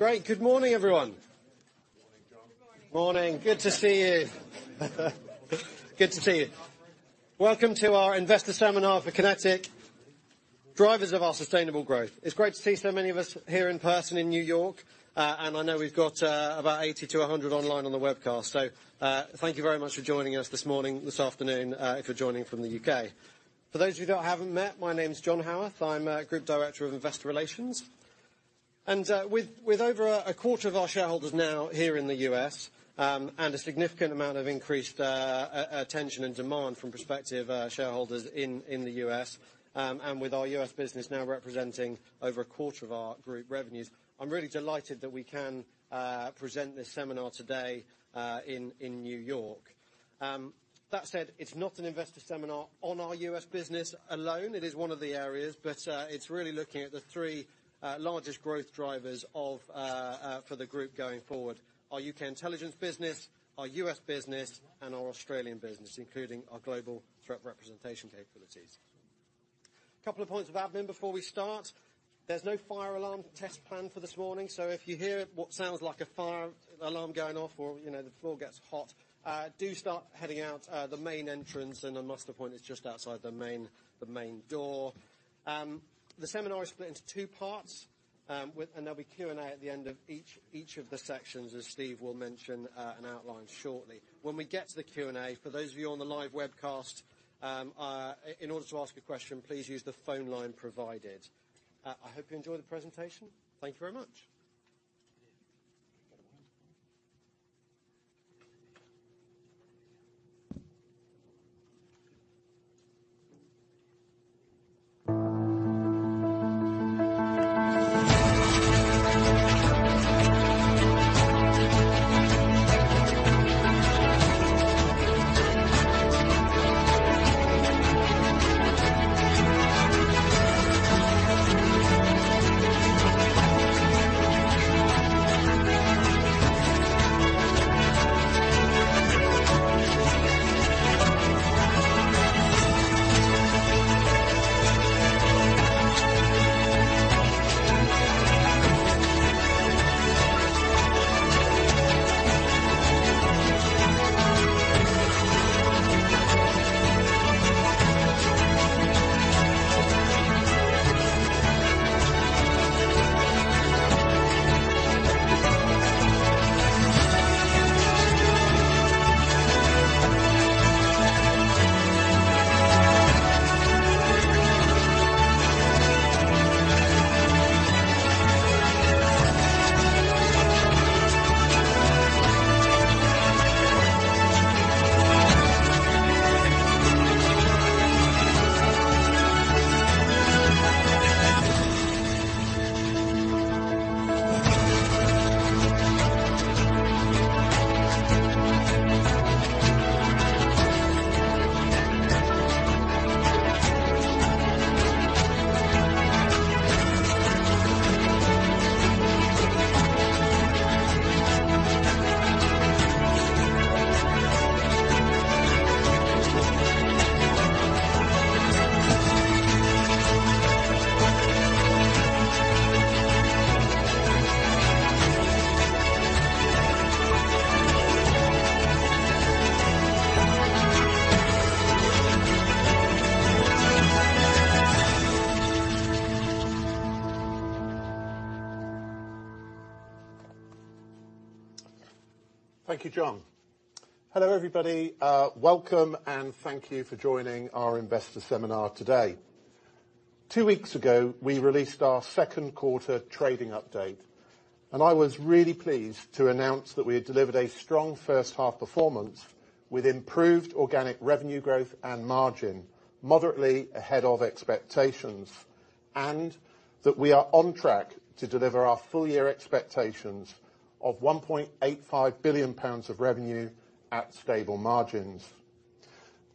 Great. Good morning, everyone. Morning. Good to see you. Good to see you. Welcome to our investor seminar for QinetiQ, Drivers of our Sustainable Growth. It's great to see so many of us here in person in New York, and I know we've got about 80-100 online on the webcast. So, thank you very much for joining us this morning, this afternoon, if you're joining from the U.K. For those of you that I haven't met, my name is John Haworth. I'm Group Director of Investor Relations. And with over a quarter of our shareholders now here in the U.S., and a significant amount of increased attention and demand from prospective shareholders in the U.S., and with our U.S. business now representing over a quarter of our group revenues, I'm really delighted that we can present this seminar today in New York. That said, it's not an investor seminar on our U.S. business alone. It is one of the areas, but it's really looking at the three largest growth drivers of for the group going forward: our U.K. Intelligence business, our U.S. business, and our Australian business, including our Global Threat Representation capabilities. Couple of points of admin before we start. There's no fire alarm test planned for this morning, so if you hear what sounds like a fire alarm going off or, you know, the floor gets hot, do start heading out the main entrance, and the muster point is just outside the main door. The seminar is split into two parts, and there'll be Q&A at the end of each of the sections, as Steve will mention and outline shortly. When we get to the Q&A, for those of you on the live webcast, in order to ask a question, please use the phone line provided. I hope you enjoy the presentation. Thank you very much. Thank you, John. Hello, everybody. Welcome, and thank you for joining our investor seminar today. Two weeks ago, we released our second quarter trading update, and I was really pleased to announce that we had delivered a strong first half performance with improved organic revenue growth and margin, moderately ahead of expectations, and that we are on track to deliver our full year expectations of 1.85 billion pounds of revenue at stable margins.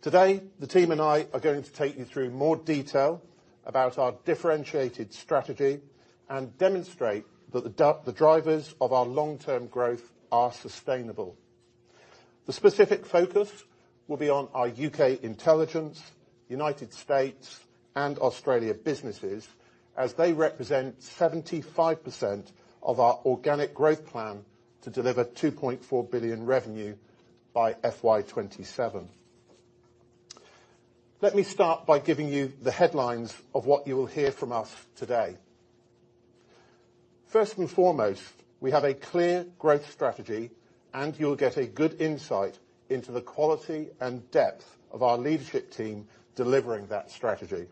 Today, the team and I are going to take you through more detail about our differentiated strategy and demonstrate that the drivers of our long-term growth are sustainable. The specific focus will be on our U.K. Intelligence, United States, and Australia businesses, as they represent 75% of our organic growth plan to deliver 2.4 billion revenue by FY 2027. Let me start by giving you the headlines of what you will hear from us today. First and foremost, we have a clear growth strategy, and you'll get a good insight into the quality and depth of our leadership team delivering that strategy.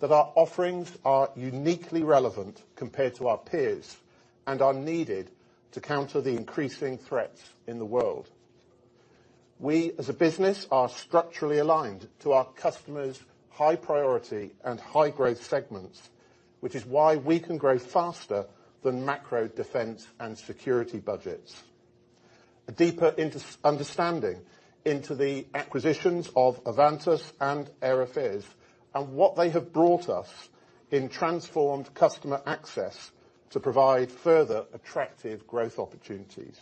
That our offerings are uniquely relevant compared to our peers and are needed to counter the increasing threats in the world. We, as a business, are structurally aligned to our customers' high priority and high growth segments, which is why we can grow faster than macro defence and security budgets. A deeper understanding into the acquisitions of Avantus and Air Affairs, and what they have brought us in transformed customer access to provide further attractive growth opportunities...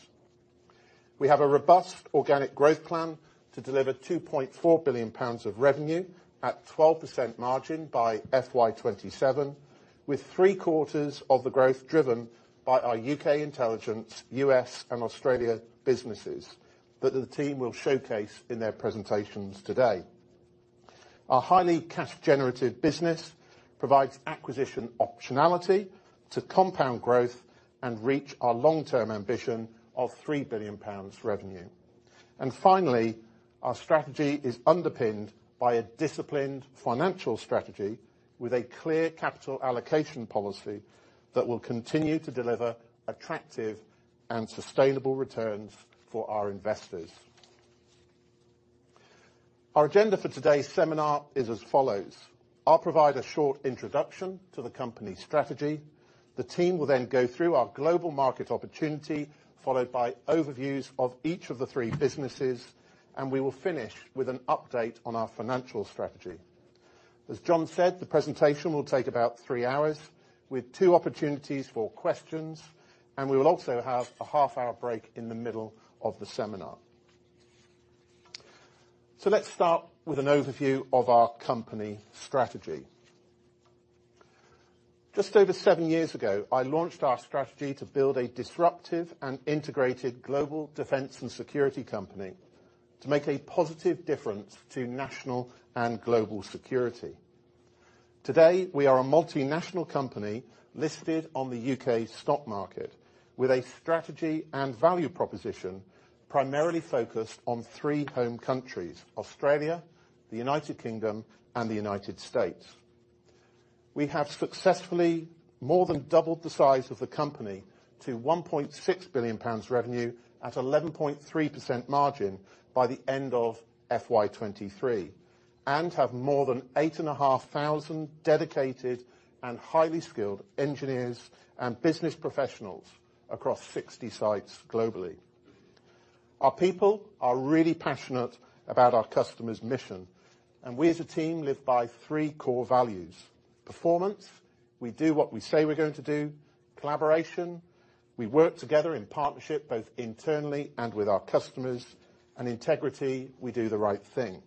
We have a robust organic growth plan to deliver 2.4 billion pounds of revenue at 12% margin by FY 2027, with three quarters of the growth driven by our U.K. Intelligence, U.S. and Australia businesses, that the team will showcase in their presentations today. Our highly cash-generative business provides acquisition optionality to compound growth and reach our long-term ambition of 3 billion pounds revenue. And finally, our strategy is underpinned by a disciplined financial strategy with a clear capital allocation policy that will continue to deliver attractive and sustainable returns for our investors. Our agenda for today's seminar is as follows: I'll provide a short introduction to the company's strategy. The team will then go through our global market opportunity, followed by overviews of each of the three businesses, and we will finish with an update on our financial strategy. As John said, the presentation will take about three hours, with two opportunities for questions, and we will also have a half-hour break in the middle of the seminar. So let's start with an overview of our company strategy. Just over seven years ago, I launched our strategy to build a disruptive and integrated global defence and security company to make a positive difference to national and global security. Today, we are a multinational company listed on the U.K. stock market, with a strategy and value proposition primarily focused on three home countries, Australia, the United Kingdom, and the United States. We have successfully more than doubled the size of the company to 1.6 billion pounds revenue at 11.3% margin by the end of FY 2023, and have more than 8,500 dedicated and highly skilled engineers and business professionals across 60 sites globally. Our people are really passionate about our customers' mission, and we, as a team, live by three core values. Performance, we do what we say we're going to do. Collaboration, we work together in partnership, both internally and with our customers. And integrity, we do the right thing.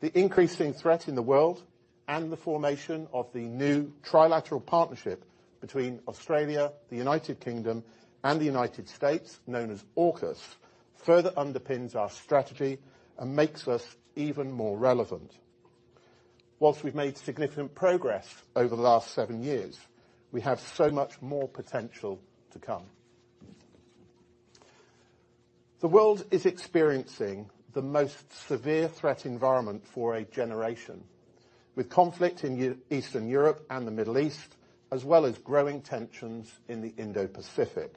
The increasing threat in the world and the formation of the new trilateral partnership between Australia, the United Kingdom, and the United States, known as AUKUS, further underpins our strategy and makes us even more relevant. While we've made significant progress over the last seven years, we have so much more potential to come. The world is experiencing the most severe threat environment for a generation, with conflict in Eastern Europe and the Middle East, as well as growing tensions in the Indo-Pacific.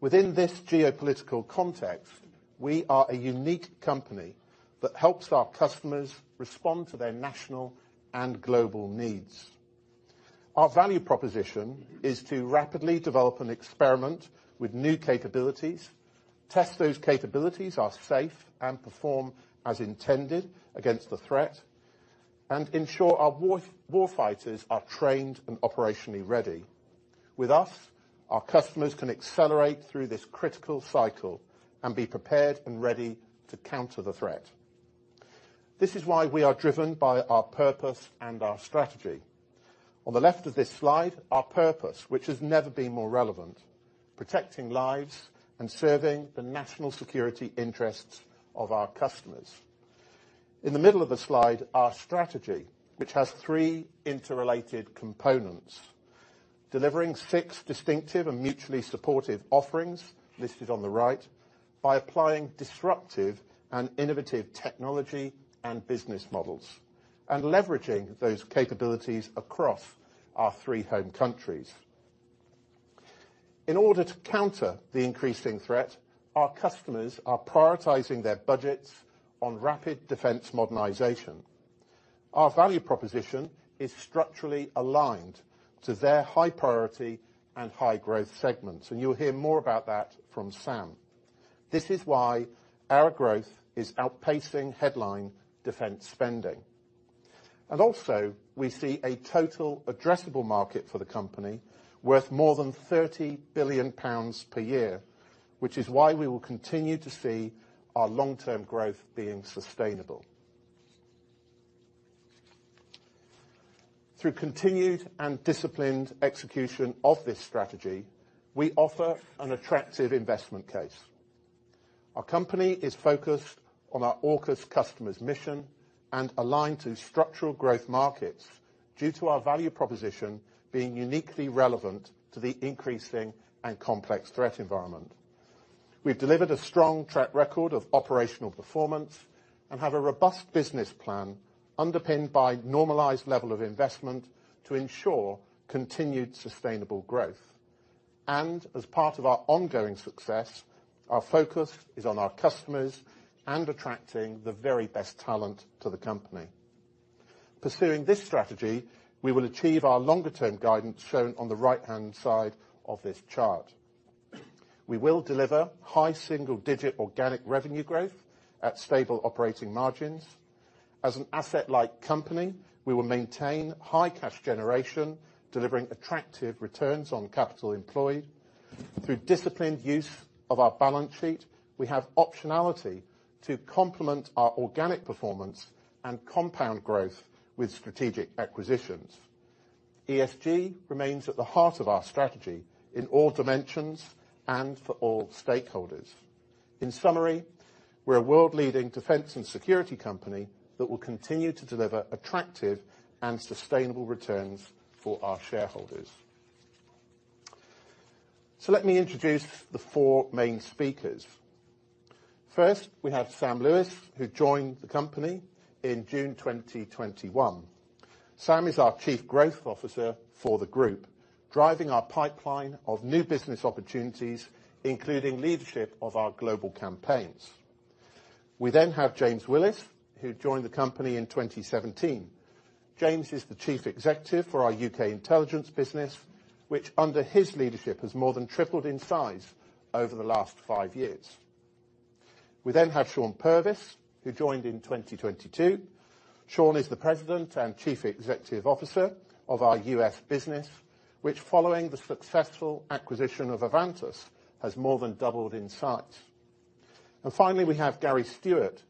Within this geopolitical context, we are a unique company that helps our customers respond to their national and global needs. Our value proposition is to rapidly develop and experiment with new capabilities, test those capabilities are safe and perform as intended against the threat, and ensure our warfighters are trained and operationally ready. With us, our customers can accelerate through this critical cycle and be prepared and ready to counter the threat. This is why we are driven by our purpose and our strategy. On the left of this slide, our purpose, which has never been more relevant, protecting lives and serving the national security interests of our customers. In the middle of the slide, our strategy, which has three interrelated components: delivering six distinctive and mutually supportive offerings, listed on the right, by applying disruptive and innovative technology and business models, and leveraging those capabilities across our three home countries. In order to counter the increasing threat, our customers are prioritizing their budgets on rapid defence modernization. Our value proposition is structurally aligned to their high-priority and high-growth segments, and you'll hear more about that from Sam. This is why our growth is outpacing headline defence spending. And also, we see a total addressable market for the company worth more than 30 billion pounds per year, which is why we will continue to see our long-term growth being sustainable. Through continued and disciplined execution of this strategy, we offer an attractive investment case. Our company is focused on our AUKUS customer's mission and aligned to structural growth markets, due to our value proposition being uniquely relevant to the increasing and complex threat environment. We've delivered a strong track record of operational performance and have a robust business plan, underpinned by normalized level of investment to ensure continued sustainable growth. As part of our ongoing success, our focus is on our customers and attracting the very best talent to the company. Pursuing this strategy, we will achieve our longer-term guidance, shown on the right-hand side of this chart. We will deliver high single-digit organic revenue growth at stable operating margins. As an asset-like company, we will maintain high cash generation, delivering attractive returns on capital employed. Through disciplined use of our balance sheet, we have optionality to complement our organic performance and compound growth with strategic acquisitions. ESG remains at the heart of our strategy in all dimensions and for all stakeholders. In summary, we're a world-leading defence and security company that will continue to deliver attractive and sustainable returns for our shareholders. So let me introduce the four main speakers. First, we have Sam Lewis, who joined the company in June 2021. Sam is our Chief Growth Officer for the group, driving our pipeline of new business opportunities, including leadership of our global campaigns. We then have James Willis, who joined the company in 2017. James is the Chief Executive for our U.K. Intelligence business, which, under his leadership, has more than tripled in size over the last five years. We then have Shawn Purvis, who joined in 2022. Shawn is the President and Chief Executive Officer of our U.S. business, which, following the successful acquisition of Avantus, has more than doubled in size. Finally, we have Gary Stewart,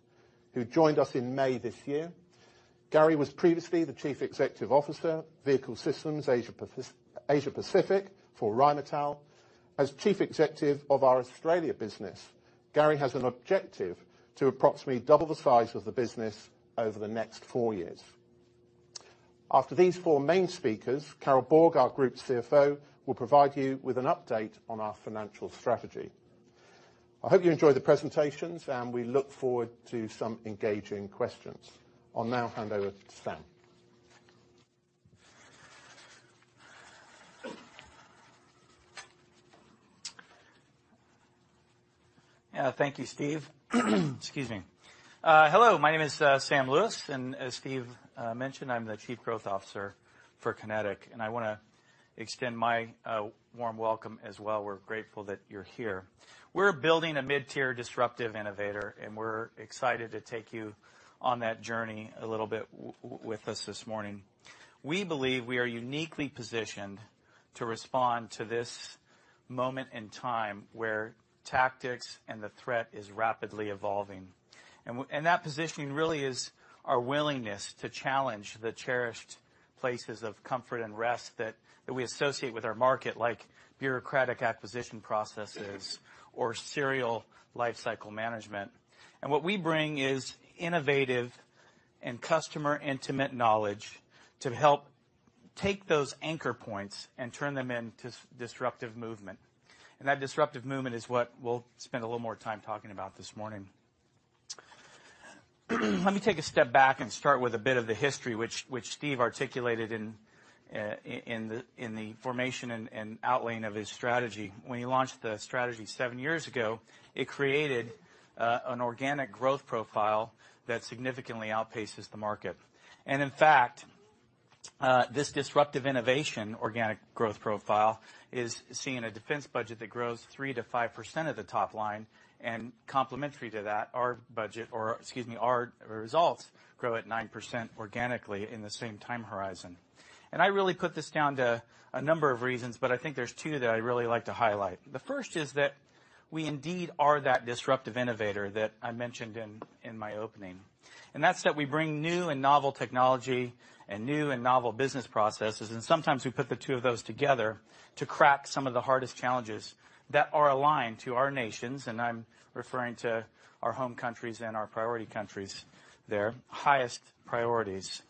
who joined us in May this year. Gary was previously the Chief Executive Officer, Vehicle Systems, Asia Pacific for Rheinmetall. As Chief Executive of our Australia business, Gary has an objective to approximately double the size of the business over the next four years. After these four main speakers, Carol Borg, our Group CFO, will provide you with an update on our financial strategy. I hope you enjoy the presentations, and we look forward to some engaging questions. I'll now hand over to Sam. Yeah, thank you, Steve. Excuse me. Hello, my name is Sam Lewis, and as Steve mentioned, I'm the Chief Growth Officer for QinetiQ, and I wanna extend my warm welcome as well. We're grateful that you're here. We're building a mid-tier disruptive innovator, and we're excited to take you on that journey a little bit with us this morning. We believe we are uniquely positioned to respond to this moment in time, where tactics and the threat is rapidly evolving. And that positioning really is our willingness to challenge the cherished places of comfort and rest that we associate with our market, like bureaucratic acquisition processes or serial lifecycle management. And what we bring is innovative and customer-intimate knowledge to help take those anchor points and turn them into disruptive movement. That disruptive movement is what we'll spend a little more time talking about this morning. Let me take a step back and start with a bit of the history, which Steve articulated in the formation and outlining of his strategy. When he launched the strategy seven years ago, it created an organic growth profile that significantly outpaces the market. In fact, this disruptive innovation, organic growth profile, is seeing a defence budget that grows 3%-5% of the top line, and complementary to that, our budget, or excuse me, our results grow at 9% organically in the same time horizon. I really put this down to a number of reasons, but I think there's two that I'd really like to highlight. The first is that we indeed are that disruptive innovator that I mentioned in my opening, and that's that we bring new and novel technology and new and novel business processes, and sometimes we put the two of those together to crack some of the hardest challenges that are aligned to our nations, and I'm referring to our home countries and our priority countries there, highest priorities.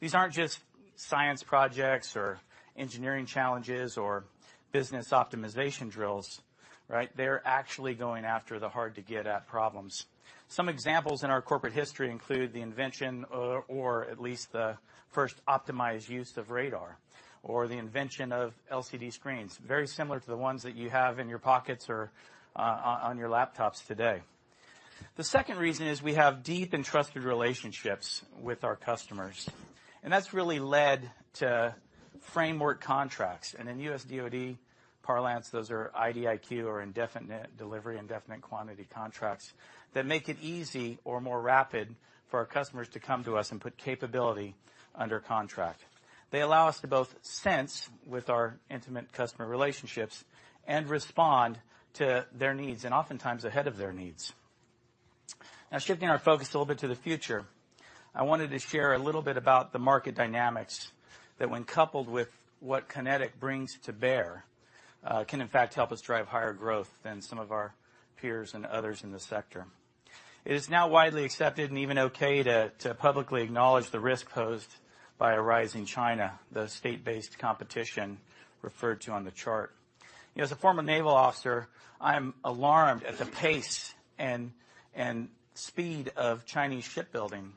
These aren't just science projects or engineering challenges or business optimization drills, right? They're actually going after the hard-to-get-at problems. Some examples in our corporate history include the invention or at least the first optimized use of radar or the invention of LCD screens, very similar to the ones that you have in your pockets or on your laptops today. The second reason is we have deep and trusted relationships with our customers, and that's really led to framework contracts. In U.S. DoD parlance, those are IDIQ or indefinite delivery, indefinite quantity contracts that make it easy or more rapid for our customers to come to us and put capability under contract. They allow us to both sense with our intimate customer relationships and respond to their needs, and oftentimes ahead of their needs. Now, shifting our focus a little bit to the future, I wanted to share a little bit about the market dynamics that when coupled with what QinetiQ brings to bear, can in fact help us drive higher growth than some of our peers and others in the sector. It is now widely accepted, and even okay, to publicly acknowledge the risk posed by a rising China, the state-based competition referred to on the chart. You know, as a former naval officer, I'm alarmed at the pace and speed of Chinese shipbuilding.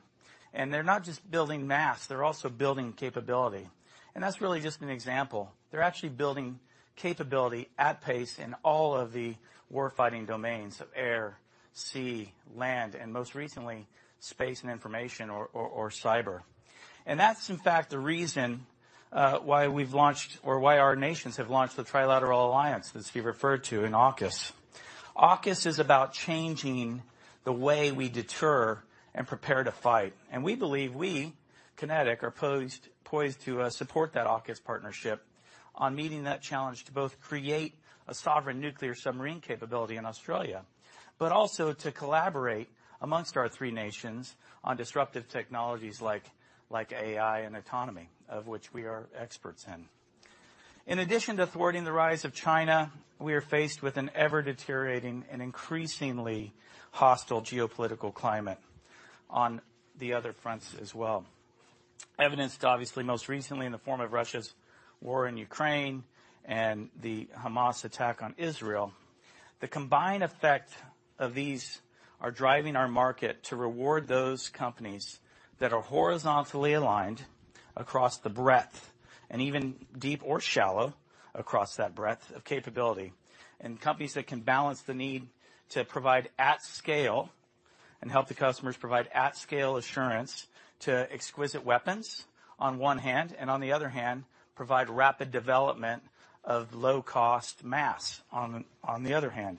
And they're not just building mass, they're also building capability. And that's really just an example. They're actually building capability at pace in all of the warfighting domains of air, sea, land, and most recently, space and information or cyber. And that's in fact the reason why we've launched or why our nations have launched the Trilateral Alliance, as Steve referred to, in AUKUS. AUKUS is about changing the way we deter and prepare to fight, and we believe we, QinetiQ, are poised to support that AUKUS partnership on meeting that challenge to both create a sovereign nuclear submarine capability in Australia, but also to collaborate amongst our three nations on disruptive technologies like AI and autonomy, of which we are experts in. In addition to thwarting the rise of China, we are faced with an ever-deteriorating and increasingly hostile geopolitical climate on the other fronts as well. Evidenced, obviously, most recently in the form of Russia's war in Ukraine and the Hamas attack on Israel. The combined effect of these are driving our market to reward those companies that are horizontally aligned across the breadth, and even deep or shallow, across that breadth of capability. Companies that can balance the need to provide at scale and help the customers provide at scale assurance to exquisite weapons, on one hand, and on the other hand, provide rapid development of low-cost mass, on the other hand.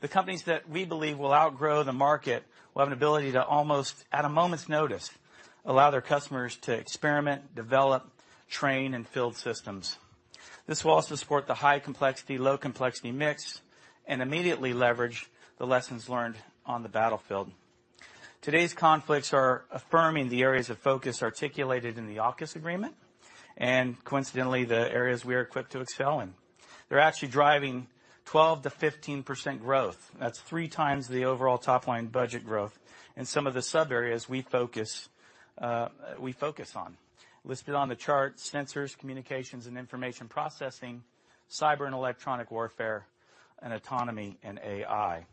The companies that we believe will outgrow the market will have an ability to almost, at a moment's notice, allow their customers to experiment, develop, train, and field systems. This will also support the high complexity, low complexity mix, and immediately leverage the lessons learned on the battlefield. Today's conflicts are affirming the areas of focus articulated in the AUKUS agreement, and coincidentally, the areas we are equipped to excel in. They're actually driving 12%-15% growth. That's three times the overall top-line budget growth in some of the sub-areas we focus on. Listed on the chart, sensors, communications, and information processing, cyber and electronic warfare, and autonomy and AI.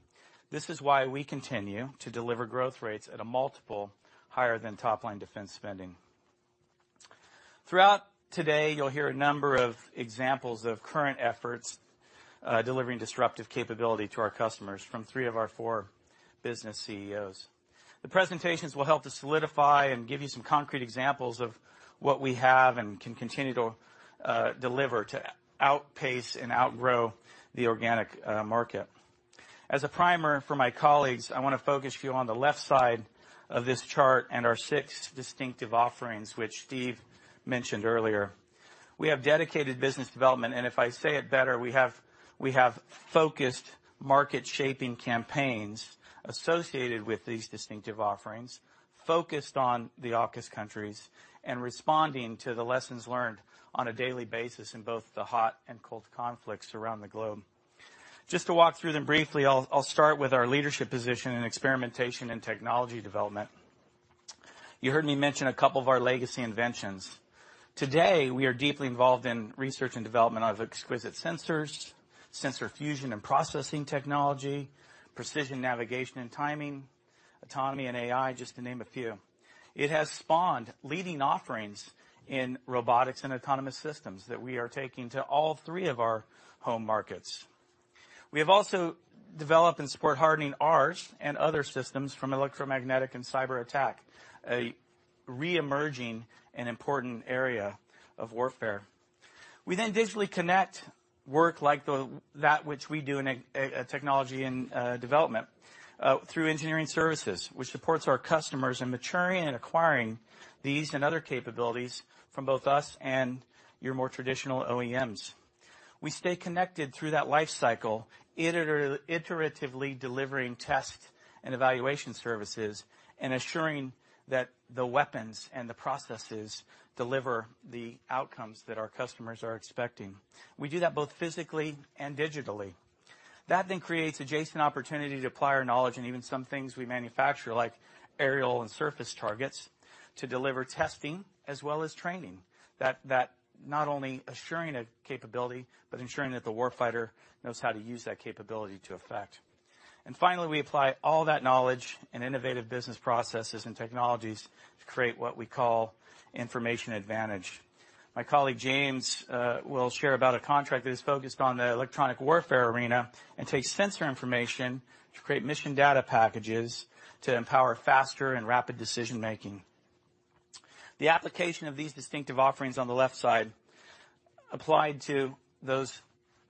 This is why we continue to deliver growth rates at a multiple higher than top-line defence spending. Throughout today, you'll hear a number of examples of current efforts, delivering disruptive capability to our customers from three of our four business CEOs. The presentations will help to solidify and give you some concrete examples of what we have and can continue to, deliver to outpace and outgrow the organic, market. As a primer for my colleagues, I wanna focus you on the left side of this chart and our six distinctive offerings, which Steve mentioned earlier. We have dedicated business development, and if I say it better, we have focused market-shaping campaigns associated with these distinctive offerings, focused on the AUKUS countries, and responding to the lessons learned on a daily basis in both the hot and cold conflicts around the globe. Just to walk through them briefly, I'll start with our leadership position in experimentation and technology development. You heard me mention a couple of our legacy inventions. Today, we are deeply involved in research and development of exquisite sensors, sensor fusion and processing technology, precision navigation and timing, autonomy and AI, just to name a few. It has spawned leading offerings in robotics and autonomous systems that we are taking to all three of our home markets. We have also developed and support hardening ours and other systems from electromagnetic and cyber attack, a re-emerging and important area of warfare. We then digitally connect work like that which we do in a technology and development through engineering services, which supports our customers in maturing and acquiring these and other capabilities from both us and your more traditional OEMs. We stay connected through that life cycle, iteratively delivering test and evaluation services, and assuring that the weapons and the processes deliver the outcomes that our customers are expecting. We do that both physically and digitally. That then creates adjacent opportunity to apply our knowledge and even some things we manufacture, like aerial and surface targets, to deliver testing as well as training. That not only assuring a capability, but ensuring that the warfighter knows how to use that capability to effect. And finally, we apply all that knowledge and innovative business processes and technologies to create what we call information advantage. My colleague, James, will share about a contract that is focused on the electronic warfare arena and takes sensor information to create mission data packages to empower faster and rapid decision-making. The application of these distinctive offerings on the left side, applied to those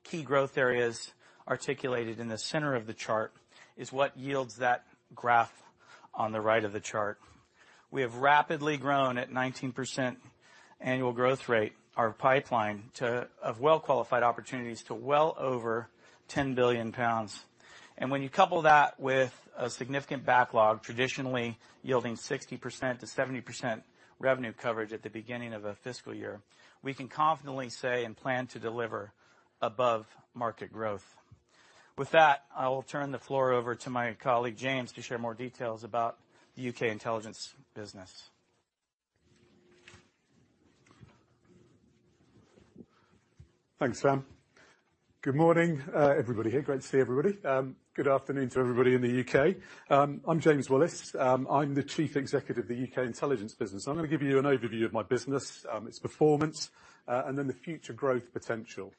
key growth areas articulated in the center of the chart, is what yields that graph on the right of the chart. We have rapidly grown, at 19% annual growth rate, our pipeline of well-qualified opportunities, to well over 10 billion pounds. And when you couple that with a significant backlog, traditionally yielding 60%-70% revenue coverage at the beginning of a fiscal year, we can confidently say and plan to deliver above market growth. With that, I will turn the floor over to my colleague, James, to share more details about U.K. Intelligence business. Thanks, Sam. Good morning, everybody here. Great to see everybody. Good afternoon to everybody in the U.K. I'm James Willis. I'm the Chief Executive of the U.K. Intelligence business. I'm gonna give you an overview of my business, its performance, and then the future growth potential.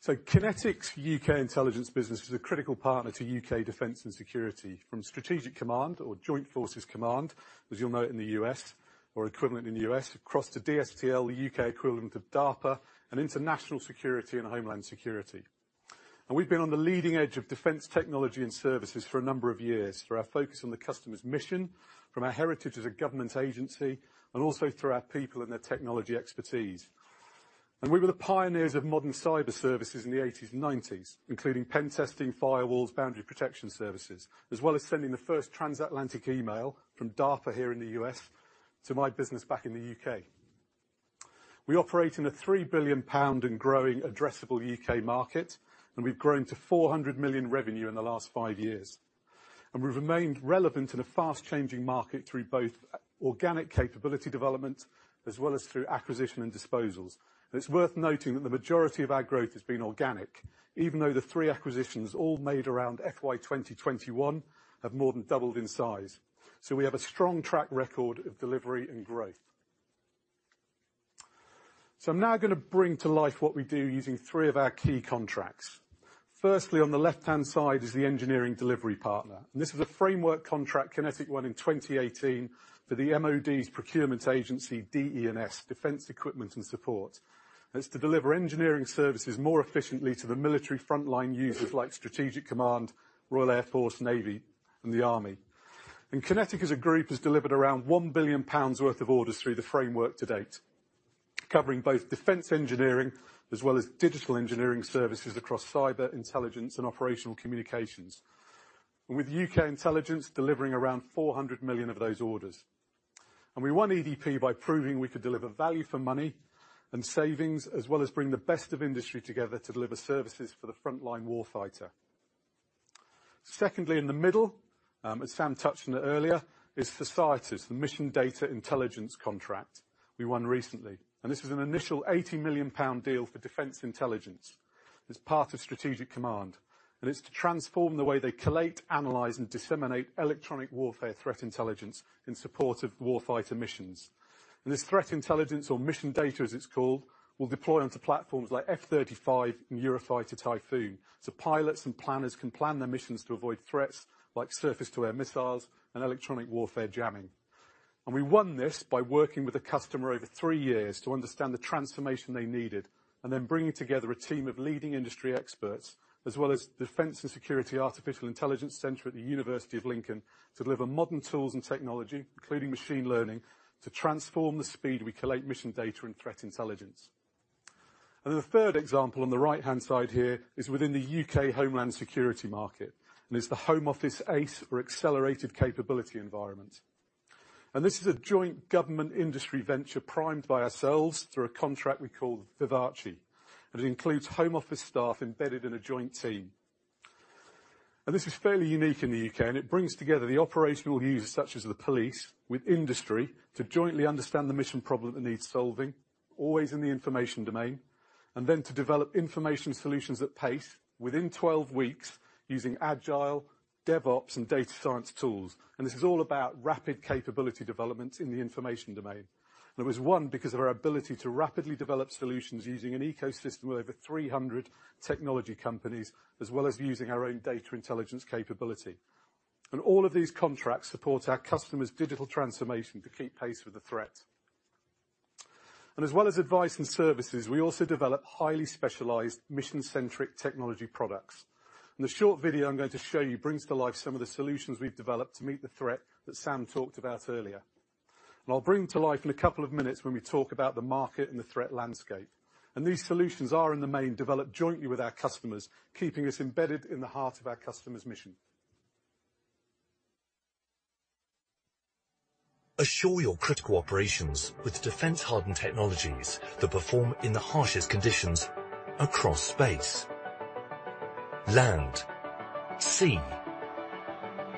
So QinetiQ's U.K. Intelligence business is a critical partner to U.K. Defence and Security, from Strategic Command or Joint Forces Command, as you'll know it in the U.S. or equivalent in the U.S., across to Dstl, the U.K. equivalent of DARPA, and international security and homeland security, and we've been on the leading edge of defence technology and services for a number of years, through our focus on the customer's mission, from our heritage as a government agency, and also through our people and their technology expertise. We were the pioneers of modern cyber services in the 1980s and 1990s, including pen testing, firewalls, boundary protection services, as well as sending the first transatlantic email from DARPA here in the U.S. to my business back in the U.K. We operate in a 3 billion pound and growing addressable U.K. market, and we've grown to 400 million revenue in the last five years. We've remained relevant in a fast-changing market through both organic capability development, as well as through acquisition and disposals. It's worth noting that the majority of our growth has been organic, even though the three acquisitions, all made around FY 2021, have more than doubled in size. We have a strong track record of delivery and growth. I'm now gonna bring to life what we do using three of our key contracts. Firstly, on the left-hand side is the Engineering Delivery Partner, and this is a framework contract QinetiQ won in 2018 for the MOD's procurement agency, DE&S, Defence Equipment and Support. It's to deliver engineering services more efficiently to the military frontline users, like Strategic Command, Royal Air Force, Navy, and the Army. QinetiQ, as a group, has delivered around 1 billion pounds worth of orders through the framework to date, covering both defence engineering as well as digital engineering services across cyber intelligence and operational communications, and U.K. Intelligence delivering around 400 million of those orders. We won EDP by proving we could deliver value for money and savings, as well as bring the best of industry together to deliver services for the frontline warfighter. Secondly, in the middle, as Sam touched on it earlier, is SOCIETAS, the mission data intelligence contract we won recently, and this was an initial 80 million pound deal for Defence Intelligence. It's part of Strategic Command, and it's to transform the way they collate, analyze, and disseminate electronic warfare threat intelligence in support of warfighter missions. And this threat intelligence, or mission data, as it's called, will deploy onto platforms like F-35 and Eurofighter Typhoon, so pilots and planners can plan their missions to avoid threats like surface-to-air missiles and electronic warfare jamming. We won this by working with the customer over three years to understand the transformation they needed, and then bringing together a team of leading industry experts, as well as Defence and Security Artificial Intelligence Centre at the University of Lincoln, to deliver modern tools and technology, including machine learning, to transform the speed we collate mission data and threat intelligence. Then the third example on the right-hand side here is within the U.K. Homeland Security market, and it's the Home Office ACE, or Accelerated Capability Environment. This is a joint government-industry venture, primed by ourselves through a contract we call VIVACE, and it includes Home Office staff embedded in a joint team. This is fairly unique in the U.K., and it brings together the operational users, such as the police, with industry to jointly understand the mission problem that needs solving, always in the information domain, and then to develop information solutions at pace within 12 weeks, using agile, DevOps, and data science tools. This is all about rapid capability development in the information domain. It was won because of our ability to rapidly develop solutions using an ecosystem with over 300 technology companies, as well as using our own data intelligence capability. All of these contracts support our customers' digital transformation to keep pace with the threat. As well as advice and services, we also develop highly specialized mission-centric technology products. The short video I'm going to show you brings to life some of the solutions we've developed to meet the threat that Sam talked about earlier. I'll bring them to life in a couple of minutes when we talk about the market and the threat landscape. These solutions are, in the main, developed jointly with our customers, keeping us embedded in the heart of our customer's mission. Assure your critical operations with defence-hardened technologies that perform in the harshest conditions across space, land, sea,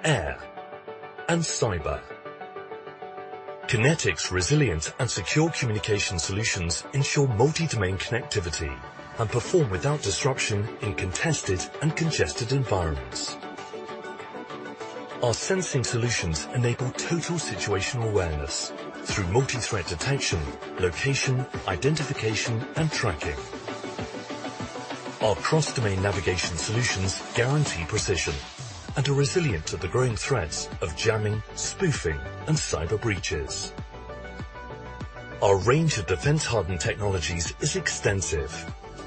air, and cyber. QinetiQ's resilient and secure communication solutions ensure multi-domain connectivity and perform without disruption in contested and congested environments. Our sensing solutions enable total situational awareness through multi-threat detection, location, identification, and tracking. Our cross-domain navigation solutions guarantee precision and are resilient to the growing threats of jamming, spoofing, and cyber breaches. Our range of defence-hardened technologies is extensive.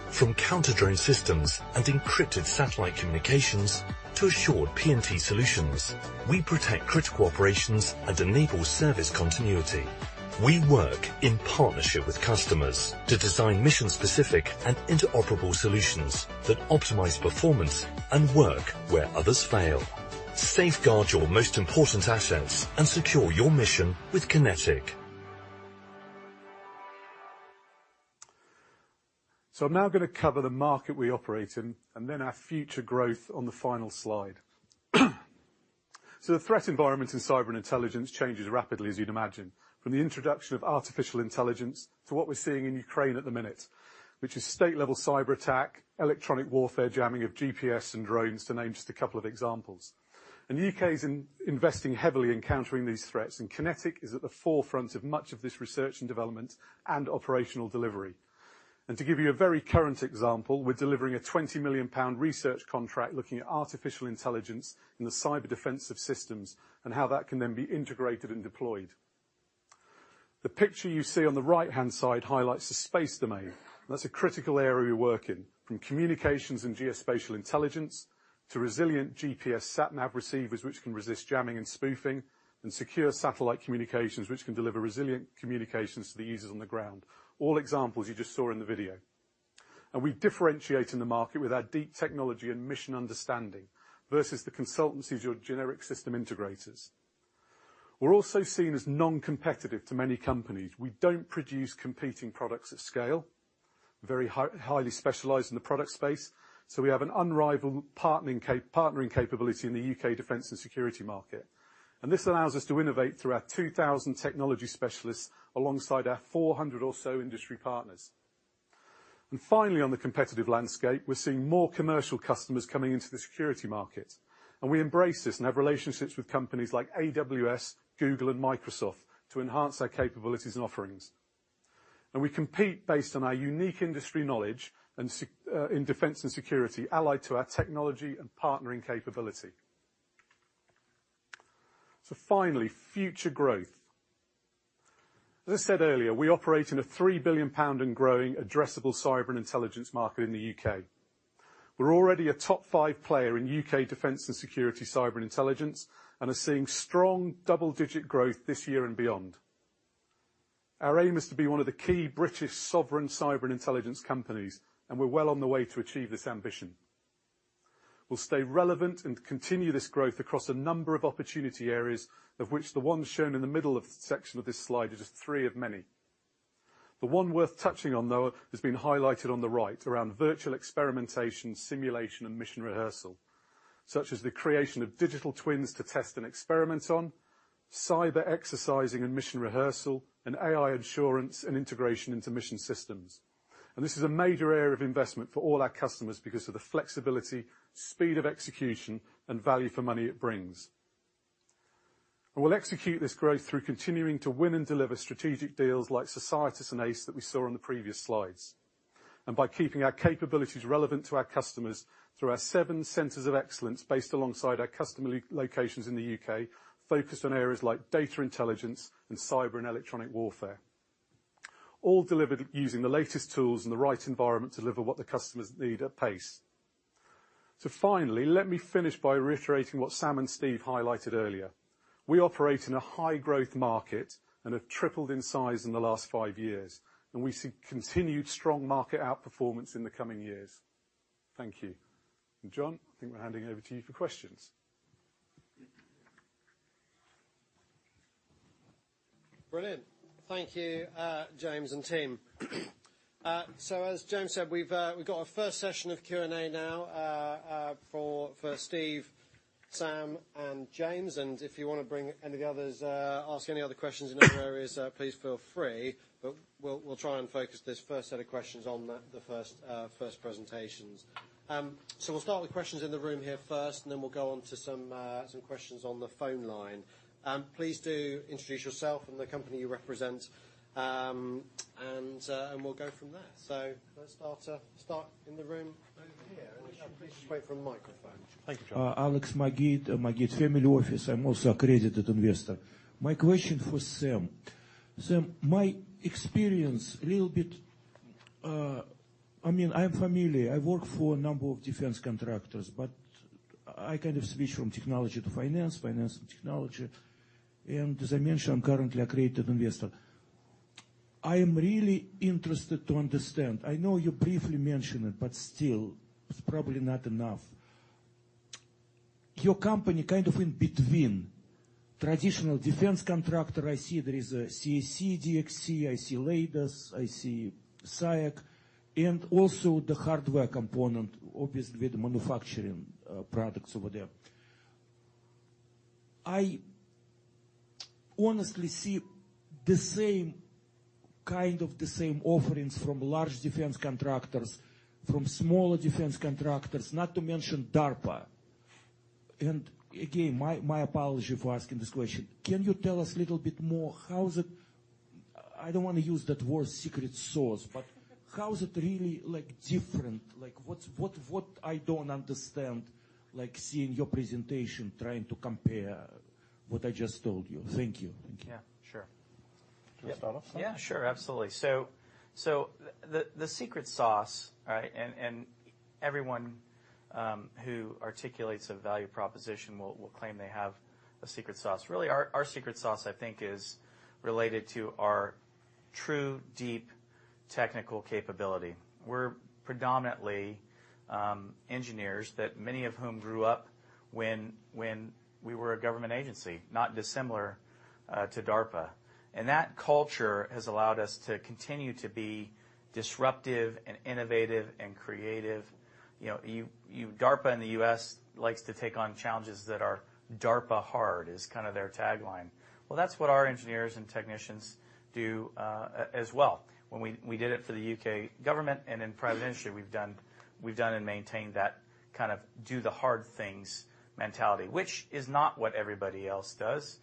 From counter-drone systems and encrypted satellite communications to assured PNT solutions, we protect critical operations and enable service continuity. We work in partnership with customers to design mission-specific and interoperable solutions that optimize performance and work where others fail. Safeguard your most important assets and secure your mission with QinetiQ. So I'm now gonna cover the market we operate in and then our future growth on the final slide. So the threat environment in Cyber and Intelligence changes rapidly, as you'd imagine, from the introduction of artificial intelligence to what we're seeing in Ukraine at the minute, which is state-level cyberattack, electronic warfare, jamming of GPS and drones, to name just a couple of examples. And the U.K. is investing heavily in countering these threats, and QinetiQ is at the forefront of much of this research and development and operational delivery. To give you a very current example, we're delivering a 20 million pound research contract looking at artificial intelligence and the cyber defensive systems and how that can then be integrated and deployed. The picture you see on the right-hand side highlights the space domain, and that's a critical area we work in, from communications and geospatial intelligence to resilient GPS sat nav receivers, which can resist jamming and spoofing, and secure satellite communications, which can deliver resilient communications to the users on the ground. All examples you just saw in the video. We differentiate in the market with our deep technology and mission understanding versus the consultancies or generic system integrators. We're also seen as non-competitive to many companies. We don't produce competing products at scale, very high, highly specialized in the product space, so we have an unrivaled partnering capability in the U.K. Defence and Security market. This allows us to innovate through our 2,000 technology specialists, alongside our 400 or so industry partners. Finally, on the competitive landscape, we're seeing more commercial customers coming into the security market, and we embrace this and have relationships with companies like AWS, Google, and Microsoft to enhance their capabilities and offerings. We compete based on our unique industry knowledge and security in defence and security, allied to our technology and partnering capability. Finally, future growth. As I said earlier, we operate in a 3 billion pound and growing addressable Cyber and Intelligence market in the U.K. We're already a top five player in U.K. Defence and Security, Cyber and Intelligence and are seeing strong double-digit growth this year and beyond. Our aim is to be one of the key British sovereign Cyber and Intelligence companies, and we're well on the way to achieve this ambition. We'll stay relevant and continue this growth across a number of opportunity areas, of which the ones shown in the middle of the section of this slide is just three of many. The one worth touching on, though, has been highlighted on the right, around virtual experimentation, simulation, and mission rehearsal, such as the creation of digital twins to test and experiment on, cyber exercising and mission rehearsal, and AI assurance and integration into mission systems. This is a major area of investment for all our customers because of the flexibility, speed of execution, and value for money it brings. We'll execute this growth through continuing to win and deliver strategic deals like SOCIETAS and ACE, that we saw on the previous slides, and by keeping our capabilities relevant to our customers through our seven centers of excellence, based alongside our customer locations in the U.K., focused on areas like data intelligence and cyber and electronic warfare. All delivered using the latest tools and the right environment to deliver what the customers need at pace. Finally, let me finish by reiterating what Sam and Steve highlighted earlier. We operate in a high-growth market and have tripled in size in the last five years, and we see continued strong market outperformance in the coming years. Thank you. John, I think we're handing over to you for questions. Brilliant. Thank you, James and team. So as James said, we've got our first session of Q&A now, for Steve, Sam, and James. And if you wanna bring any of the others, ask any other questions in other areas, please feel free. But we'll try and focus this first set of questions on the first presentations. So we'll start with questions in the room here first, and then we'll go on to some questions on the phone line. Please do introduce yourself and the company you represent, and we'll go from there. So let's start in the room over here. And just wait for a microphone. Thank you, John. Alex Magid, Magid Family Office. I'm also accredited investor. My question for Sam. Sam, my experience a little bit. I mean, I'm familiar, I work for a number of defence contractors, but I kind of switch from technology to finance, finance to technology, and as I mentioned, I'm currently accredited investor. I am really interested to understand, I know you briefly mentioned it, but still, it's probably not enough. Your company kind of in between traditional defence contractor, I see there is a CACI, DXC, I see Leidos, I see SAIC, and also the hardware component, obviously, with the manufacturing, products over there. I honestly see the same, kind of the same offerings from large defence contractors, from smaller defence contractors, not to mention DARPA. And again, my, my apology for asking this question. Can you tell us a little bit more, how is it? I don't wanna use that word, secret sauce, but how is it really, like, different? Like, what's, what, what I don't understand, like, seeing your presentation, trying to compare what I just told you. Thank you. Thank you. Yeah, sure. Do you want to start off, Sam? Yeah, sure. Absolutely. So, the secret sauce, right, and everyone who articulates a value proposition will claim they have a secret sauce. Really, our secret sauce, I think, is related to our true deep technical capability. We're predominantly engineers, that many of whom grew up when we were a government agency, not dissimilar to DARPA. And that culture has allowed us to continue to be disruptive and innovative and creative. You know, DARPA in the U.S. likes to take on challenges that are "DARPA Hard," is kind of their tagline. Well, that's what our engineers and technicians do, as well. When we did it for the U.K government and in private industry, we've done and maintained that kind of do the hard things mentality, which is not what everybody else does.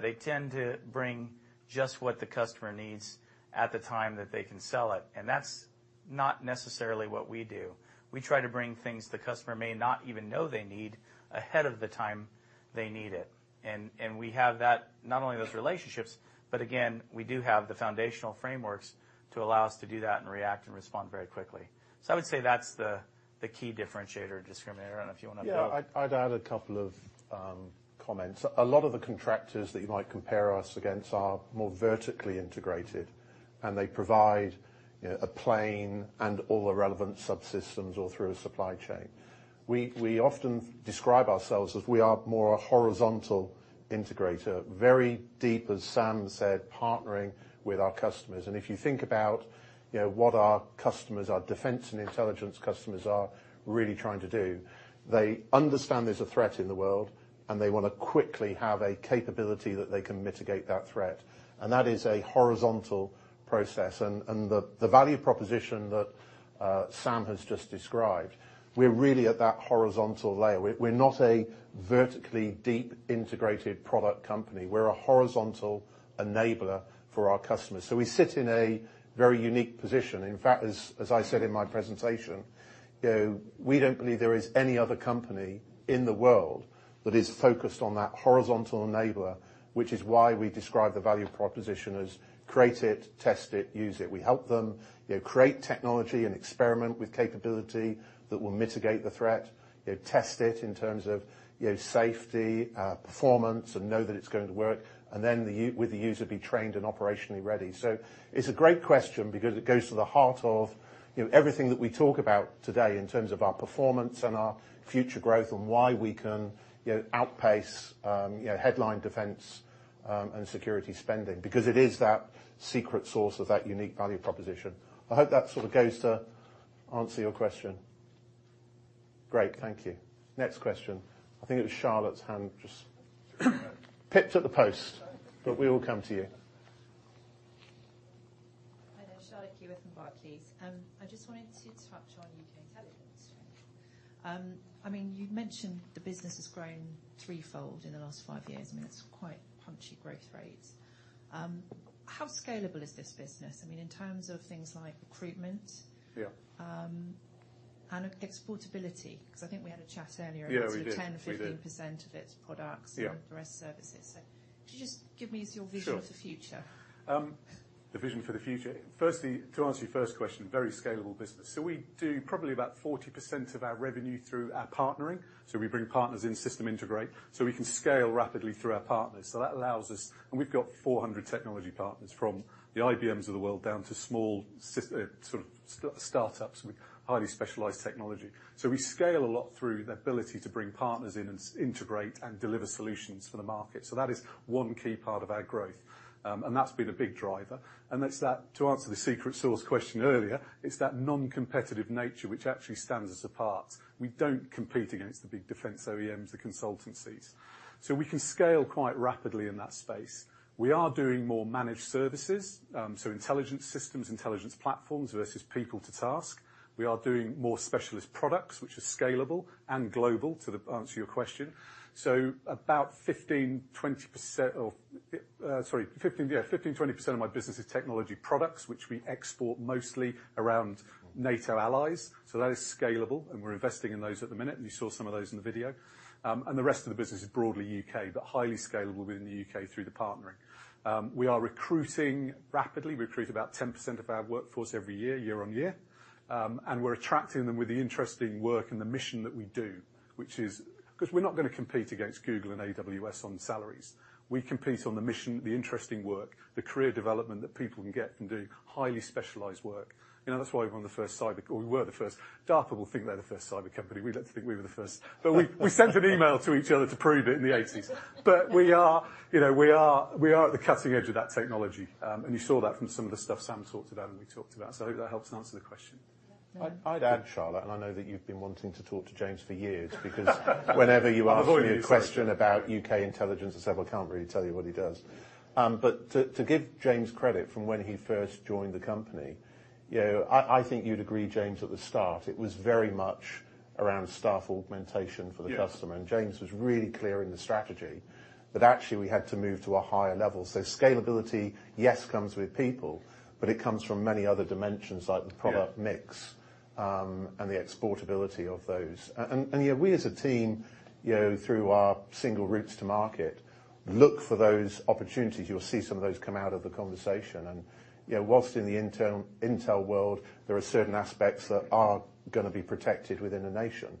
They tend to bring just what the customer needs at the time that they can sell it, and that's not necessarily what we do. We try to bring things the customer may not even know they need, ahead of the time they need it. We have that, not only those relationships, but again, we do have the foundational frameworks to allow us to do that and react and respond very quickly. So I would say that's the key differentiator or discriminator. I don't know if you want to add? Yeah, I'd, I'd add a couple of comments. A lot of the contractors that you might compare us against are more vertically integrated, and they provide, you know, a plane and all the relevant subsystems all through a supply chain. We, we often describe ourselves as we are more a horizontal integrator, very deep, as Sam said, partnering with our customers. And if you think about, you know, what our customers, our defence and intelligence customers are really trying to do, they understand there's a threat in the world, and they want to quickly have a capability that they can mitigate that threat. And the value proposition that Sam has just described, we're really at that horizontal layer. We're not a vertically deep, integrated product company. We're a horizontal enabler for our customers, so we sit in a very unique position. In fact, as I said in my presentation, you know, we don't believe there is any other company in the world that is focused on that horizontal enabler, which is why we describe the value proposition as create it, test it, use it. We help them, you know, create technology and experiment with capability that will mitigate the threat, you know, test it in terms of, you know, safety, performance, and know that it's going to work, and then with the user be trained and operationally ready. So it's a great question because it goes to the heart of, you know, everything that we talk about today in terms of our performance and our future growth, and why we can, you know, outpace, headline defence, and security spending because it is that secret sauce of that unique value proposition. I hope that sort of goes to answer your question. Great, thank you. Next question. I think it was Charlotte's hand just pipped at the post, but we will come to you. Hi there, Charlotte Keyworth with Barclays. I just wanted to touch U.K. Intelligence. i mean, you've mentioned the business has grown threefold in the last five years. I mean, that's quite punchy growth rates. How scalable is this business, I mean, in terms of things like recruitment? Yeah. And exportability, because I think we had a chat earlier… Yeah, we did. We did. 10 or 15% of its products Yeah -and the rest services. So could you just give me your vision- Sure. for the future? The vision for the future. Firstly, to answer your first question, very scalable business. So we do probably about 40% of our revenue through our partnering, so we bring partners in system integrate, so we can scale rapidly through our partners. So that allows us... And we've got 400 technology partners, from the IBMs of the world, down to small sort of start-ups with highly specialized technology. So we scale a lot through the ability to bring partners in, and integrate and deliver solutions for the market. So that is one key part of our growth. And that's been a big driver, and it's that, to answer the secret sauce question earlier, it's that non-competitive nature which actually stands us apart. We don't compete against the big defence OEMs, the consultancies, so we can scale quite rapidly in that space. We are doing more managed services, so intelligence systems, intelligence platforms, versus people to task. We are doing more specialist products, which are scalable and global, to answer your question. So about 15%-20% of my business is technology products, which we export mostly around NATO allies, so that is scalable, and we're investing in those at the minute. And you saw some of those in the video. And the rest of the business is broadly U.K., but highly scalable within the U.K. through the partnering. We are recruiting rapidly. We recruit about 10% of our workforce every year, year-on-year. And we're attracting them with the interesting work and the mission that we do, which is because we're not going to compete against Google and AWS on salaries. We compete on the mission, the interesting work, the career development that people can get and do, highly specialized work. You know, that's why we're on the first cyber, or we were the first. DARPA will think they're the first cyber company. We'd like to think we were the first. But we, we sent an email to each other to prove it in the eighties. But we are, you know, we are, we are at the cutting edge of that technology. And you saw that from some of the stuff Sam talked about and we talked about, so I hope that helps answer the question. I'd add, Charlotte, and I know that you've been wanting to talk to James for years, because whenever you ask me- I've already started.... a question U.K. Intelligence, i say, "Well, I can't really tell you what he does." But to give James credit, from when he first joined the company, you know, I think you'd agree, James, at the start, it was very much around staff augmentation for the customer. Yeah. James was really clear in the strategy that actually we had to move to a higher level. Scalability, yes, comes with people, but it comes from many other dimensions- Yeah.... like the product mix, and the exportability of those. And, yeah, we, as a team, you know, through our single routes to market, look for those opportunities. You'll see some of those come out of the conversation. And, you know, whilst in the intel world, there are certain aspects that are gonna be protected within a nation.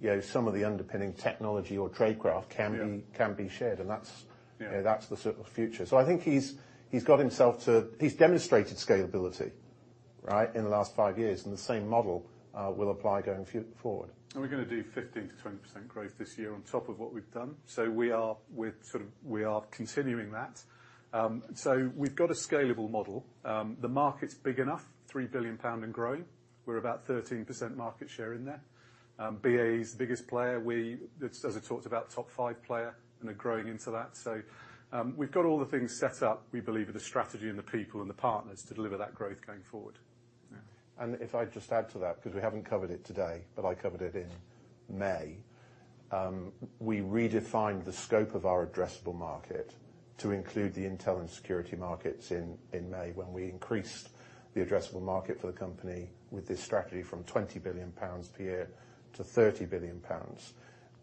You know, some of the underpinning technology or tradecraft can be- Yeah.... can be shared, and that's- Yeah.... you know, that's the sort of future. So I think he's demonstrated scalability, right, in the last five years, and the same model will apply going forward. We're gonna do 15%-20% growth this year on top of what we've done. So we are, we're sort of, we are continuing that. So we've got a scalable model. The market's big enough, 3 billion pound and growing. We're about 13% market share in there. BAE is the biggest player. We, as I talked about, top five player and are growing into that. So, we've got all the things set up, we believe, with the strategy and the people and the partners to deliver that growth going forward. And if I just add to that, because we haven't covered it today, but I covered it in May, we redefined the scope of our addressable market to include the intel and security markets in May, when we increased the addressable market for the company with this strategy from 20 billion pounds per year to 30 billion pounds,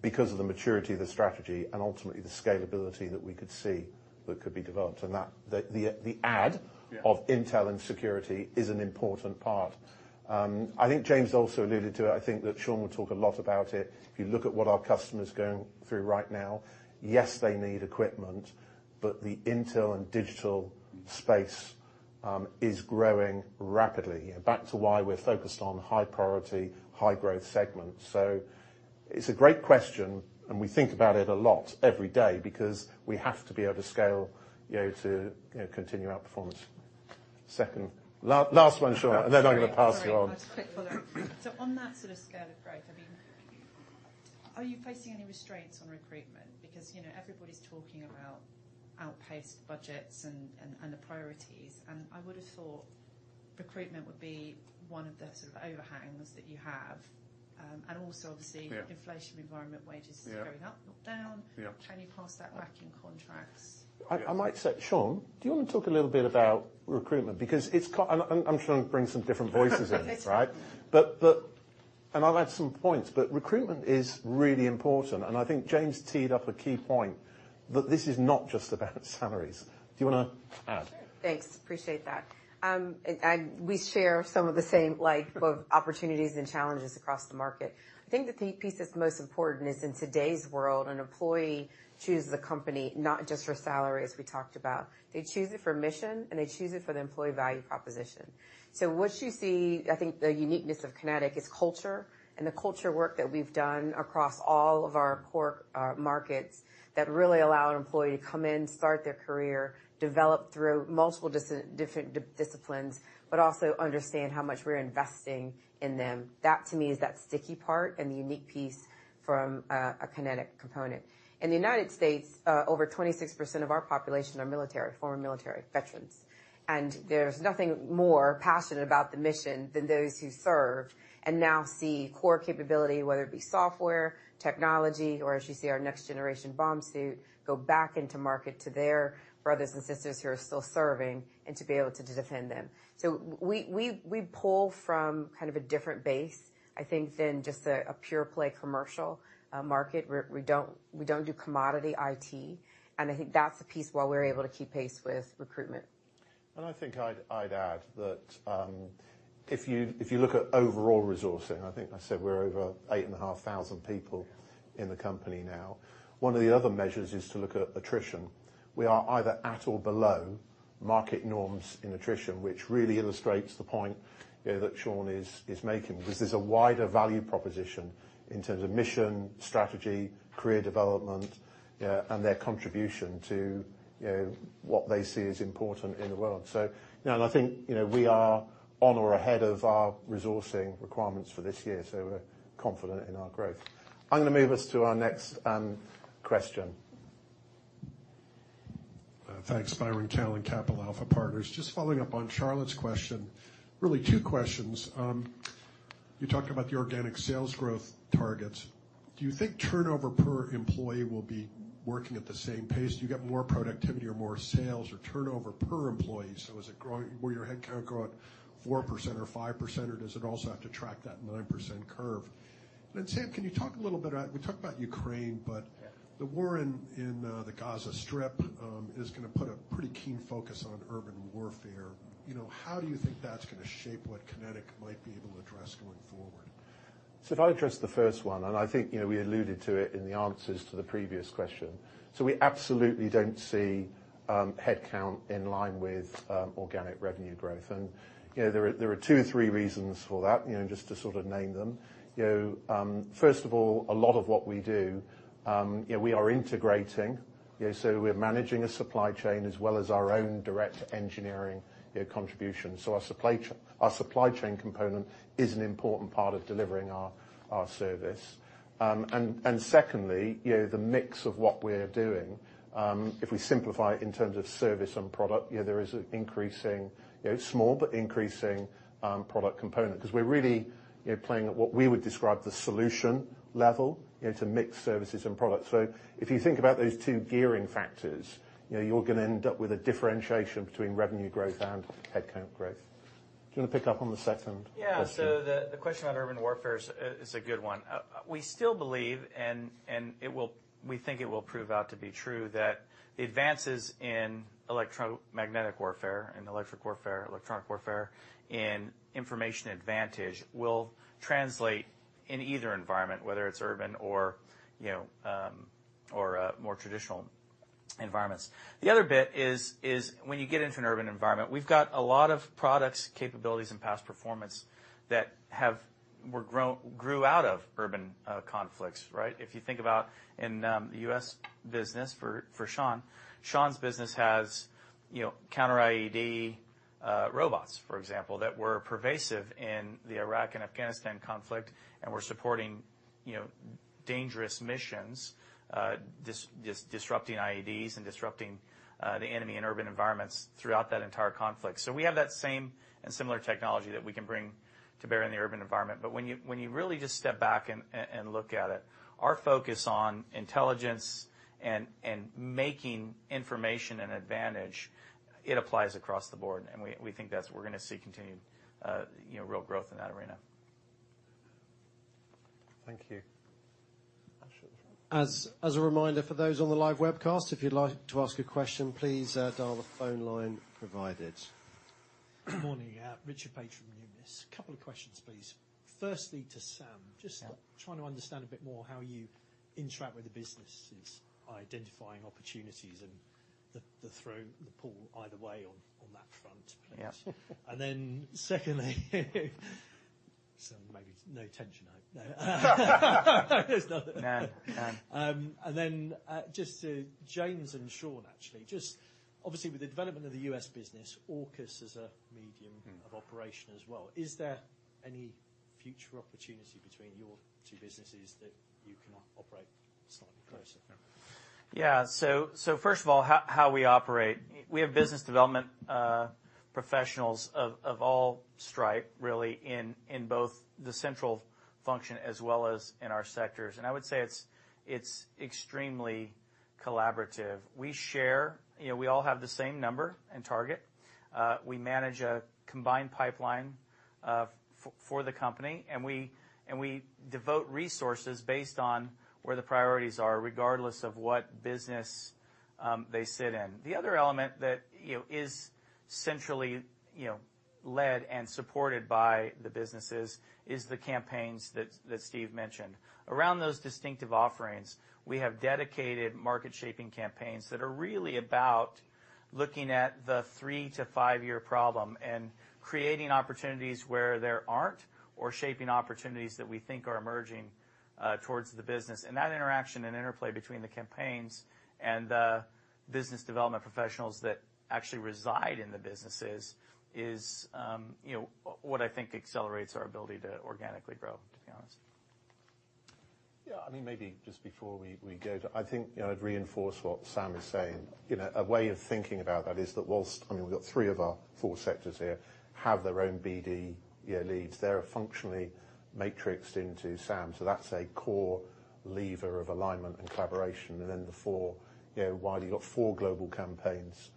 because of the maturity of the strategy and ultimately the scalability that we could see that could be developed. And that, the add of intel and security is an important part. I think James also alluded to it. I think that Shawn will talk a lot about it. If you look at what our customers are going through right now, yes, they need equipment, but the intel and security space is growing rapidly. Back to why we're focused on high priority, high growth segments. So it's a great question, and we think about it a lot every day, because we have to be able to scale, you know, to, you know, continue our performance. Second-- Last, last one, Shawn, and then I'm going to pass you on. Sorry, just a quick follow-up. So on that sort of scale of growth, I mean, are you facing any restraints on recruitment? Because, you know, everybody's talking about outpaced budgets and, and, and the priorities, and I would have thought recruitment would be one of the sort of overhangs that you have. And also, obviously- Yeah. Inflation environment, wages is going up, not down. Yeah. Can you pass that back in contracts? I might say, Shawn, do you want to talk a little bit about recruitment? Because it's quite—and, I'm trying to bring some different voices in, right? But I'll add some points, but recruitment is really important. And I think James teed up a key point, that this is not just about salaries. Do you want to add? Thanks. Appreciate that. And we share some of the same, like, both opportunities and challenges across the market. I think the key piece that's most important is in today's world, an employee chooses the company, not just for salaries, we talked about. They choose it for mission, and they choose it for the employee value proposition. So what you see, I think the uniqueness of QinetiQ, is culture and the culture work that we've done across all of our core markets that really allow an employee to come in, start their career, develop through multiple different disciplines, but also understand how much we're investing in them. That, to me, is that sticky part and the unique piece from a QinetiQ component. In the United States, over 26% of our population are military, former military veterans, and there's nothing more passionate about the mission than those who served and now see core capability, whether it be software, technology, or as you see our next generation bomb suit, go back into market to their brothers and sisters who are still serving, and to be able to defend them. So we pull from kind of a different base, I think, than just a pure play commercial market. We don't do commodity IT, and I think that's the piece why we're able to keep pace with recruitment. I think I'd, I'd add that if you, if you look at overall resourcing, I think I said we're over 8,500 people in the company now. One of the other measures is to look at attrition. We are either at or below market norms in attrition, which really illustrates the point, you know, that Shawn is making, because there's a wider value proposition in terms of mission, strategy, career development, and their contribution to, you know, what they see as important in the world. So, you know, and I think, you know, we are on or ahead of our resourcing requirements for this year, so we're confident in our growth. I'm going to move us to our next question. Thanks, Byron Callan, Capital Alpha Partners. Just following up on Charlotte's question, really two questions. You talked about the organic sales growth targets. Do you think turnover per employee will be working at the same pace? Do you get more productivity or more sales or turnover per employee? So is it growing, will your headcount grow at 4% or 5%, or does it also have to track that 9% curve? Then, Sam, can you talk a little bit about, we talked about Ukraine, but the war in the Gaza Strip is gonna put a pretty keen focus on urban warfare. You know, how do you think that's gonna shape what QinetiQ might be able to address going forward? So if I address the first one, and I think, you know, we alluded to it in the answers to the previous question. So we absolutely don't see headcount in line with organic revenue growth. And, you know, there are two or three reasons for that, you know, just to sort of name them. You know, first of all, a lot of what we do, you know, we are integrating. So we're managing a supply chain as well as our own direct engineering contribution. So our supply chain component is an important part of delivering our service. And secondly, you know, the mix of what we're doing, if we simplify in terms of service and product, you know, there is an increasing, you know, small, but increasing, product component, because we're really, you know, playing at what we would describe the solution level, you know, to mix services and products. So if you think about those two gearing factors, you know, you're going to end up with a differentiation between revenue growth and headcount growth. Do you want to pick up on the second question? Yeah. So the question about urban warfare is a good one. We still believe, and it will-- we think it will prove out to be true, that the advances in electromagnetic warfare and electric warfare, electronic warfare, in information advantage will translate in either environment, whether it's urban or, you know, or more traditional environments. The other bit is when you get into an urban environment, we've got a lot of products, capabilities, and past performance that have-- were grown, grew out of urban conflicts, right? If you think about in the U.S. business for Shawn, Shawn's business has, you know, counter-IED robots, for example, that were pervasive in the Iraq and Afghanistan conflict, and were supporting, you know, dangerous missions, disrupting IEDs and disrupting the enemy in urban environments throughout that entire conflict. So we have that same and similar technology that we can bring to bear in the urban environment. But when you really just step back and look at it, our focus on intelligence and making information an advantage, it applies across the board, and we think that's, we're gonna see continued, you know, real growth in that arena. Thank you. As a reminder for those on the live webcast, if you'd like to ask a question, please dial the phone line provided. Good morning. Richard Paige, Numis. A couple of questions, please. Firstly, to Sam. Yeah. Just trying to understand a bit more how you interact with the businesses, identifying opportunities and the push, the pull either way on that front, please. Yeah. And then secondly, so maybe no tension hope. There's nothing. No. No. And then, just to James and Shawn, actually, just obviously with the development of the U.S. business, AUKUS is a medium of operation as well. Is there any future opportunity between your two businesses that you can operate slightly closer? Yeah. So first of all, how we operate, we have business development professionals of all stripe, really, in both the central function as well as in our sectors, and I would say it's extremely collaborative. We share—you know, we all have the same number and target. We manage a combined pipeline for the company, and we devote resources based on where the priorities are, regardless of what business they sit in. The other element that, you know, is centrally, you know, led and supported by the businesses is the campaigns that Steve mentioned. Around those distinctive offerings, we have dedicated market-shaping campaigns that are really about looking at the three to five-year problem and creating opportunities where there aren't or shaping opportunities that we think are emerging towards the business. That interaction and interplay between the campaigns and the business development professionals that actually reside in the businesses is, you know, what I think accelerates our ability to organically grow, to be honest. Yeah, I mean, maybe just before we go to... I think, you know, I'd reinforce what Sam is saying. You know, a way of thinking about that is that while, I mean, we've got three of our four sectors here, have their own BD, you know, leads. They're functionally matrixed into Sam, so that's a core lever of alignment and collaboration. And then the four, you know, widely, you've got four global campaigns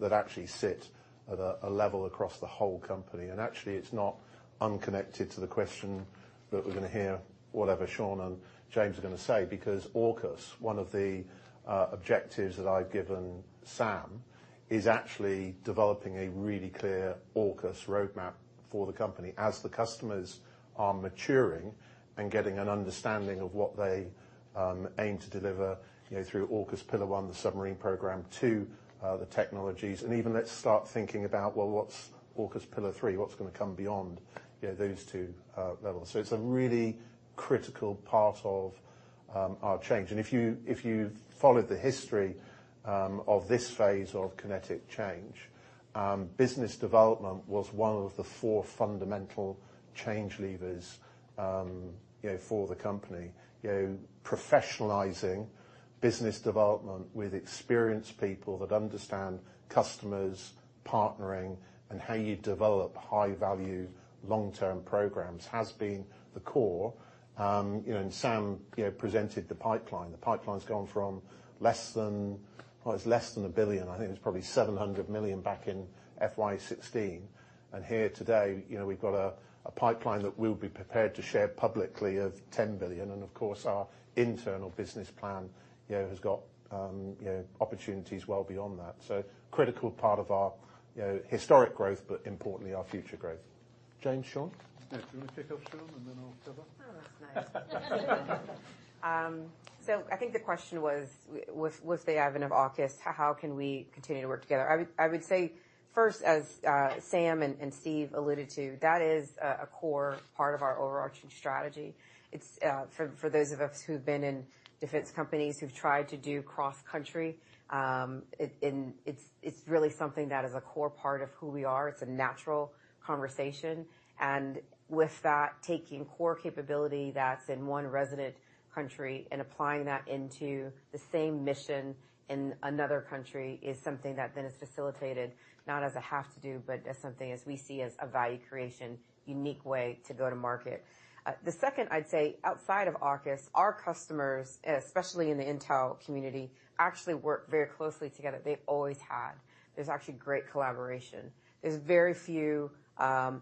that actually sit at a level across the whole company. Actually, it's not unconnected to the question that we're gonna hear, whatever Shawn and James are gonna say, because AUKUS, one of the objectives that I've given Sam, is actually developing a really clear AUKUS roadmap for the company as the customers are maturing and getting an understanding of what they aim to deliver, you know, through AUKUS Pillar One, the submarine program, two, the technologies, and even let's start thinking about, well, what's AUKUS Pillar Three? What's gonna come beyond, you know, those two levels? So it's a really critical part of our change. And if you, if you've followed the history of this phase of QinetiQ change, business development was one of the four fundamental change levers, you know, for the company. You know, professionalizing business development with experienced people that understand customers, partnering, and how you develop high-value, long-term programs has been the core. You know, and Sam, you know, presented the pipeline. The pipeline's gone from less than, oh, it's less than 1 billion. I think it was probably 700 million back in FY 2016. And here today, you know, we've got a pipeline that we'll be prepared to share publicly of 10 billion, and of course, our internal business plan, you know, has got, you know, opportunities well beyond that. So critical part of our, you know, historic growth, but importantly, our future growth. James, Shawn? Yes, do you want to kick off, Shawn, and then I'll cover? Oh, that's nice. So I think the question was, with the advent of AUKUS, how can we continue to work together? I would say, first, as Sam and Steve alluded to, that is a core part of our overarching strategy. It's for those of us who've been in defence companies who've tried to do cross-country, it, it's really something that is a core part of who we are. It's a natural conversation. And with that, taking core capability that's in one resident country and applying that into the same mission in another country is something that then is facilitated, not as a have to do, but as something as we see as a value creation, unique way to go to market. The second, I'd say, outside of AUKUS, our customers, especially in the intel community, actually work very closely together. They always had. There's actually great collaboration. There's very few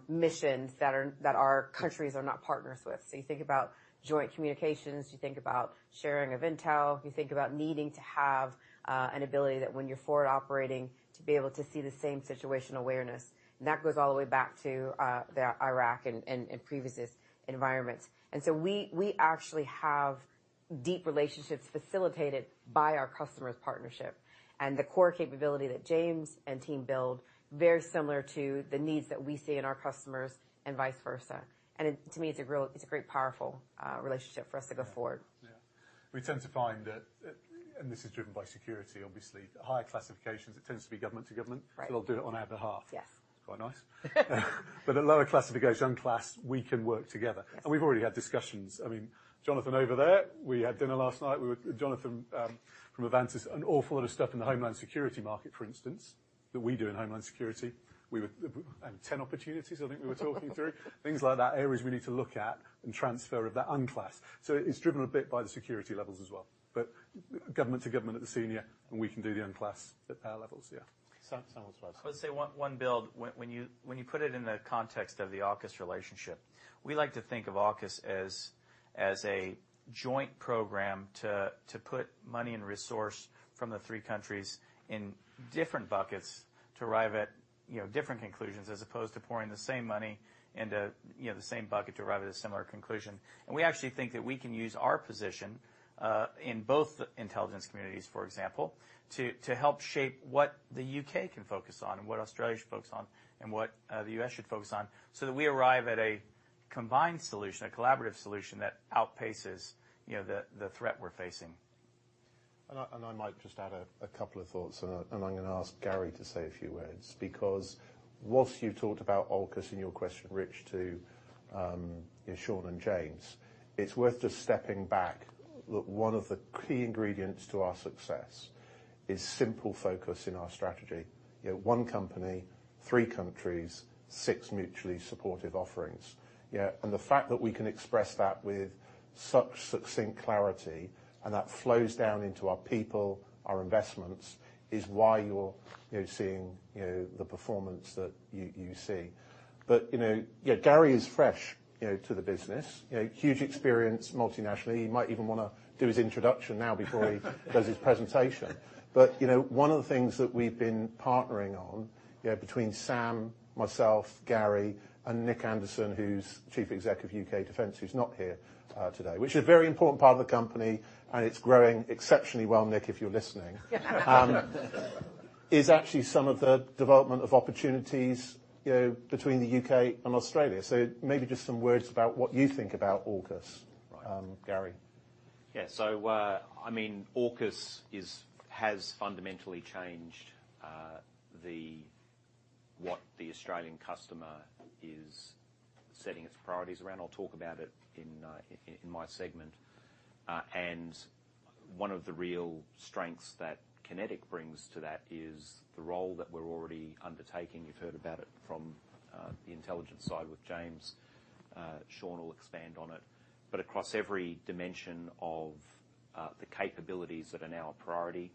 missions that are, that our countries are not partners with. So you think about joint communications, you think about sharing of intel, you think about needing to have an ability that when you're forward operating, to be able to see the same situational awareness. And that goes all the way back to the Iraq and previous environments. And so we actually have deep relationships facilitated by our customers' partnership and the core capability that James and team build, very similar to the needs that we see in our customers and vice versa. And it, to me, it's a great, powerful relationship for us to go forward. Yeah, we tend to find that, and this is driven by security, obviously, the higher classifications, it tends to be government to government. Right. So they'll do it on our behalf. Yes. Quite nice. But a lower classification class, we can work together. Yes. We've already had discussions. I mean, Jonathan, over there, we had dinner last night with Jonathan from Avantus, an awful lot of stuff in the homeland security market, for instance, that we do in homeland security. We were 10 opportunities, I think we were talking through. Things like that, areas we need to look at, and transfer of that unclass. So it's driven a bit by the security levels as well. But government to government at the senior, and we can do the unclass at our levels, yeah. Sam, Sam wants last. Let's say one, one build. When you put it in the context of the AUKUS relationship, we like to think of AUKUS as a joint program to put money and resource from the three countries in different buckets to arrive at, you know, different conclusions, as opposed to pouring the same money into, you know, the same bucket to arrive at a similar conclusion. And we actually think that we can use our position in both intelligence communities, for example, to help shape what the U.K. can focus on and what Australia should focus on, and what the U.S. should focus on, so that we arrive at a combined solution, a collaborative solution, that outpaces, you know, the threat we're facing. I might just add a couple of thoughts, and I'm gonna ask Gary to say a few words, because while you talked about AUKUS in your question, Rich, to Shawn and James, it's worth just stepping back. That one of the key ingredients to our success is simple focus in our strategy. You know, one company, three countries, six mutually supportive offerings. Yeah, and the fact that we can express that with such succinct clarity, and that flows down into our people, our investments, is why you're, you know, seeing, you know, the performance that you see. But, you know, yeah, Gary is fresh, you know, to the business. You know, huge experience, multinationally. He might even wanna do his introduction now before he does his presentation. But, you know, one of the things that we've been partnering on, you know, between Sam, myself, Gary, and Nic Anderson, who's Chief Executive of U.K. Defence, who's not here today, which is a very important part of the company, and it's growing exceptionally well, Nick, if you're listening. Is actually some of the development of opportunities, you know, between the U.K. and Australia. So maybe just some words about what you think about AUKUS- Right. -um, Gary. Yeah, so, I mean, AUKUS has fundamentally changed what the Australian customer is setting its priorities around. I'll talk about it in my segment. And one of the real strengths that QinetiQ brings to that is the role that we're already undertaking. You've heard about it from the intelligence side with James. Shawn will expand on it. But across every dimension of the capabilities that are now a priority,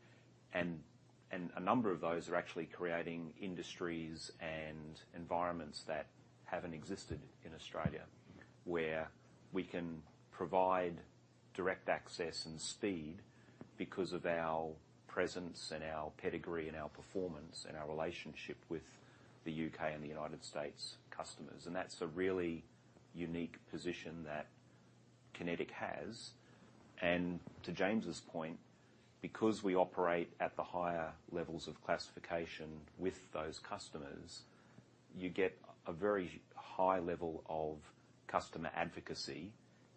and a number of those are actually creating industries and environments that haven't existed in Australia, where we can provide direct access and speed because of our presence and our pedigree, and our performance, and our relationship with the U.K. and the United States customers. And that's a really unique position that QinetiQ has. And to James's point, because we operate at the higher levels of classification with those customers, you get a very high level of customer advocacy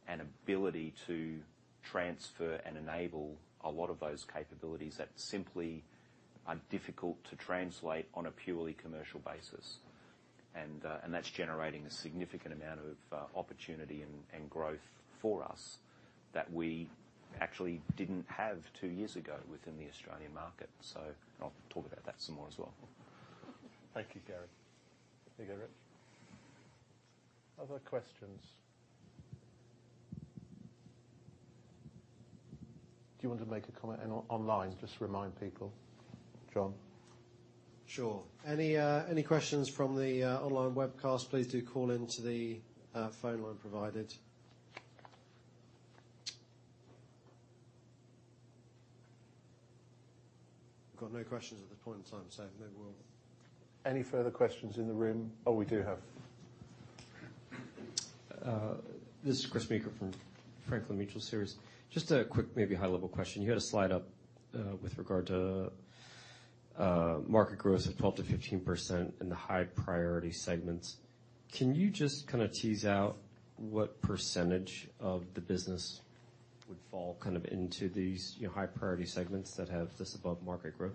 and ability to transfer and enable a lot of those capabilities that simply are difficult to translate on a purely commercial basis. And, and that's generating a significant amount of, opportunity and, and growth for us, that we actually didn't have two years ago within the Australian market. So I'll talk about that some more as well. Thank you, Gary. There you go, Rich. Other questions? Do you want to make a comment online, just to remind people, John? Sure. Any, any questions from the online webcast, please do call in to the phone line provided. Got no questions at this point in time, so maybe we'll- Any further questions in the room? Oh, we do have. This is Chris Meeker from Franklin Mutual Series. Just a quick, maybe high-level question. You had a slide up with regard to market growth of 12%-15% in the high-priority segments. Can you just kind of tease out what percentage of the business would fall kind of into these, you know, high-priority segments that have this above market growth?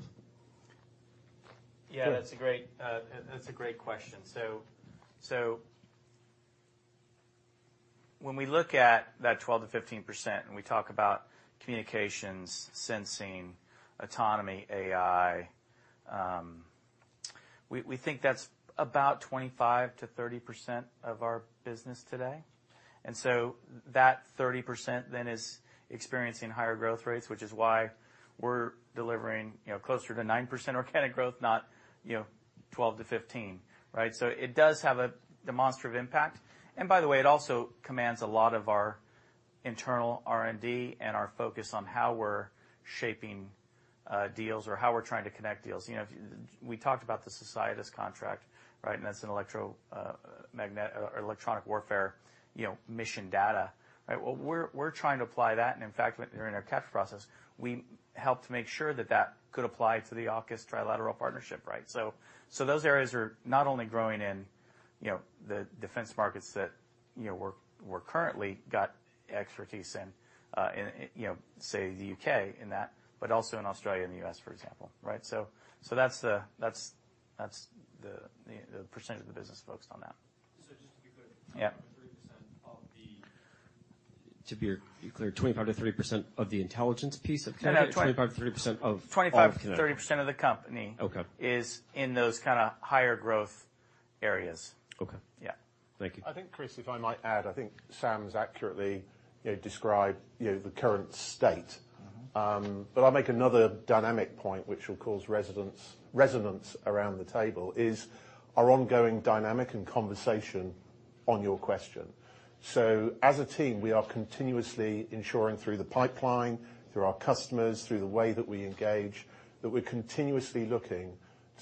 Yeah- Sure. That's a great, that's a great question. So, so when we look at that 12%-15%, and we talk about communications, sensing, autonomy, AI, we, we think that's about 25%-30% of our business today. And so that 30% then is experiencing higher growth rates, which is why we're delivering, you know, closer to 9% organic growth, not, you know, 12%-15%, right? So it does have a demonstrative impact. And by the way, it also commands a lot of our internal R&D and our focus on how we're shaping, deals or how we're trying to connect deals. You know, we talked about the SOCIETAS contract, right? And that's an electromagnetic or electronic warfare, you know, mission data. Right, well, we're, we're trying to apply that, and in fact, during our capture process, we helped make sure that that could apply to the AUKUS Trilateral Partnership, right? So, so those areas are not only growing in, you know, the defence markets that you know, we're currently got expertise in, you know, say, the U.K. in that, but also in Australia and the U.S., for example, right? So that's the percentage of the business focused on that. So just to be clear— Yeah. 25%-30% of the? To be clear, 25%-30% of the intelligence piece of— No, 25%-30% of— 25%-30% of the company— Okay — is in those kind of higher growth areas. Okay. Yeah. Thank you. I think, Chris, if I might add, I think Sam's accurately, you know, described, you know, the current state. But I'll make another dynamic point, which will cause resonance around the table, is our ongoing dynamic and conversation on your question. So as a team, we are continuously ensuring through the pipeline, through our customers, through the way that we engage, that we're continuously looking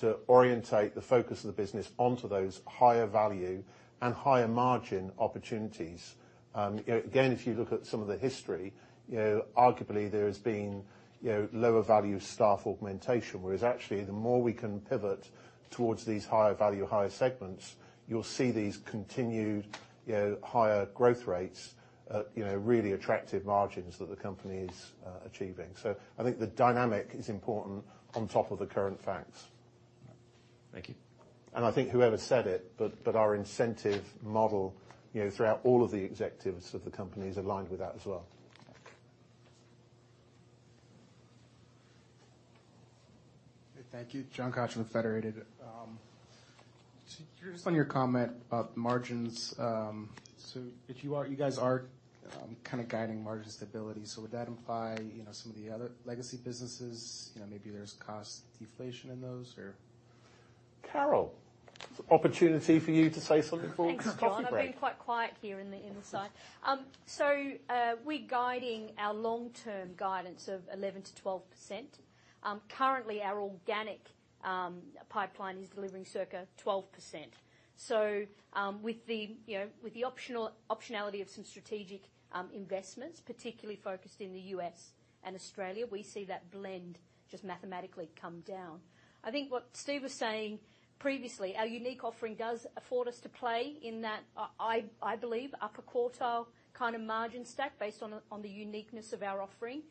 to orient the focus of the business onto those higher value and higher margin opportunities. Again, if you look at some of the history, you know, arguably there has been, you know, lower value staff augmentation, whereas actually, the more we can pivot towards these higher value, higher segments, you'll see these continued, you know, higher growth rates at, you know, really attractive margins that the company is achieving. So I think the dynamic is important on top of the current facts. Thank you. I think whoever said it, but, but our incentive model, you know, throughout all of the executives of the company, is aligned with that as well. Thank you. Thank you. John [Koch] with Federated. Just on your comment about margins, so if you guys are kind of guiding margin stability, so would that imply, you know, some of the other legacy businesses, you know, maybe there's cost deflation in those, or? Carol, opportunity for you to say something before coffee break. Thanks, John. I've been quite quiet here in the side. So, we're guiding our long-term guidance of 11%-12%. Currently, our organic pipeline is delivering circa 12%. So, with the, you know, with the optionality of some strategic investments, particularly focused in the U.S. and Australia, we see that blend just mathematically come down. I think what Steve was saying previously, our unique offering does afford us to play in that, I believe, upper quartile kind of margin stack based on the uniqueness of our offering.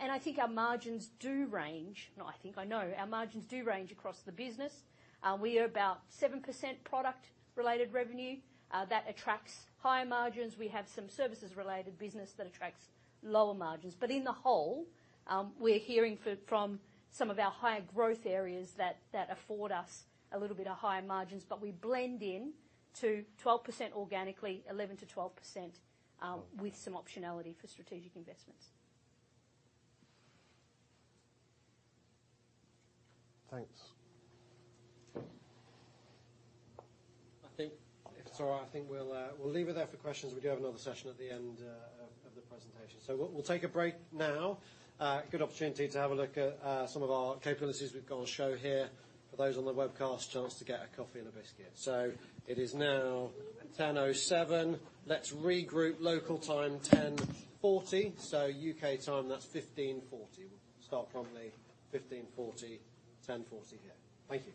And I think our margins do range... No, I think I know. Our margins do range across the business. We are about 7% product-related revenue. That attracts higher margins. We have some services-related business that attracts lower margins. But in the whole, we're hearing from some of our higher growth areas that afford us a little bit of higher margins, but we blend in to 12% organically, 11%-12%, with some optionality for strategic investments. Thanks. I think, if it's all right, I think we'll leave it there for questions. We do have another session at the end of the presentation. So we'll take a break now. Good opportunity to have a look at some of our capabilities we've got on show here. For those on the webcast, a chance to get a coffee and a biscuit. So it is now 10:07 A.M. Let's regroup local time, 10:40 A.M. So U.K. time, that's 3:40 P.M. We'll start promptly, 3:40 P.M., 10:40 A.M. here. Thank you.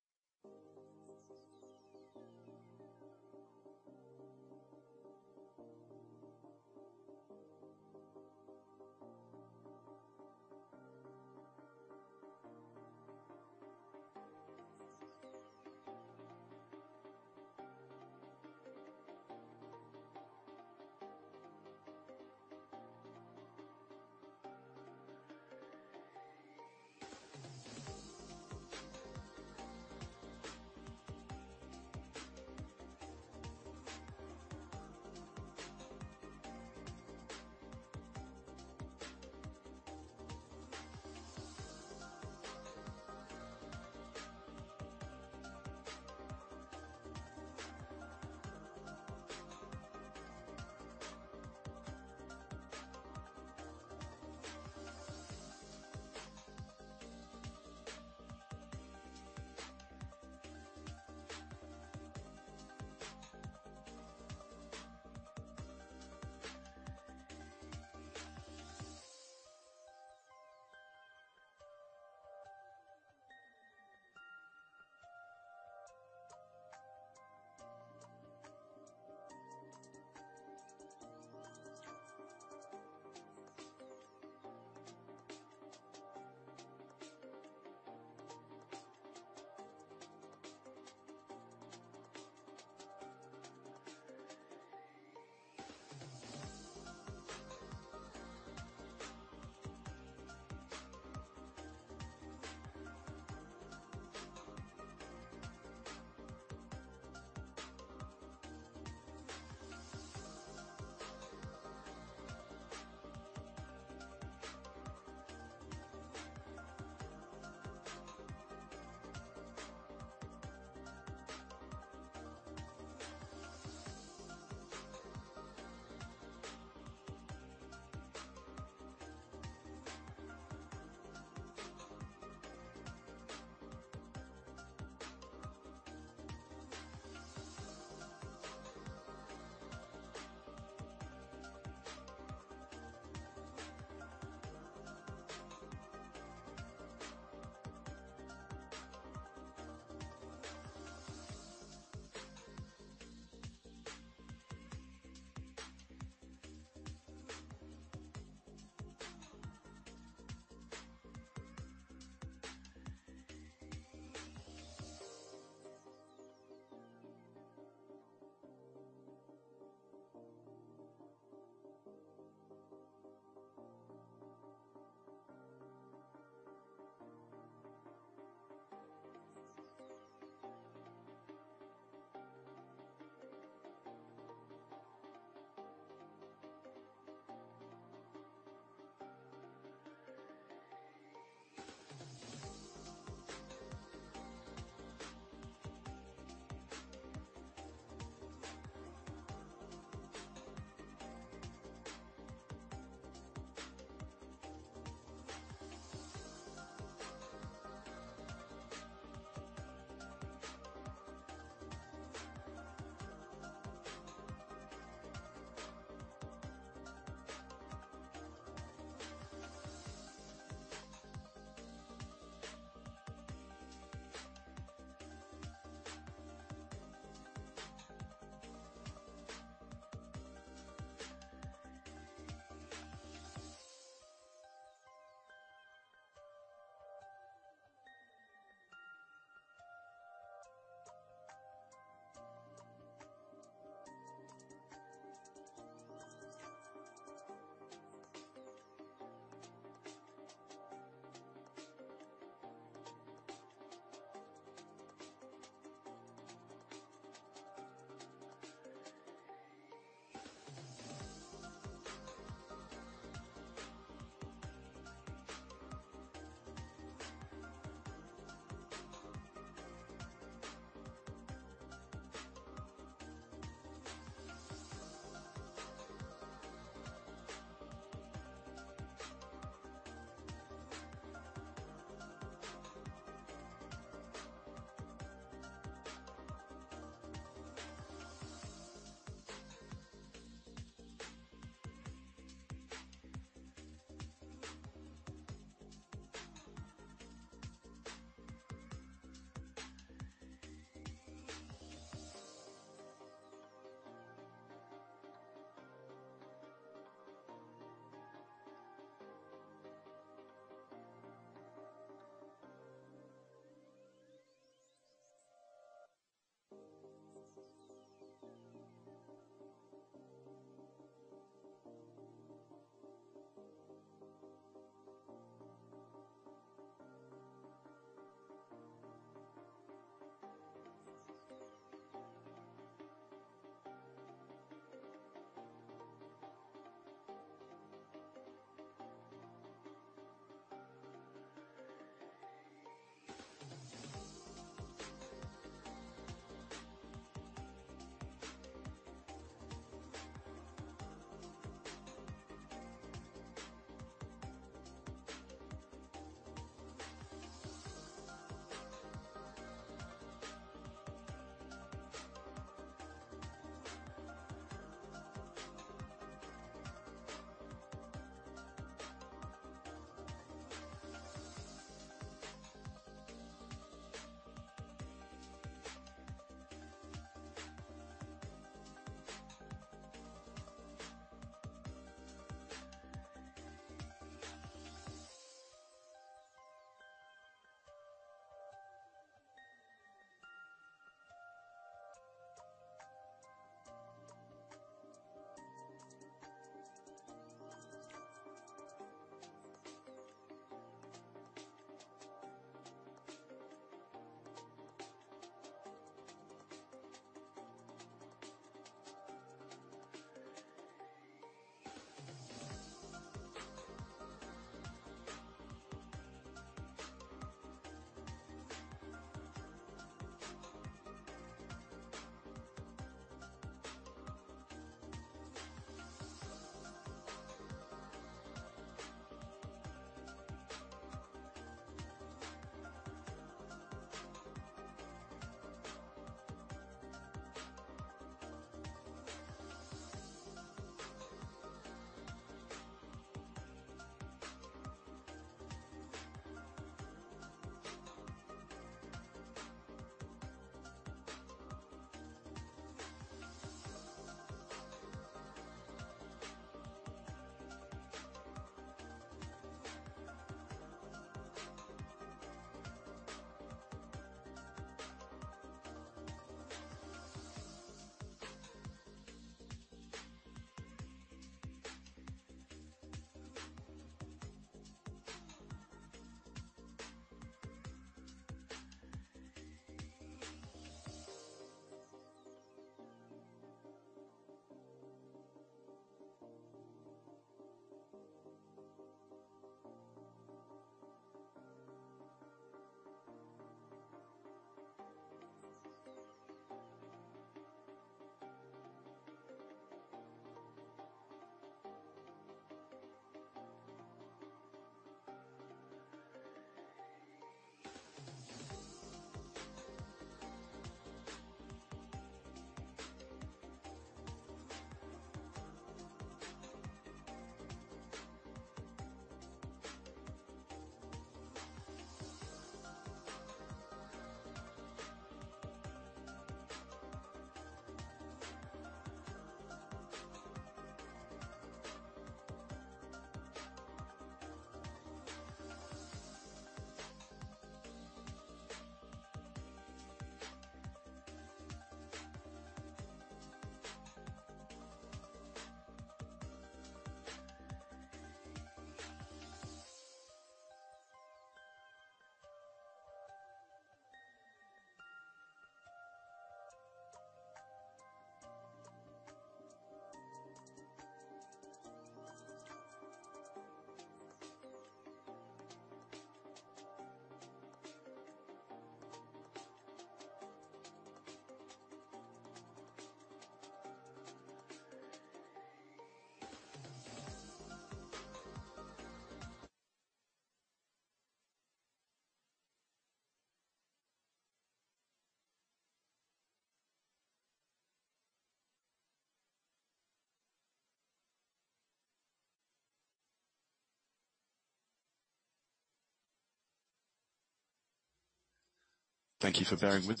All right.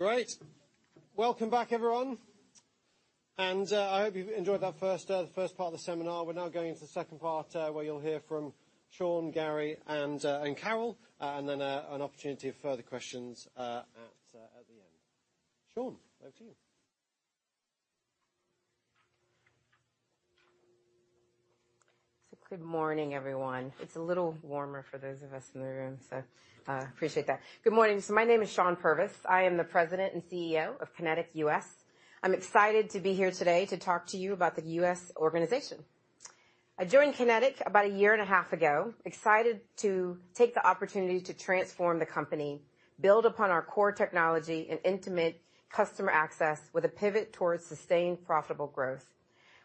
Great! Welcome back, everyone, and I hope you've enjoyed the first part of the seminar. We're now going into the second part, where you'll hear from Shawn, Gary, and Carol, and then an opportunity of further questions at the end. Shawn, over to you. So good morning, everyone. It's a little warmer for those of us in the room, so, appreciate that. Good morning. So my name is Shawn Purvis. I am the President and CEO of QinetiQ U.S. I'm excited to be here today to talk to you about the U.S. organization. I joined QinetiQ about a year and a half ago, excited to take the opportunity to transform the company, build upon our core technology and intimate customer access with a pivot towards sustained, profitable growth.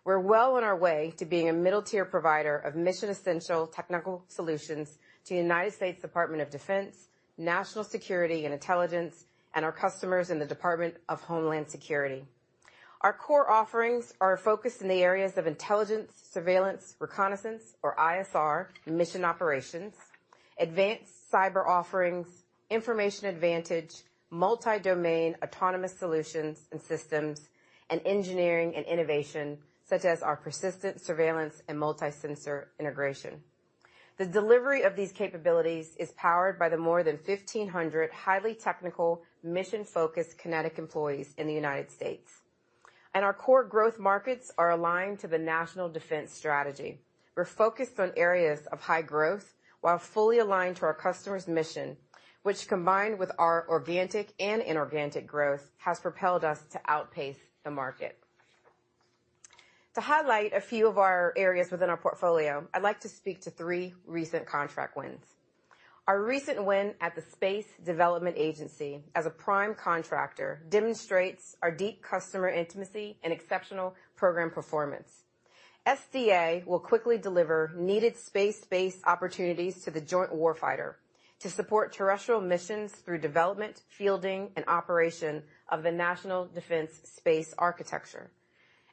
We're well on our way to being a middle-tier provider of mission-essential technical solutions to United States Department of Defense, National Security and Intelligence, and our customers in the Department of Homeland Security. Our core offerings are focused in the areas of intelligence, surveillance, reconnaissance or ISR, mission operations, advanced cyber offerings, information advantage, multi-domain autonomous solutions and systems, and engineering and innovation, such as our persistent surveillance and multi-sensor integration. The delivery of these capabilities is powered by the more than 1,500 highly technical, mission-focused QinetiQ employees in the United States, and our core growth markets are aligned to the National Defense Strategy. We're focused on areas of high growth while fully aligned to our customer's mission, which, combined with our organic and inorganic growth, has propelled us to outpace the market. To highlight a few of our areas within our portfolio, I'd like to speak to three recent contract wins. Our recent win at the Space Development Agency as a prime contractor demonstrates our deep customer intimacy and exceptional program performance. SDA will quickly deliver needed space-based opportunities to the joint warfighter to support terrestrial missions through development, fielding, and operation of the National Defense Space Architecture.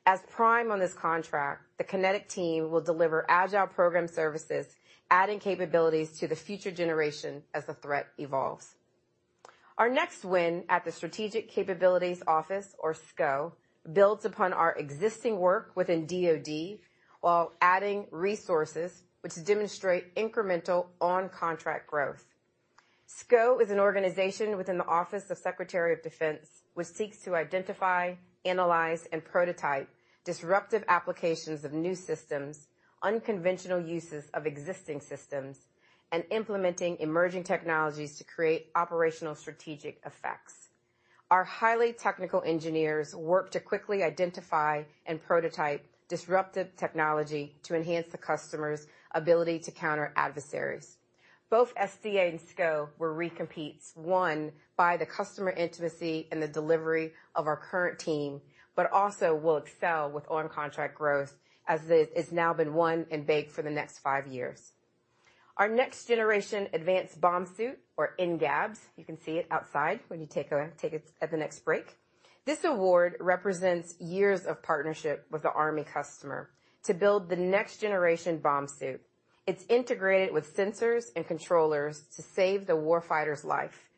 As prime on this contract, the QinetiQ team will deliver agile program services, adding capabilities to the future generation as the threat evolves. Our next win at the Strategic Capabilities Office, or SCO, builds upon our existing work within DoD, while adding resources which demonstrate incremental on-contract growth. SCO is an organization within the Office of Secretary of Defense, which seeks to identify, analyze, and prototype disruptive applications of new systems, unconventional uses of existing systems, and implementing emerging technologies to create operational strategic effects. Our highly technical engineers work to quickly identify and prototype disruptive technology to enhance the customer's ability to counter adversaries. Both SDA and SCO were re-competes, won by the customer intimacy and the delivery of our current team, but also will excel with on-contract growth as it's now been won and baked for the next five years. Our Next Generation Advanced Bomb Suit, or NGABS, you can see it outside when you take it at the next break. This award represents years of partnership with the Army customer to build the next generation bomb suit. It's integrated with sensors and controllers to save the warfighter's life.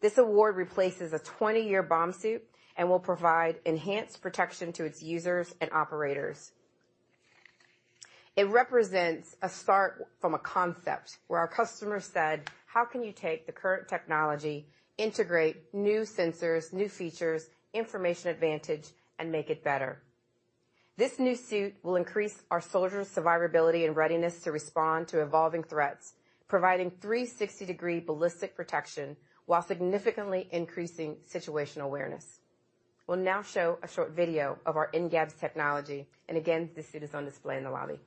This award replaces a 20-year bomb suit and will provide enhanced protection to its users and operators. It represents a start from a concept where our customer said, "How can you take the current technology, integrate new sensors, new features, information advantage, and make it better? This new suit will increase our soldiers' survivability and readiness to respond to evolving threats, providing 360-degree ballistic protection, while significantly increasing situational awareness. We'll now show a short video of our NGABS technology, and again, the suit is on display in the lobby.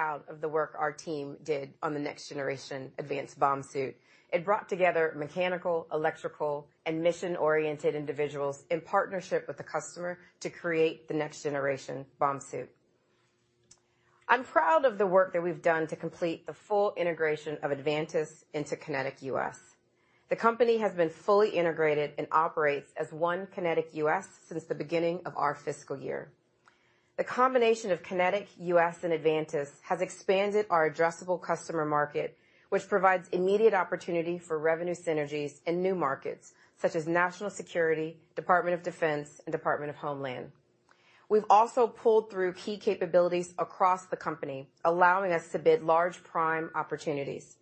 I'm really proud of the work our team did on the next generation advanced bomb suit. It brought together mechanical, electrical, and mission-oriented individuals in partnership with the customer to create the next generation bomb suit. I'm proud of the work that we've done to complete the full integration of Avantus into QinetiQ U.S. The company has been fully integrated and operates as one QinetiQ U.S. since the beginning of our fiscal year. The combination of QinetiQ U.S. and Avantus has expanded our addressable customer market, which provides immediate opportunity for revenue synergies in new markets, such as national security, Department of Defense, and Department of Homeland Security. We've also pulled through key capabilities across the company, allowing us to bid large prime opportunities.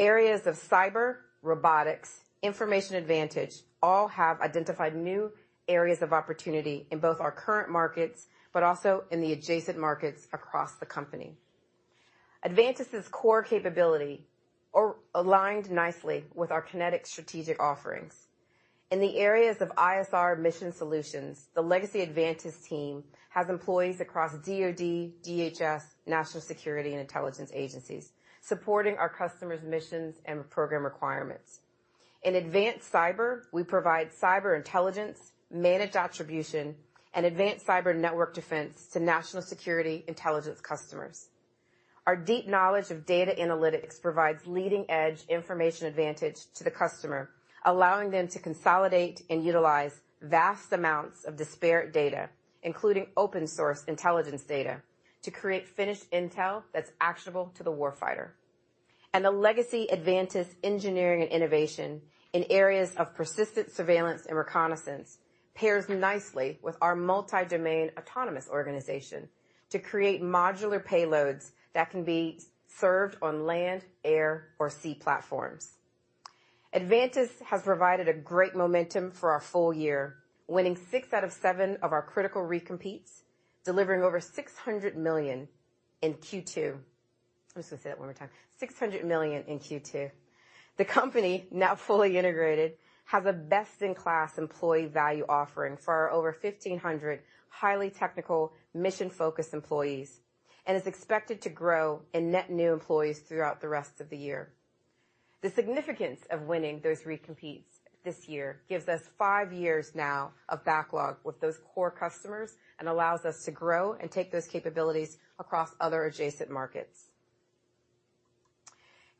Areas of cyber, robotics, information advantage, all have identified new areas of opportunity in both our current markets, but also in the adjacent markets across the company. Avantus' core capability are aligned nicely with our QinetiQ strategic offerings. In the areas of ISR mission solutions, the legacy Avantus team has employees across DoD, DHS, national security, and intelligence agencies, supporting our customers' missions and program requirements. In advanced cyber, we provide cyber intelligence, managed attribution, and advanced cyber network defence to national security intelligence customers. Our deep knowledge of data analytics provides leading-edge information advantage to the customer, allowing them to consolidate and utilize vast amounts of disparate data, including open-source intelligence data, to create finished intel that's actionable to the warfighter. The legacy Avantus engineering and innovation in areas of persistent surveillance and reconnaissance pairs nicely with our multi-domain autonomous organization to create modular payloads that can be served on land, air, or sea platforms. Avantus has provided a great momentum for our full year, winning six out of seven of our critical recompetes, delivering over $600 million in Q2. I'm just gonna say that one more time, $600 million in Q2. The company, now fully integrated, has a best-in-class employee value offering for our over 1,500 highly technical, mission-focused employees, and is expected to grow and net new employees throughout the rest of the year. The significance of winning those recompetes this year gives us five years now of backlog with those core customers and allows us to grow and take those capabilities across other adjacent markets.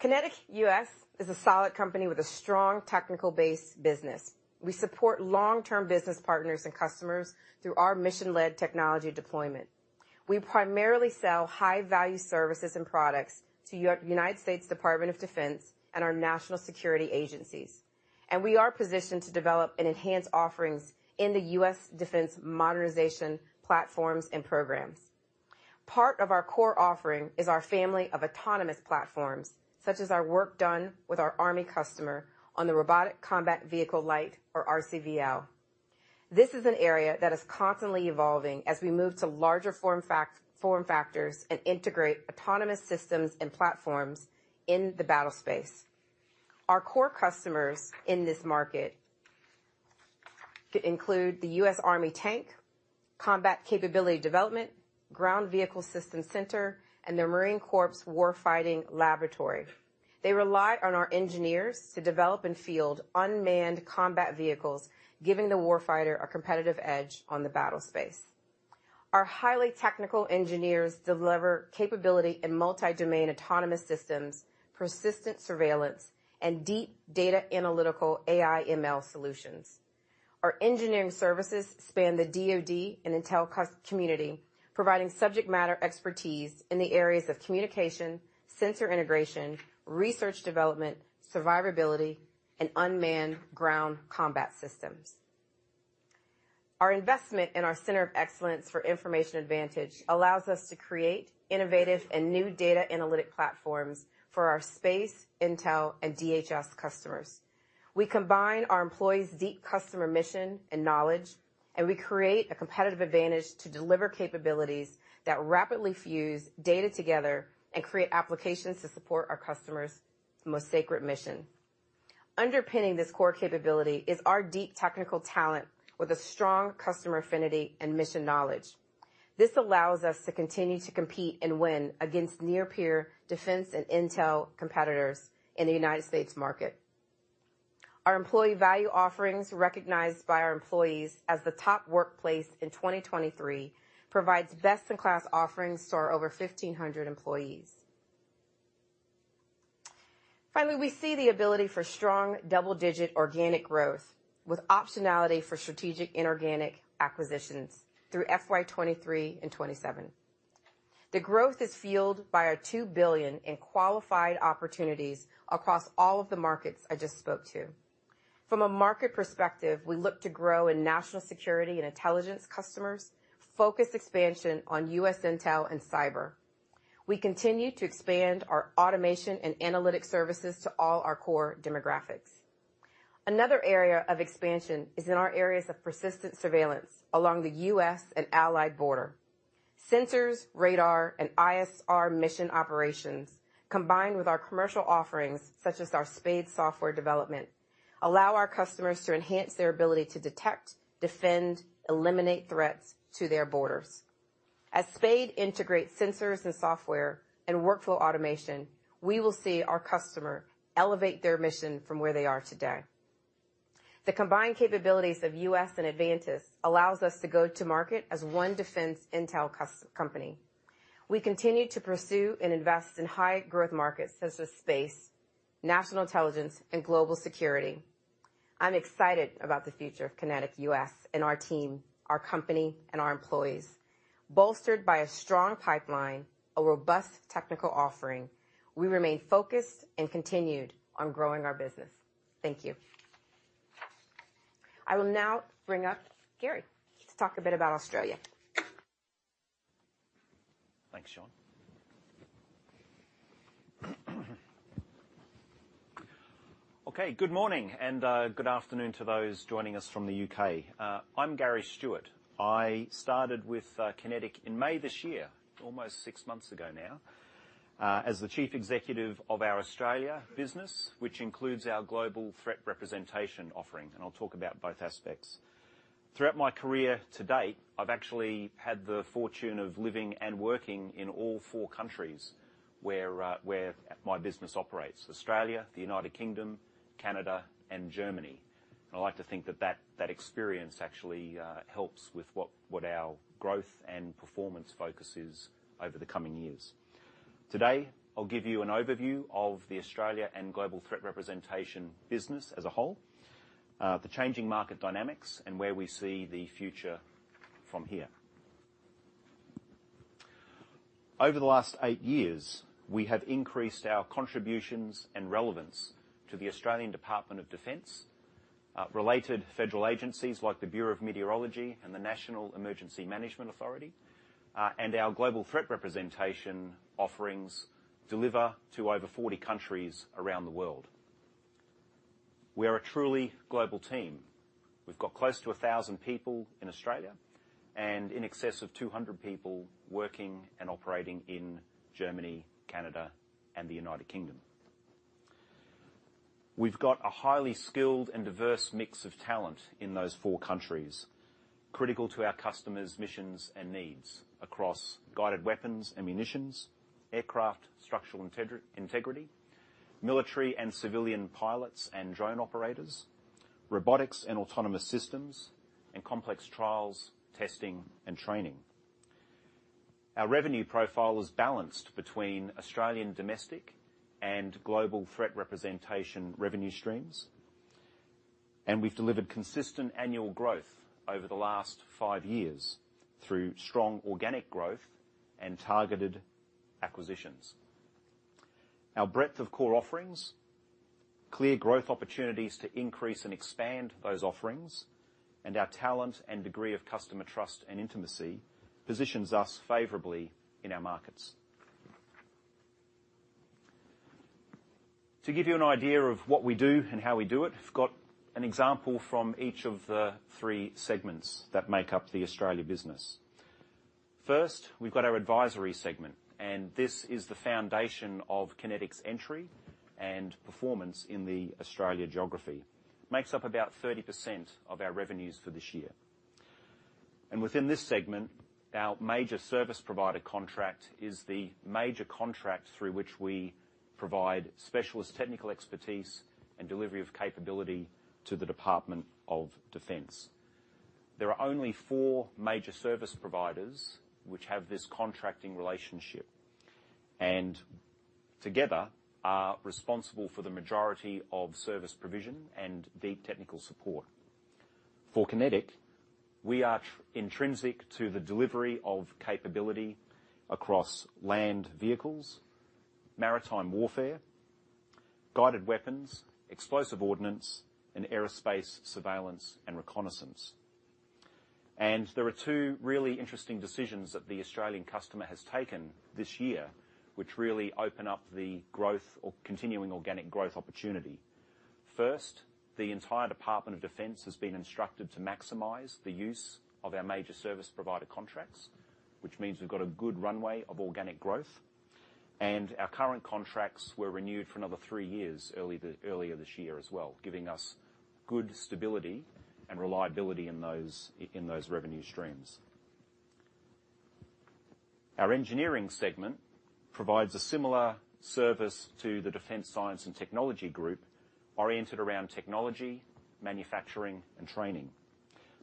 QinetiQ U.S. is a solid company with a strong technical base business. We support long-term business partners and customers through our mission-led technology deployment. We primarily sell high-value services and products to United States Department of Defense and our national security agencies, and we are positioned to develop and enhance offerings in the U.S. Defence modernization platforms and programs. Part of our core offering is our family of autonomous platforms, such as our work done with our Army customer on the Robotic Combat Vehicle-Light, or RCV-L. This is an area that is constantly evolving as we move to larger form factors and integrate autonomous systems and platforms in the battle space. Our core customers in this market include the U.S. Army Tank, Combat Capabilities Development, Ground Vehicle Systems Center, and the Marine Corps Warfighting Laboratory. They rely on our engineers to develop and field unmanned combat vehicles, giving the warfighter a competitive edge on the battle space. Our highly technical engineers deliver capability in multi-domain autonomous systems, persistent surveillance, and deep data analytical AI/ML solutions. Our engineering services span the DoD and intel community, providing subject matter expertise in the areas of communication, sensor integration, research development, survivability, and unmanned ground combat systems. Our investment in our Center of Excellence for Information Advantage allows us to create innovative and new data analytic platforms for our space, intel, and DHS customers. We combine our employees' deep customer mission and knowledge, and we create a competitive advantage to deliver capabilities that rapidly fuse data together and create applications to support our customers' most sacred mission. Underpinning this core capability is our deep technical talent with a strong customer affinity and mission knowledge. This allows us to continue to compete and win against near peer defence and intel competitors in the United States market. Our employee value offerings, recognized by our employees as the top workplace in 2023, provides best-in-class offerings to our over 1,500 employees. Finally, we see the ability for strong double-digit organic growth with optionality for strategic inorganic acquisitions through FY 2023 and 2027. The growth is fueled by our $2 billion in qualified opportunities across all of the markets I just spoke to. From a market perspective, we look to grow in national security and intelligence customers, focus expansion on U.S. intel and cyber. We continue to expand our automation and analytic services to all our core demographics. Another area of expansion is in our areas of persistent surveillance along the U.S. and allied border. Sensors, radar, and ISR mission operations, combined with our commercial offerings, such as our SPADE software development, allow our customers to enhance their ability to detect, defend, eliminate threats to their borders. As SPADE integrates sensors and software and workflow automation, we will see our customer elevate their mission from where they are today. The combined capabilities of U.S. and Avantus allows us to go to market as one defence intel cust- company. We continue to pursue and invest in high growth markets such as space, national intelligence, and global security. I'm excited about the future of QinetiQ U.S. and our team, our company, and our employees. Bolstered by a strong pipeline, a robust technical offering, we remain focused and continued on growing our business. Thank you. I will now bring up Gary to talk a bit about Australia. Thanks, Shawn. Okay, good morning, and good afternoon to those joining us from the U.K. I'm Gary Stewart. I started with QinetiQ in May this year, almost six months ago now, as the Chief Executive of our Australia business, which includes our global threat representation offering, and I'll talk about both aspects. Throughout my career to date, I've actually had the fortune of living and working in all four countries where my business operates: Australia, the United Kingdom, Canada, and Germany. I like to think that experience actually helps with what our growth and performance focus is over the coming years. Today, I'll give you an overview of the Australia and global threat representation business as a whole, the changing market dynamics, and where we see the future from here. Over the last eight years, we have increased our contributions and relevance to the Australian Department of Defence, related federal agencies, like the Bureau of Meteorology and the National Emergency Management Authority, and our global threat representation offerings deliver to over 40 countries around the world. We are a truly global team. We've got close to 1,000 people in Australia and in excess of 200 people working and operating in Germany, Canada, and the United Kingdom. We've got a highly skilled and diverse mix of talent in those four countries, critical to our customers' missions and needs across guided weapons and munitions, aircraft structural integrity, military and civilian pilots and drone operators, robotics and autonomous systems, and complex trials, testing, and training. Our revenue profile is balanced between Australian domestic and global threat representation revenue streams, and we've delivered consistent annual growth over the last five years through strong organic growth and targeted acquisitions. Our breadth of core offerings, clear growth opportunities to increase and expand those offerings, and our talent and degree of customer trust and intimacy positions us favorably in our markets. To give you an idea of what we do and how we do it, I've got an example from each of the three segments that make up the Australia business. First, we've got our advisory segment, and this is the foundation of QinetiQ's entry and performance in the Australia geography. Makes up about 30% of our revenues for this year. Within this segment, our Major Service Provider contract is the major contract through which we provide specialist technical expertise and delivery of capability to the Department of Defense. There are only four Major Service Providers which have this contracting relationship, and together, are responsible for the majority of service provision and the technical support. For QinetiQ, we are intrinsic to the delivery of capability across land vehicles, maritime warfare, guided weapons, explosive ordnance, and aerospace, surveillance, and reconnaissance. There are two really interesting decisions that the Australian customer has taken this year, which really open up the growth or continuing organic growth opportunity. First, the entire Department of Defense has been instructed to maximize the use of our Major Service Provider contracts, which means we've got a good runway of organic growth, and our current contracts were renewed for another three years earlier this year as well, giving us good stability and reliability in those revenue streams. Our engineering segment provides a similar service to the Defence Science and Technology Group, oriented around technology, manufacturing, and training.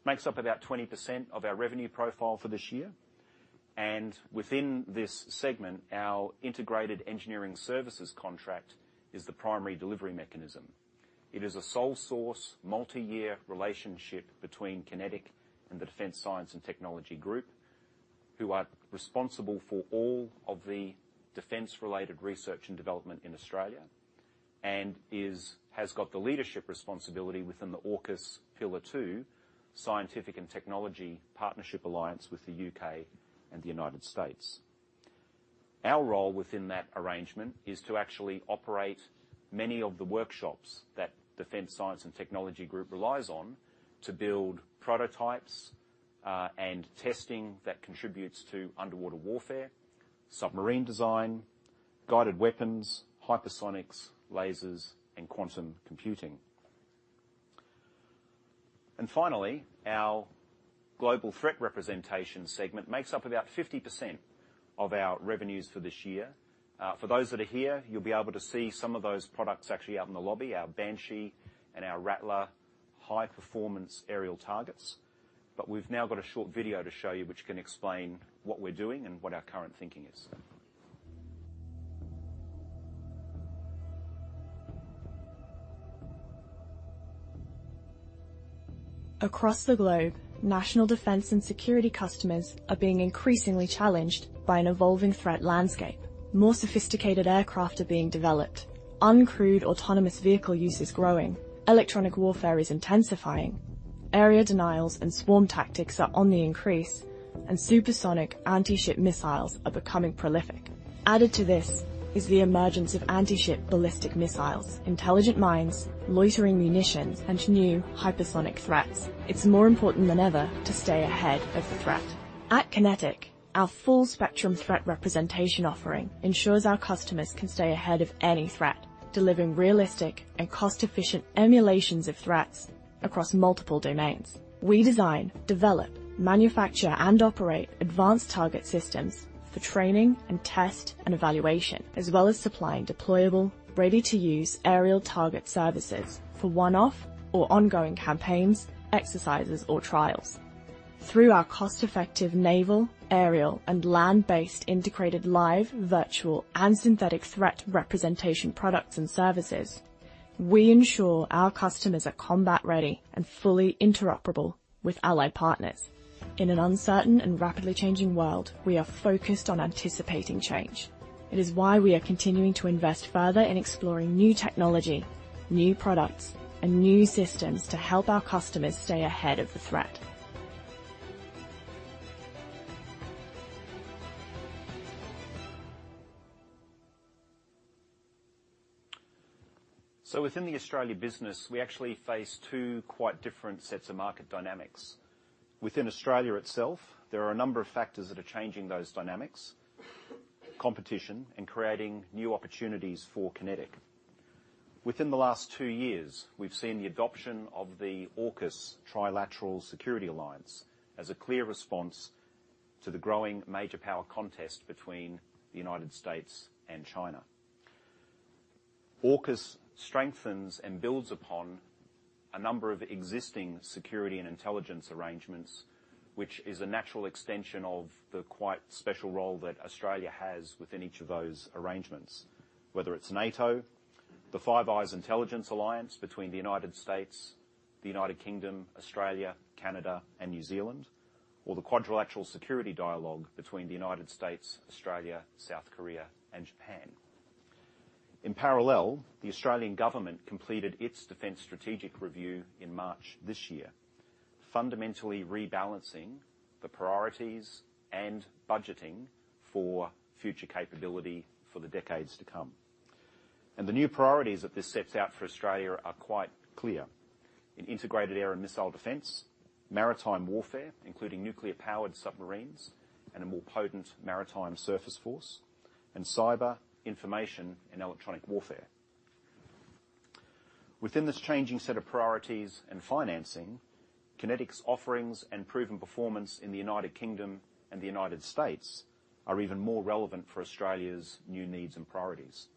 Makes up about 20% of our revenue profile for this year, and within this segment, our Integrated Engineering Services contract is the primary delivery mechanism. It is a sole source, multi-year relationship between QinetiQ and the Defence Science and Technology Group, who are responsible for all of the defence-related research and development in Australia, and has got the leadership responsibility within the AUKUS Pillar Two, Scientific and Technology Partnership Alliance with the U.K. and the United States. Our role within that arrangement is to actually operate many of the workshops that Defence Science and Technology Group relies on to build prototypes, and testing that contributes to underwater warfare, submarine design, guided weapons, hypersonics, lasers, and quantum computing. And finally, our global threat representation segment makes up about 50% of our revenues for this year. For those that are here, you'll be able to see some of those products actually out in the lobby, our Banshee and our Rattler high-performance aerial targets. We've now got a short video to show you, which can explain what we're doing and what our current thinking is. Across the globe, national defence and security customers are being increasingly challenged by an evolving threat landscape. More sophisticated aircraft are being developed. Uncrewed autonomous vehicle use is growing. Electronic warfare is intensifying. Area denials and swarm tactics are on the increase, and supersonic anti-ship missiles are becoming prolific. Added to this is the emergence of anti-ship ballistic missiles, intelligent mines, loitering munitions, and new hypersonic threats. It's more important than ever to stay ahead of the threat. At QinetiQ, our full-spectrum threat representation offering ensures our customers can stay ahead of any threat, delivering realistic and cost-efficient emulations of threats across multiple domains. We design, develop, manufacture, and operate advanced target systems for training and test and evaluation, as well as supplying deployable, ready-to-use aerial target services for one-off or ongoing campaigns, exercises, or trials. Through our cost-effective naval, aerial, and land-based integrated live, virtual, and synthetic threat representation products and services, we ensure our customers are combat-ready and fully interoperable with allied partners. In an uncertain and rapidly changing world, we are focused on anticipating change. It is why we are continuing to invest further in exploring new technology, new products, and new systems to help our customers stay ahead of the threat. So within the Australia business, we actually face two quite different sets of market dynamics. Within Australia itself, there are a number of factors that are changing those dynamics, competition, and creating new opportunities for QinetiQ. Within the last two years, we've seen the adoption of the AUKUS trilateral security alliance as a clear response to the growing major power contest between the United States and China. AUKUS strengthens and builds upon a number of existing security and intelligence arrangements, which is a natural extension of the quite special role that Australia has within each of those arrangements, whether it's NATO, the Five Eyes intelligence alliance between the United States, the United Kingdom, Australia, Canada, and New Zealand, or the Quadrilateral Security Dialogue between the United States, Australia, South Korea, and Japan. In parallel, the Australian government completed its Defence Strategic Review in March this year, fundamentally rebalancing the priorities and budgeting for future capability for the decades to come. The new priorities that this sets out for Australia are quite clear: an integrated air and missile defence, maritime warfare, including nuclear-powered submarines and a more potent maritime surface force, and cyber, information, and electronic warfare. Within this changing set of priorities and financing, QinetiQ's offerings and proven performance in the United Kingdom and the United States are even more relevant for Australia's new needs and priorities.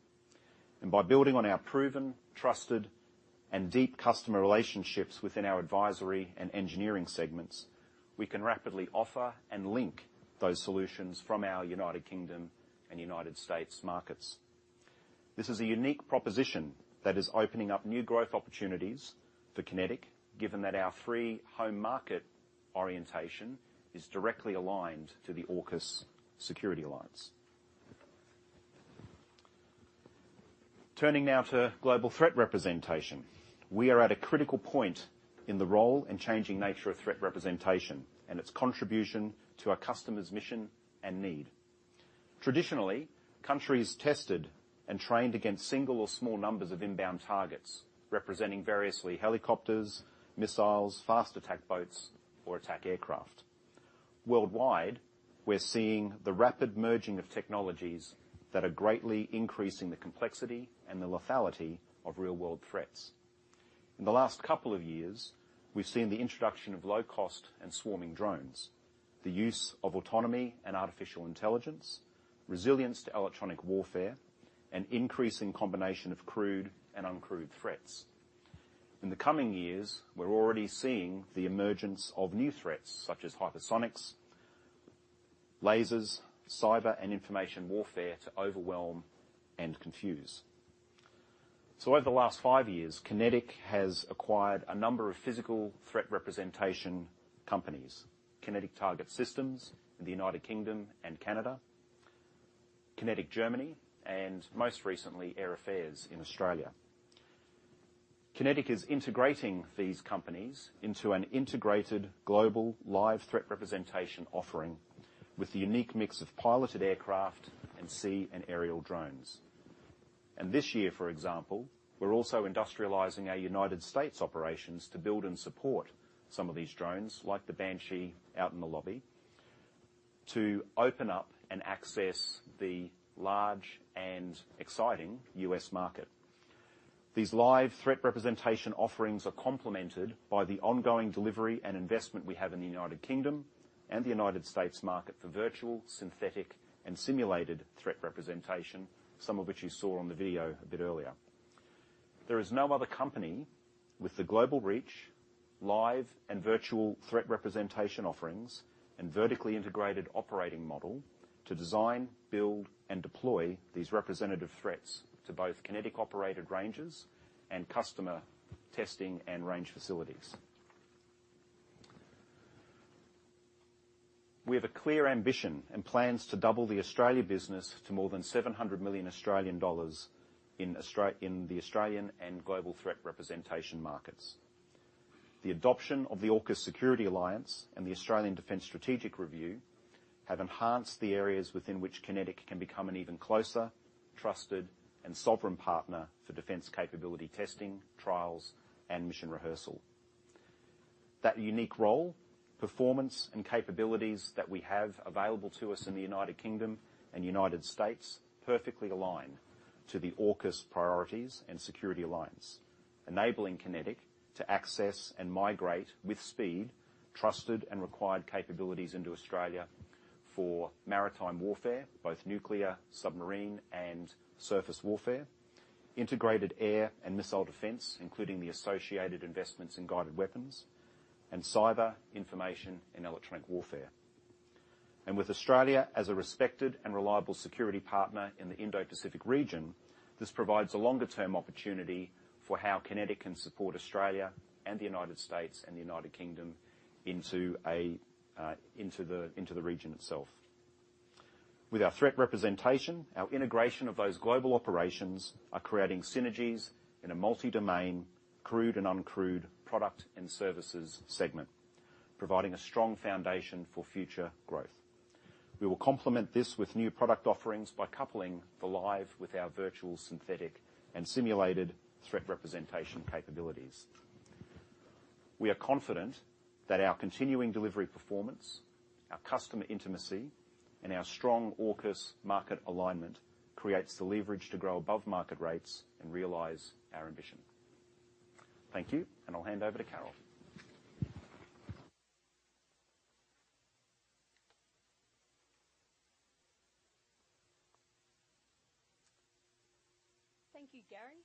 By building on our proven, trusted, and deep customer relationships within our advisory and engineering segments, we can rapidly offer and link those solutions from our United Kingdom and United States markets. This is a unique proposition that is opening up new growth opportunities for QinetiQ, given that our three home market orientation is directly aligned to the AUKUS security alliance. Turning now to global threat representation. We are at a critical point in the role and changing nature of threat representation and its contribution to our customers' mission and need. Traditionally, countries tested and trained against single or small numbers of inbound targets, representing variously helicopters, missiles, fast attack boats, or attack aircraft. Worldwide, we're seeing the rapid merging of technologies that are greatly increasing the complexity and the lethality of real-world threats. In the last couple of years, we've seen the introduction of low-cost and swarming drones, the use of autonomy and artificial intelligence, resilience to electronic warfare, and increasing combination of crewed and uncrewed threats. In the coming years, we're already seeing the emergence of new threats, such as hypersonics, lasers, cyber and information warfare, to overwhelm and confuse. So over the last five years, QinetiQ has acquired a number of physical threat representation companies: QinetiQ Target Systems in the United Kingdom and Canada, QinetiQ Germany, and most recently, Air Affairs in Australia. QinetiQ is integrating these companies into an integrated global live threat representation offering with the unique mix of piloted aircraft and sea and aerial drones. And this year, for example, we're also industrializing our United States operations to build and support some of these drones, like the Banshee out in the lobby... to open up and access the large and exciting U.S. market. These live threat representation offerings are complemented by the ongoing delivery and investment we have in the United Kingdom and the United States market for virtual, synthetic, and simulated threat representation, some of which you saw on the video a bit earlier. There is no other company with the global reach, live and virtual threat representation offerings, and vertically integrated operating model to design, build, and deploy these representative threats to both QinetiQ-operated ranges and customer testing and range facilities. We have a clear ambition and plans to double the Australia business to more than 700 million Australian dollars in the Australian and global threat representation markets. The adoption of the AUKUS security alliance and the Australian Defence Strategic Review have enhanced the areas within which QinetiQ can become an even closer, trusted, and sovereign partner for defence capability testing, trials, and mission rehearsal. That unique role, performance, and capabilities that we have available to us in the United Kingdom and United States perfectly align to the AUKUS priorities and security alliance, enabling QinetiQ to access and migrate, with speed, trusted and required capabilities into Australia for maritime warfare, both nuclear, submarine, and surface warfare, integrated air and missile defence, including the associated investments in guided weapons, and cyber, information, and electronic warfare. With Australia as a respected and reliable security partner in the Indo-Pacific region, this provides a longer-term opportunity for how QinetiQ can support Australia and the United States and the United Kingdom into the region itself. With our threat representation, our integration of those global operations are creating synergies in a multi-domain, crewed and uncrewed product and services segment, providing a strong foundation for future growth. We will complement this with new product offerings by coupling the live with our virtual, synthetic, and simulated threat representation capabilities. We are confident that our continuing delivery performance, our customer intimacy, and our strong AUKUS market alignment creates the leverage to grow above market rates and realize our ambition. Thank you, and I'll hand over to Carol. Thank you, Gary.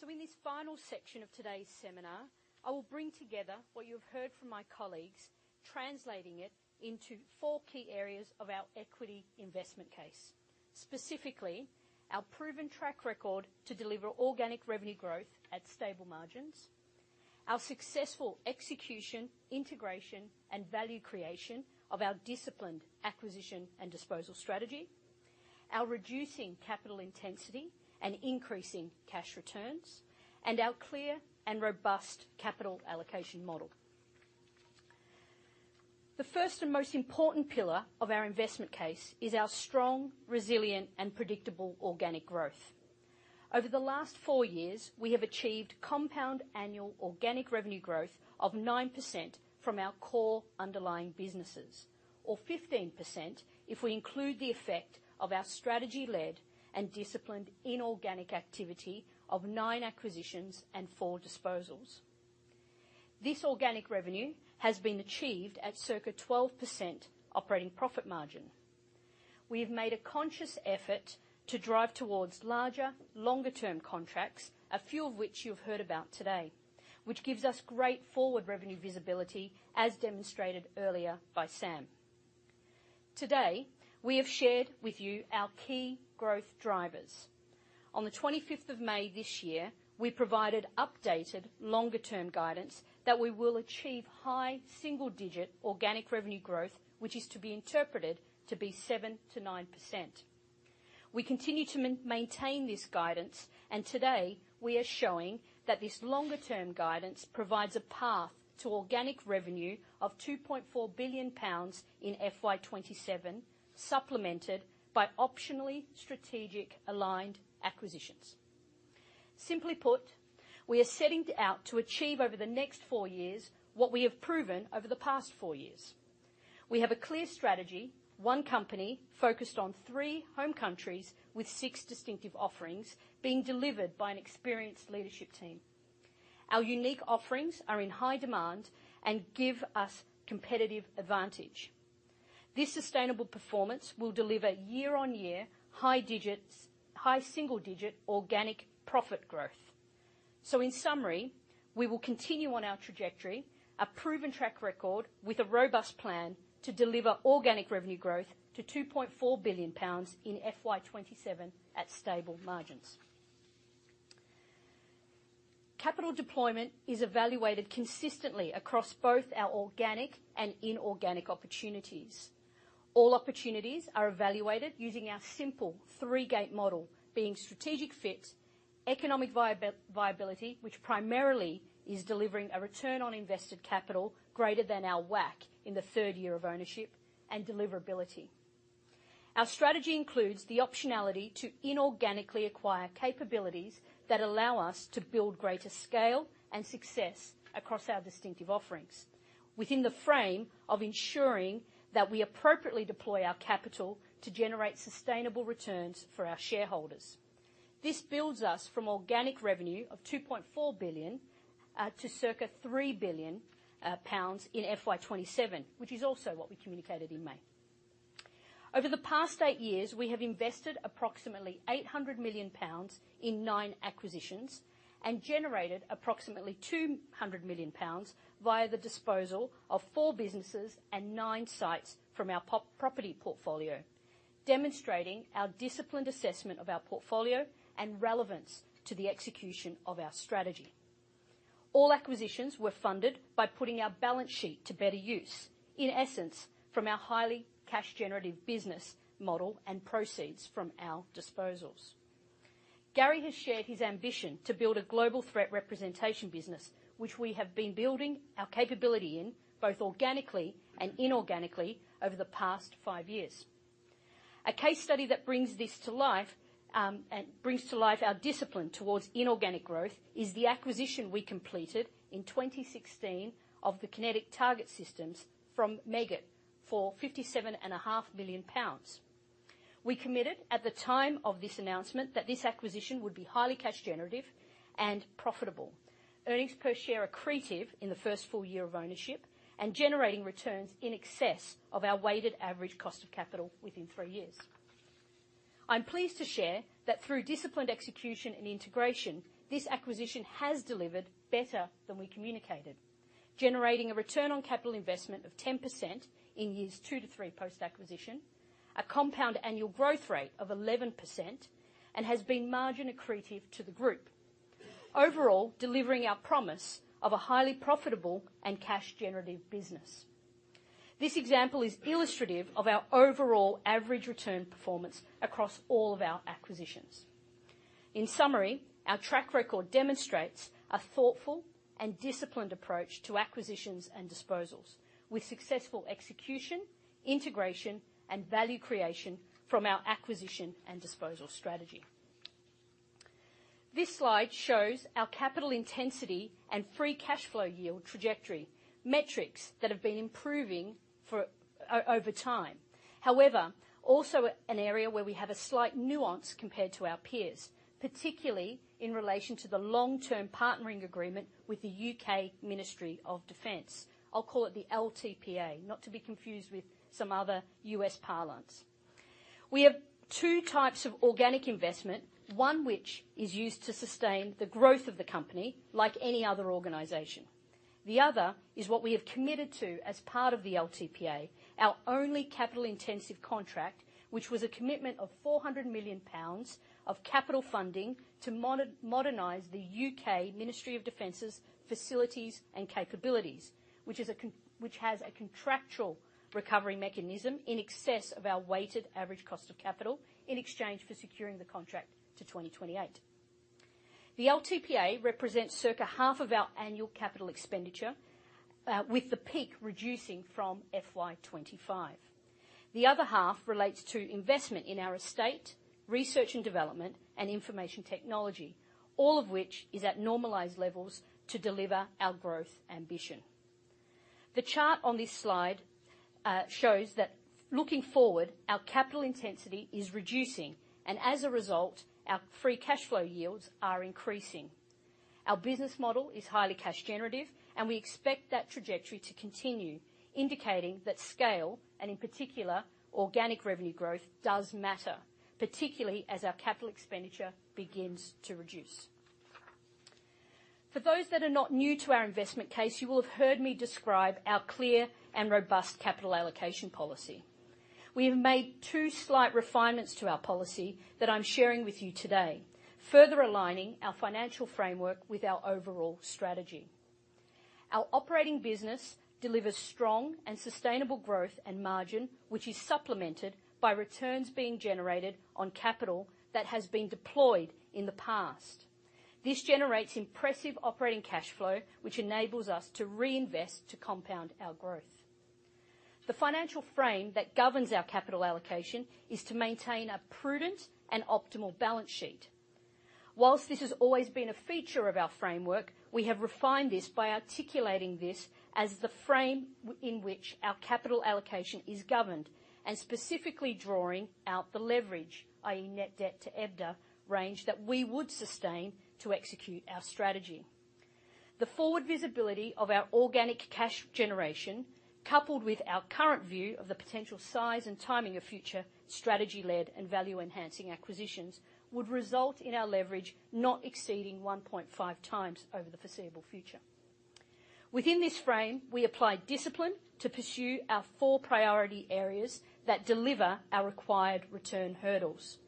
So in this final section of today's seminar, I will bring together what you have heard from my colleagues, translating it into four key areas of our equity investment case. Specifically, our proven track record to deliver organic revenue growth at stable margins, our successful execution, integration, and value creation of our disciplined acquisition and disposal strategy, our reducing capital intensity and increasing cash returns, and our clear and robust capital allocation model. The first and most important pillar of our investment case is our strong, resilient, and predictable organic growth. Over the last four years, we have achieved compound annual organic revenue growth of 9% from our core underlying businesses, or 15% if we include the effect of our strategy-led and disciplined inorganic activity of nine acquisitions and four disposals. This organic revenue has been achieved at circa 12% operating profit margin. We have made a conscious effort to drive towards larger, longer-term contracts, a few of which you've heard about today, which gives us great forward revenue visibility, as demonstrated earlier by Sam. Today, we have shared with you our key growth drivers. On the 25th of May this year, we provided updated longer-term guidance that we will achieve high single-digit organic revenue growth, which is to be interpreted to be 7%-9%. We continue to maintain this guidance, and today, we are showing that this longer-term guidance provides a path to organic revenue of 2.4 billion pounds in FY 2027, supplemented by optionally strategic aligned acquisitions. Simply put, we are setting out to achieve over the next four years what we have proven over the past four years. We have a clear strategy, one company focused on three home countries with six distinctive offerings being delivered by an experienced leadership team. Our unique offerings are in high demand and give us competitive advantage. This sustainable performance will deliver year-on-year, high single-digit organic profit growth. In summary, we will continue on our trajectory, a proven track record with a robust plan to deliver organic revenue growth to 2.4 billion pounds in FY 2027 at stable margins. Capital deployment is evaluated consistently across both our organic and inorganic opportunities. All opportunities are evaluated using our simple three-gate model, being strategic fit, economic viability, which primarily is delivering a return on invested capital greater than our WACC in the third year of ownership, and deliverability. Our strategy includes the optionality to inorganically acquire capabilities that allow us to build greater scale and success across our distinctive offerings, within the frame of ensuring that we appropriately deploy our capital to generate sustainable returns for our shareholders. This builds us from organic revenue of 2.4 billion to circa 3 billion pounds in FY 2027, which is also what we communicated in May. Over the past eight years, we have invested approximately 800 million pounds in nine acquisitions, and generated approximately 200 million pounds via the disposal of four businesses and nine sites from our property portfolio, demonstrating our disciplined assessment of our portfolio and relevance to the execution of our strategy. All acquisitions were funded by putting our balance sheet to better use, in essence, from our highly cash-generative business model and proceeds from our disposals. Gary has shared his ambition to build a global threat representation business, which we have been building our capability in, both organically and inorganically, over the past five years. A case study that brings this to life, and brings to life our discipline towards inorganic growth, is the acquisition we completed in 2016 of the QinetiQ Target Systems from Meggitt for 57.5 million pounds. We committed, at the time of this announcement, that this acquisition would be highly cash generative and profitable, earnings per share accretive in the first full year of ownership, and generating returns in excess of our weighted average cost of capital within three years. I'm pleased to share that through disciplined execution and integration, this acquisition has delivered better than we communicated, generating a return on capital investment of 10% in years two to three post-acquisition, a compound annual growth rate of 11%, and has been margin accretive to the group. Overall, delivering our promise of a highly profitable and cash-generative business. This example is illustrative of our overall average return performance across all of our acquisitions. In summary, our track record demonstrates a thoughtful and disciplined approach to acquisitions and disposals, with successful execution, integration, and value creation from our acquisition and disposal strategy. This slide shows our capital intensity and free cash flow yield trajectory, metrics that have been improving over time. However, also an area where we have a slight nuance compared to our peers, particularly in relation to the long-term partnering agreement with the U.K. Ministry of Defence. I'll call it the LTPA, not to be confused with some other U.S. parlance. We have two types of organic investment, one which is used to sustain the growth of the company, like any other organization. The other is what we have committed to as part of the LTPA, our only capital-intensive contract, which was a commitment of 400 million pounds of capital funding to modernize the U.K. Ministry of Defence's facilities and capabilities, which has a contractual recovery mechanism in excess of our weighted average cost of capital, in exchange for securing the contract to 2028. The LTPA represents circa half of our annual capital expenditure, with the peak reducing from FY 2025. The other half relates to investment in our estate, research and development, and information technology, all of which is at normalized levels to deliver our growth ambition. The chart on this slide shows that looking forward, our capital intensity is reducing, and as a result, our free cash flow yields are increasing. Our business model is highly cash generative, and we expect that trajectory to continue, indicating that scale, and in particular, organic revenue growth, does matter, particularly as our capital expenditure begins to reduce. For those that are not new to our investment case, you will have heard me describe our clear and robust capital allocation policy. We have made two slight refinements to our policy that I'm sharing with you today, further aligning our financial framework with our overall strategy. Our operating business delivers strong and sustainable growth and margin, which is supplemented by returns being generated on capital that has been deployed in the past. This generates impressive operating cash flow, which enables us to reinvest to compound our growth. The financial frame that governs our capital allocation is to maintain a prudent and optimal balance sheet. While this has always been a feature of our framework, we have refined this by articulating this as the frame in which our capital allocation is governed, and specifically drawing out the leverage, i.e., net debt to EBITDA range, that we would sustain to execute our strategy. The forward visibility of our organic cash generation, coupled with our current view of the potential size and timing of future strategy-led and value-enhancing acquisitions, would result in our leverage not exceeding 1.5x over the foreseeable future. Within this frame, we apply discipline to pursue our four priority areas that deliver our required return hurdles.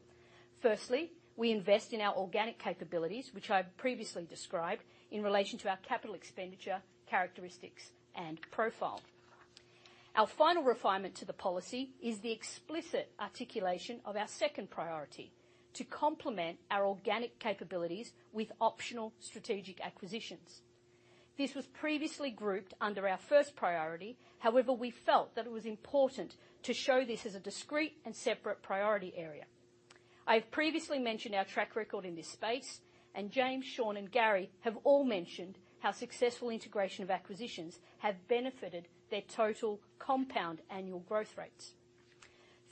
Firstly, we invest in our organic capabilities, which I previously described in relation to our capital expenditure, characteristics, and profile. Our final refinement to the policy is the explicit articulation of our second priority, to complement our organic capabilities with optional strategic acquisitions. This was previously grouped under our first priority. However, we felt that it was important to show this as a discrete and separate priority area. I've previously mentioned our track record in this space, and James, Shawn, and Gary have all mentioned how successful integration of acquisitions have benefited their total compound annual growth rates.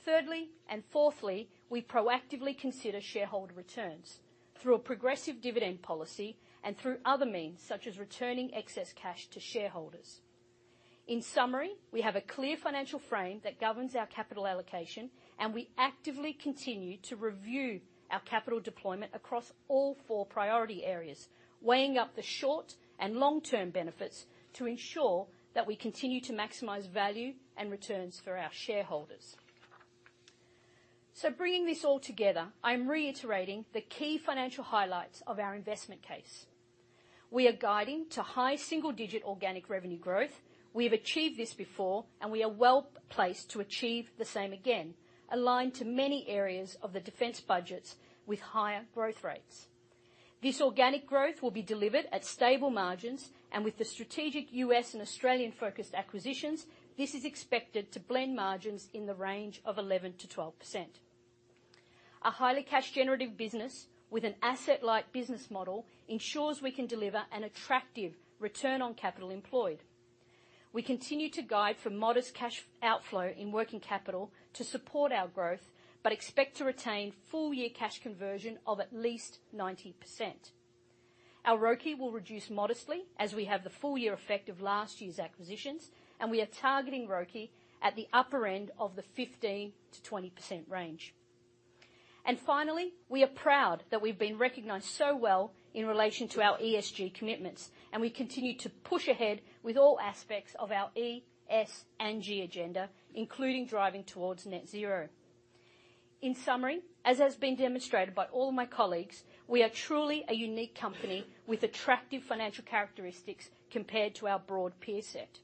Thirdly, and fourthly, we proactively consider shareholder returns through a progressive dividend policy and through other means, such as returning excess cash to shareholders. In summary, we have a clear financial frame that governs our capital allocation, and we actively continue to review our capital deployment across all four priority areas, weighing up the short and long-term benefits to ensure that we continue to maximize value and returns for our shareholders. So bringing this all together, I'm reiterating the key financial highlights of our investment case. We are guiding to high single-digit organic revenue growth. We have achieved this before, and we are well-placed to achieve the same again, aligned to many areas of the defence budgets with higher growth rates. This organic growth will be delivered at stable margins, and with the strategic U.S. and Australian-focused acquisitions, this is expected to blend margins in the range of 11%-12%. A highly cash-generative business with an asset-light business model ensures we can deliver an attractive return on capital employed. We continue to guide for modest cash outflow in working capital to support our growth, but expect to retain full-year cash conversion of at least 90%. Our ROCE will reduce modestly as we have the full-year effect of last year's acquisitions, and we are targeting ROCE at the upper end of the 15%-20% range. And finally, we are proud that we've been recognized so well in relation to our ESG commitments, and we continue to push ahead with all aspects of our E, S, and G agenda, including driving towards net zero. In summary, as has been demonstrated by all of my colleagues, we are truly a unique company with attractive financial characteristics compared to our broad peer set.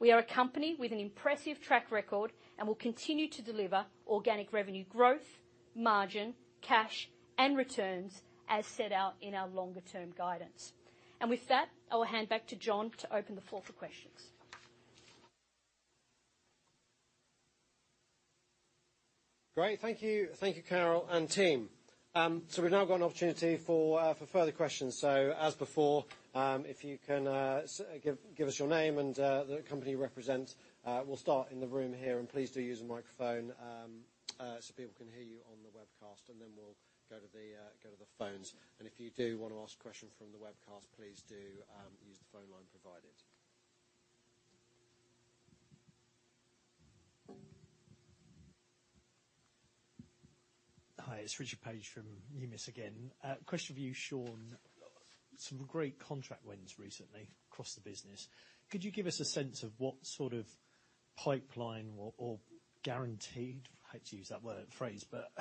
We are a company with an impressive track record, and we'll continue to deliver organic revenue growth, margin, cash, and returns as set out in our longer-term guidance. With that, I will hand back to John to open the floor for questions. Great. Thank you. Thank you, Carol and team. So we've now got an opportunity for further questions. As before, if you can give us your name and the company you represent, we'll start in the room here, and please do use the microphone so people can hear you on the webcast, and then we'll go to the phones. And if you do want to ask a question from the webcast, please do use the phone line provided. Hi, it's Richard Paige from Numis again. Question for you, Shawn. Some great contract wins recently across the business. Could you give us a sense of what sort of pipeline or guaranteed, I hate to use that word, phrase, but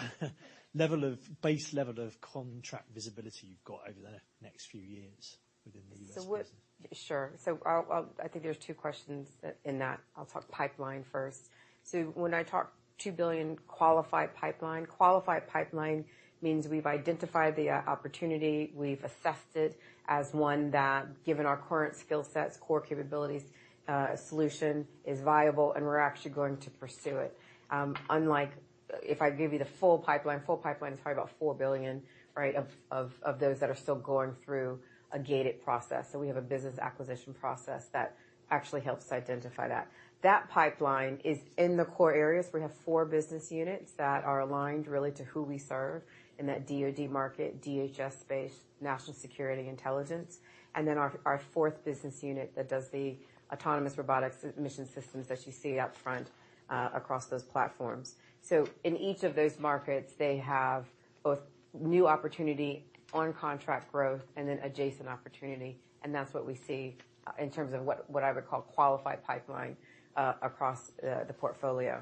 base level of contract visibility you've got over the next few years within the U.S. business? Sure. So I'll, I think there's two questions that, in that. I'll talk pipeline first. So when I talk 2 billion qualified pipeline, qualified pipeline means we've identified the opportunity, we've assessed it as one that, given our current skill sets, core capabilities, solution is viable, and we're actually going to pursue it. Unlike if I give you the full pipeline, full pipeline is probably about 4 billion, right, of those that are still going through a gated process. So we have a business acquisition process that actually helps to identify that. That pipeline is in the core areas. We have four business units that are aligned really to who we serve in that DoD market, DHS base, national security intelligence, and then our fourth business unit that does the autonomous robotics mission systems that you see out front, across those platforms. So in each of those markets, they have both new opportunity on contract growth and then adjacent opportunity, and that's what we see, in terms of what I would call qualified pipeline, across the portfolio.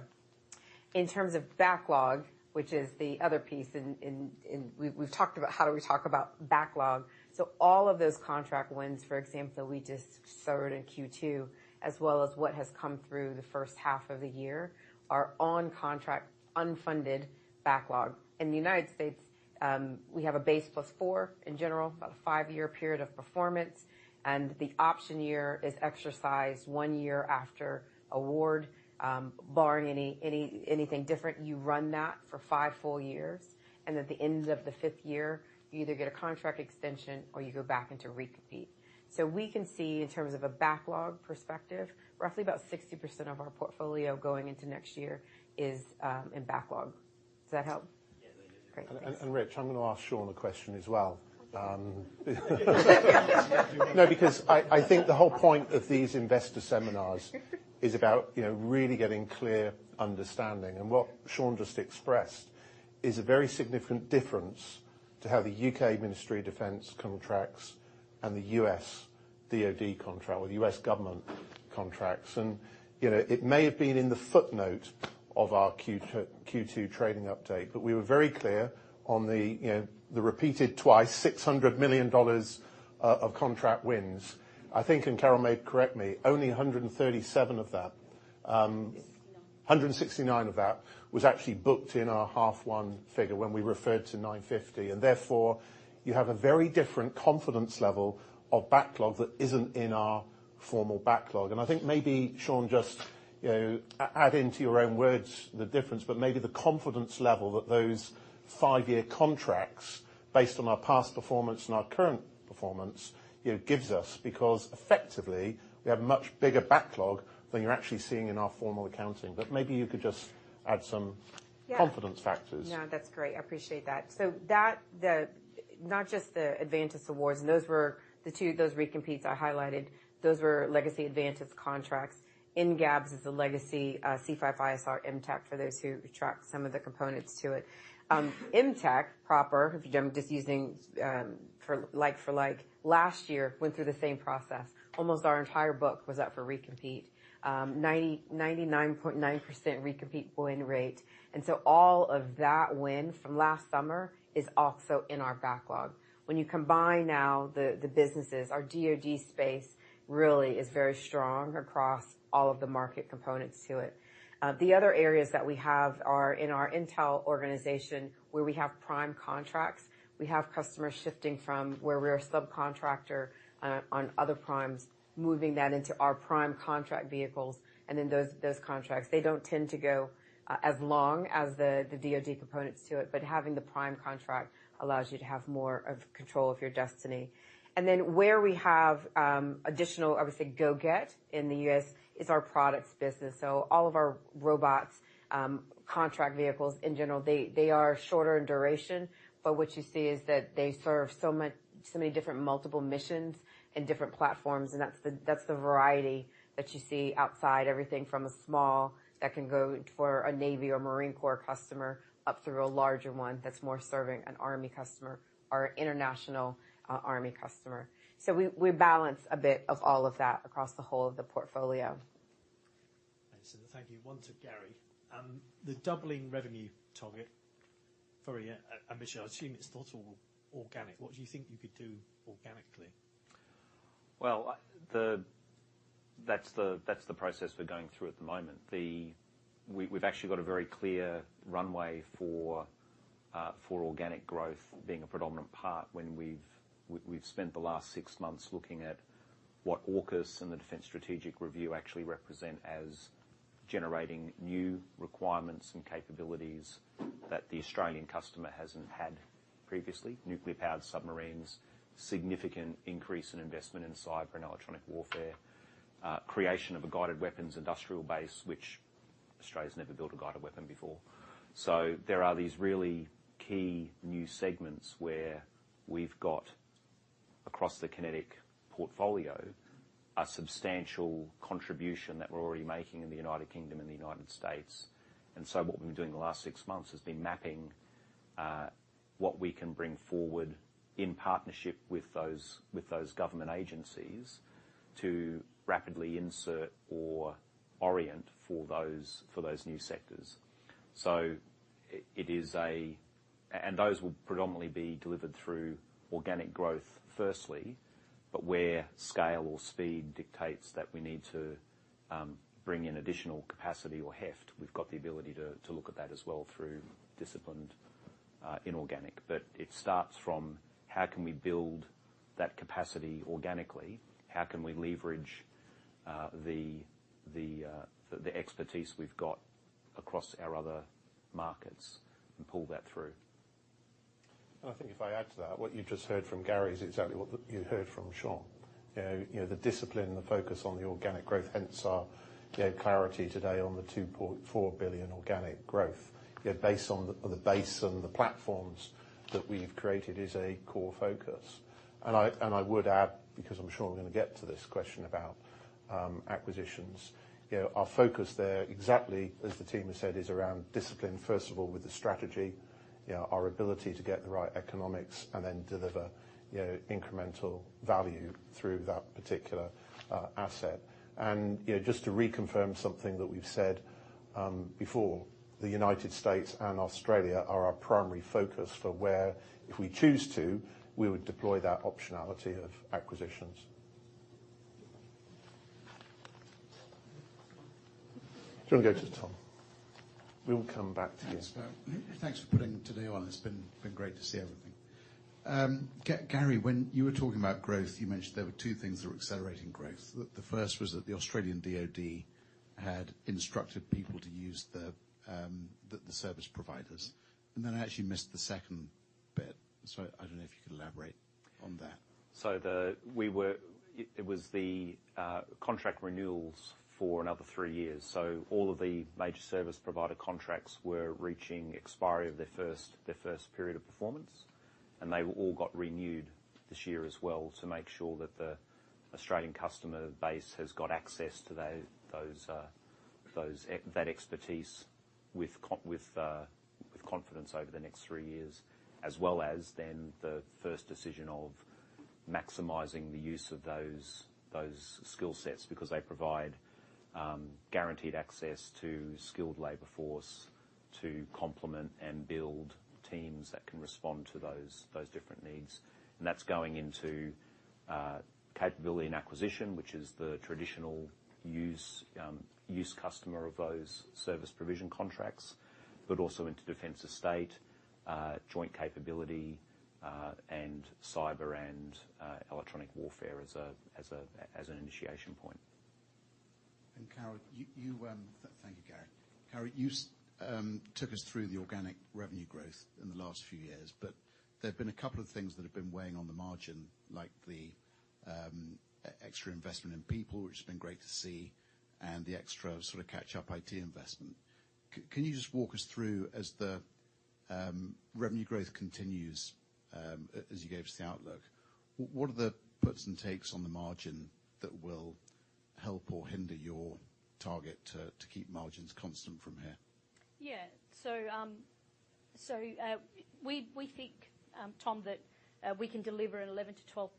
In terms of backlog, which is the other piece, in we've talked about how do we talk about backlog. So all of those contract wins, for example, that we just served in Q2, as well as what has come through the first half of the year, are on contract, unfunded backlog. In the United States, we have a base plus four, in general, about a five-year period of performance, and the option year is exercised one year after award. Barring any, anything different, you run that for five full years, and at the end of the 5th year, you either get a contract extension or you go back into re-compete. So we can see, in terms of a backlog perspective, roughly about 60% of our portfolio going into next year is in backlog. Does that help? Yeah, it does. Great. Rich, I'm gonna ask Shawn a question as well. No, because I think the whole point of these investor seminars is about, you know, really getting clear understanding. And what Shawn just expressed is a very significant difference to how the U.K. Ministry of Defence contracts and the U.S. DoD contract or the U.S. government contracts. And, you know, it may have been in the footnote of our Q2 trading update, but we were very clear on the, you know, the repeated 2x, $600 million of contract wins. I think, and Carol may correct me, only 137 of that, 169 of that was actually booked in our half one figure when we referred to 950, and therefore, you have a very different confidence level of backlog that isn't in our formal backlog. I think maybe, Shawn, just, you know, add into your own words the difference, but maybe the confidence level that those five-year contracts, based on our past performance and our current performance, you know, gives us, because effectively, we have a much bigger backlog than you're actually seeing in our formal accounting. But maybe you could just add some- Yeah. -confidence factors. Yeah, that's great. I appreciate that. So that, the, not just the Avantus awards, and those were the two, those recompetes I highlighted. Those were legacy Avantus contracts. NGABS is the legacy, C5ISR MTEC, for those who track some of the components to it. MTEC proper, if you, I'm just using, for like for like, last year, went through the same process. Almost our entire book was up for recompete. 99.9% recompete win rate, and so all of that win from last summer is also in our backlog. When you combine now the, the businesses, our DoD space really is very strong across all of the market components to it. The other areas that we have are in our intel organization, where we have prime contracts. We have customers shifting from where we're a subcontractor on other primes, moving that into our prime contract vehicles and in those contracts. They don't tend to go as long as the DoD components to it, but having the prime contract allows you to have more of control of your destiny. And then, where we have additional, obviously, growth in the U.S. is our products business. So all of our robots contract vehicles, in general, they are shorter in duration, but what you see is that they serve so many different multiple missions and different platforms, and that's the variety that you see outside everything from a small that can go for a Navy or Marine Corps customer, up through a larger one that's more serving an Army customer or international Army customer. So we balance a bit of all of that across the whole of the portfolio. Thanks. Thank you. One to Gary. The doubling revenue target for a year, and Michelle, assuming it's not all organic, what do you think you could do organically? Well, that's the process we're going through at the moment. We’ve actually got a very clear runway for organic growth being a predominant part when we've spent the last six months looking at what AUKUS and the Defence Strategic Review actually represent as generating new requirements and capabilities that the Australian customer hasn't had previously. Nuclear-powered submarines, significant increase in investment in cyber and electronic warfare, creation of a guided weapons industrial base, which Australia's never built a guided weapon before. So there are these really key new segments where we've got, across the QinetiQ portfolio, a substantial contribution that we're already making in the United Kingdom and the United States. So what we've been doing the last six months has been mapping what we can bring forward in partnership with those government agencies to rapidly insert or orient for those new sectors. It is a... Those will predominantly be delivered through organic growth, firstly, but where scale or speed dictates that we need to bring in additional capacity or heft, we've got the ability to look at that as well through disciplined inorganic. It starts from how can we build that capacity organically? How can we leverage the expertise we've got across our other markets and pull that through? And I think if I add to that, what you've just heard from Gary is exactly what you heard from Shawn. You know, you know, the discipline and the focus on the organic growth, hence our, you know, clarity today on the 2.4 billion organic growth. Yet based on the, on the base and the platforms that we've created is a core focus. And I would add, because I'm sure we're gonna get to this question about acquisitions, you know, our focus there, exactly as the team has said, is around discipline, first of all, with the strategy, you know, our ability to get the right economics, and then deliver, you know, incremental value through that particular asset. You know, just to reconfirm something that we've said before, the United States and Australia are our primary focus for where, if we choose to, we would deploy that optionality of acquisitions. Do you want to go to Tom? We'll come back to you. Thanks for putting today on. It's been great to see everything. Gary, when you were talking about growth, you mentioned there were two things that were accelerating growth. The first was that the Australian DoD had instructed people to use the service providers. And then I actually missed the second bit, so I don't know if you could elaborate on that. So it was the contract renewals for another three years. So all of the Major Service Provider contracts were reaching expiry of their first period of performance, and they all got renewed this year as well to make sure that the Australian customer base has got access to those that expertise with confidence over the next three years, as well as then the first decision of maximizing the use of those skill sets, because they provide guaranteed access to skilled labor force to complement and build teams that can respond to those different needs. And that's going into capability and acquisition, which is the traditional use, use customer of those service provision contracts, but also into defence estate, joint capability, and cyber, and electronic warfare as an initiation point. Thank you, Gary. Carol, you took us through the organic revenue growth in the last few years, but there have been a couple of things that have been weighing on the margin, like the extra investment in people, which has been great to see, and the extra sort of catch-up IT investment. Can you just walk us through as the revenue growth continues, as you gave us the outlook, what are the puts and takes on the margin that will help or hinder your target to keep margins constant from here? Yeah. We think, Tom, that we can deliver an 11%-12%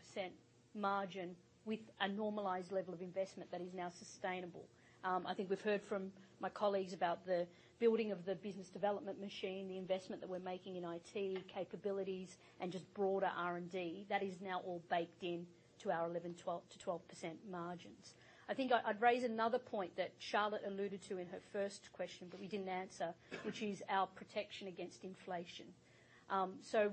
margin with a normalized level of investment that is now sustainable. I think we've heard from my colleagues about the building of the business development machine, the investment that we're making in IT capabilities, and just broader R&D. That is now all baked in to our 11%-12% margins. I think I'd raise another point that Charlotte alluded to in her first question, but we didn't answer, which is our protection against inflation.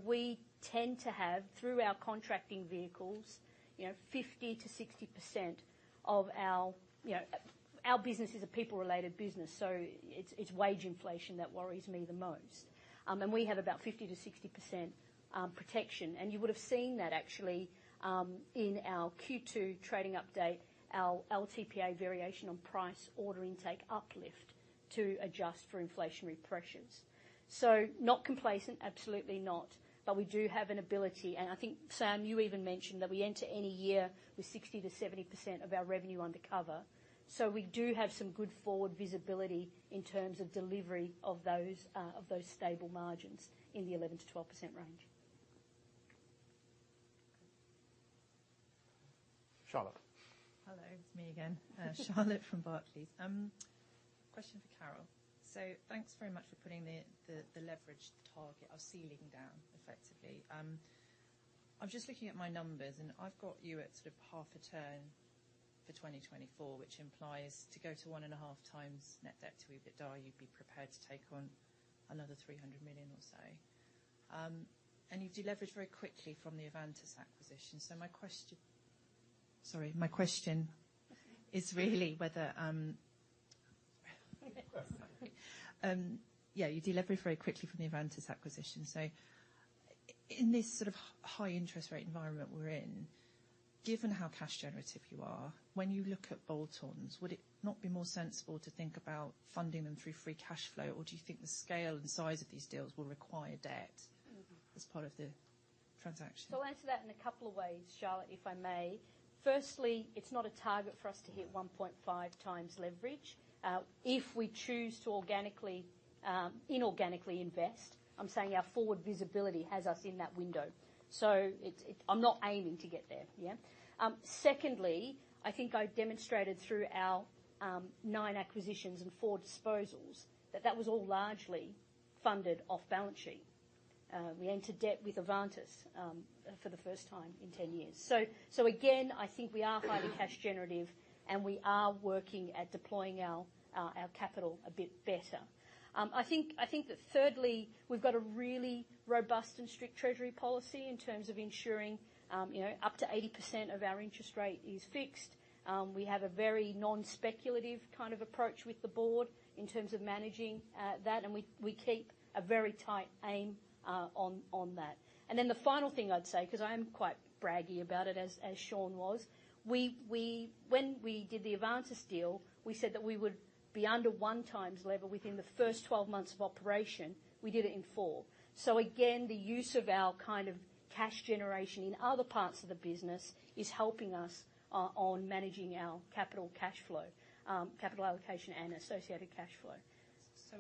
We tend to have, through our contracting vehicles, you know, 50%-60% of our, you know... Our business is a people-related business, so it's wage inflation that worries me the most. And we have about 50%-60% protection. You would have seen that actually, in our Q2 trading update, our LTPA variation on price order intake uplift to adjust for inflationary pressures. So not complacent, absolutely not. We do have an ability, and I think, Sam, you even mentioned, that we enter any year with 60%-70% of our revenue under cover. So we do have some good forward visibility in terms of delivery of those, of those stable margins in the 11%-12% range. Charlotte? Hello, it's me again. Charlotte from Barclays. Question for Carol. So thanks very much for putting the leverage target or ceiling down, effectively. I'm just looking at my numbers, and I've got you at sort of half a turn for 2024, which implies to go to 1.5x net debt to EBITDA, you'd be prepared to take on another 300 million or so. And you've deleveraged very quickly from the Avantus acquisition. So my question... Sorry, my question is really whether you deleveraged very quickly from the Avantus acquisition. So in this sort of high interest rate environment we're in, given how cash generative you are, when you look at bolt-ons, would it not be more sensible to think about funding them through free cash flow? Or do you think the scale and size of these deals will require debt as part of the transaction? So I'll answer that in a couple of ways, Charlotte, if I may. Firstly, it's not a target for us to hit 1.5x leverage. If we choose to organically, inorganically invest, I'm saying our forward visibility has us in that window, so it's, it-- I'm not aiming to get there, yeah? Secondly, I think I've demonstrated through our, nine acquisitions and four disposals, that that was all largely funded off-balance sheet. We entered debt with Avantus, for the first time in 10 years. So, so again, I think we are highly cash generative, and we are working at deploying our, our capital a bit better. I think that thirdly, we've got a really robust and strict treasury policy in terms of ensuring, you know, up to 80% of our interest rate is fixed. We have a very non-speculative kind of approach with the board in terms of managing that, and we keep a very tight aim on that. Then the final thing I'd say, 'cause I am quite braggy about it, as Shawn was, we-- When we did the Avantus deal, we said that we would be under 1x level within the first 12 months of operation. We did it in 4. So again, the use of our kind of cash generation in other parts of the business is helping us on managing our capital cash flow, capital allocation, and associated cash flow.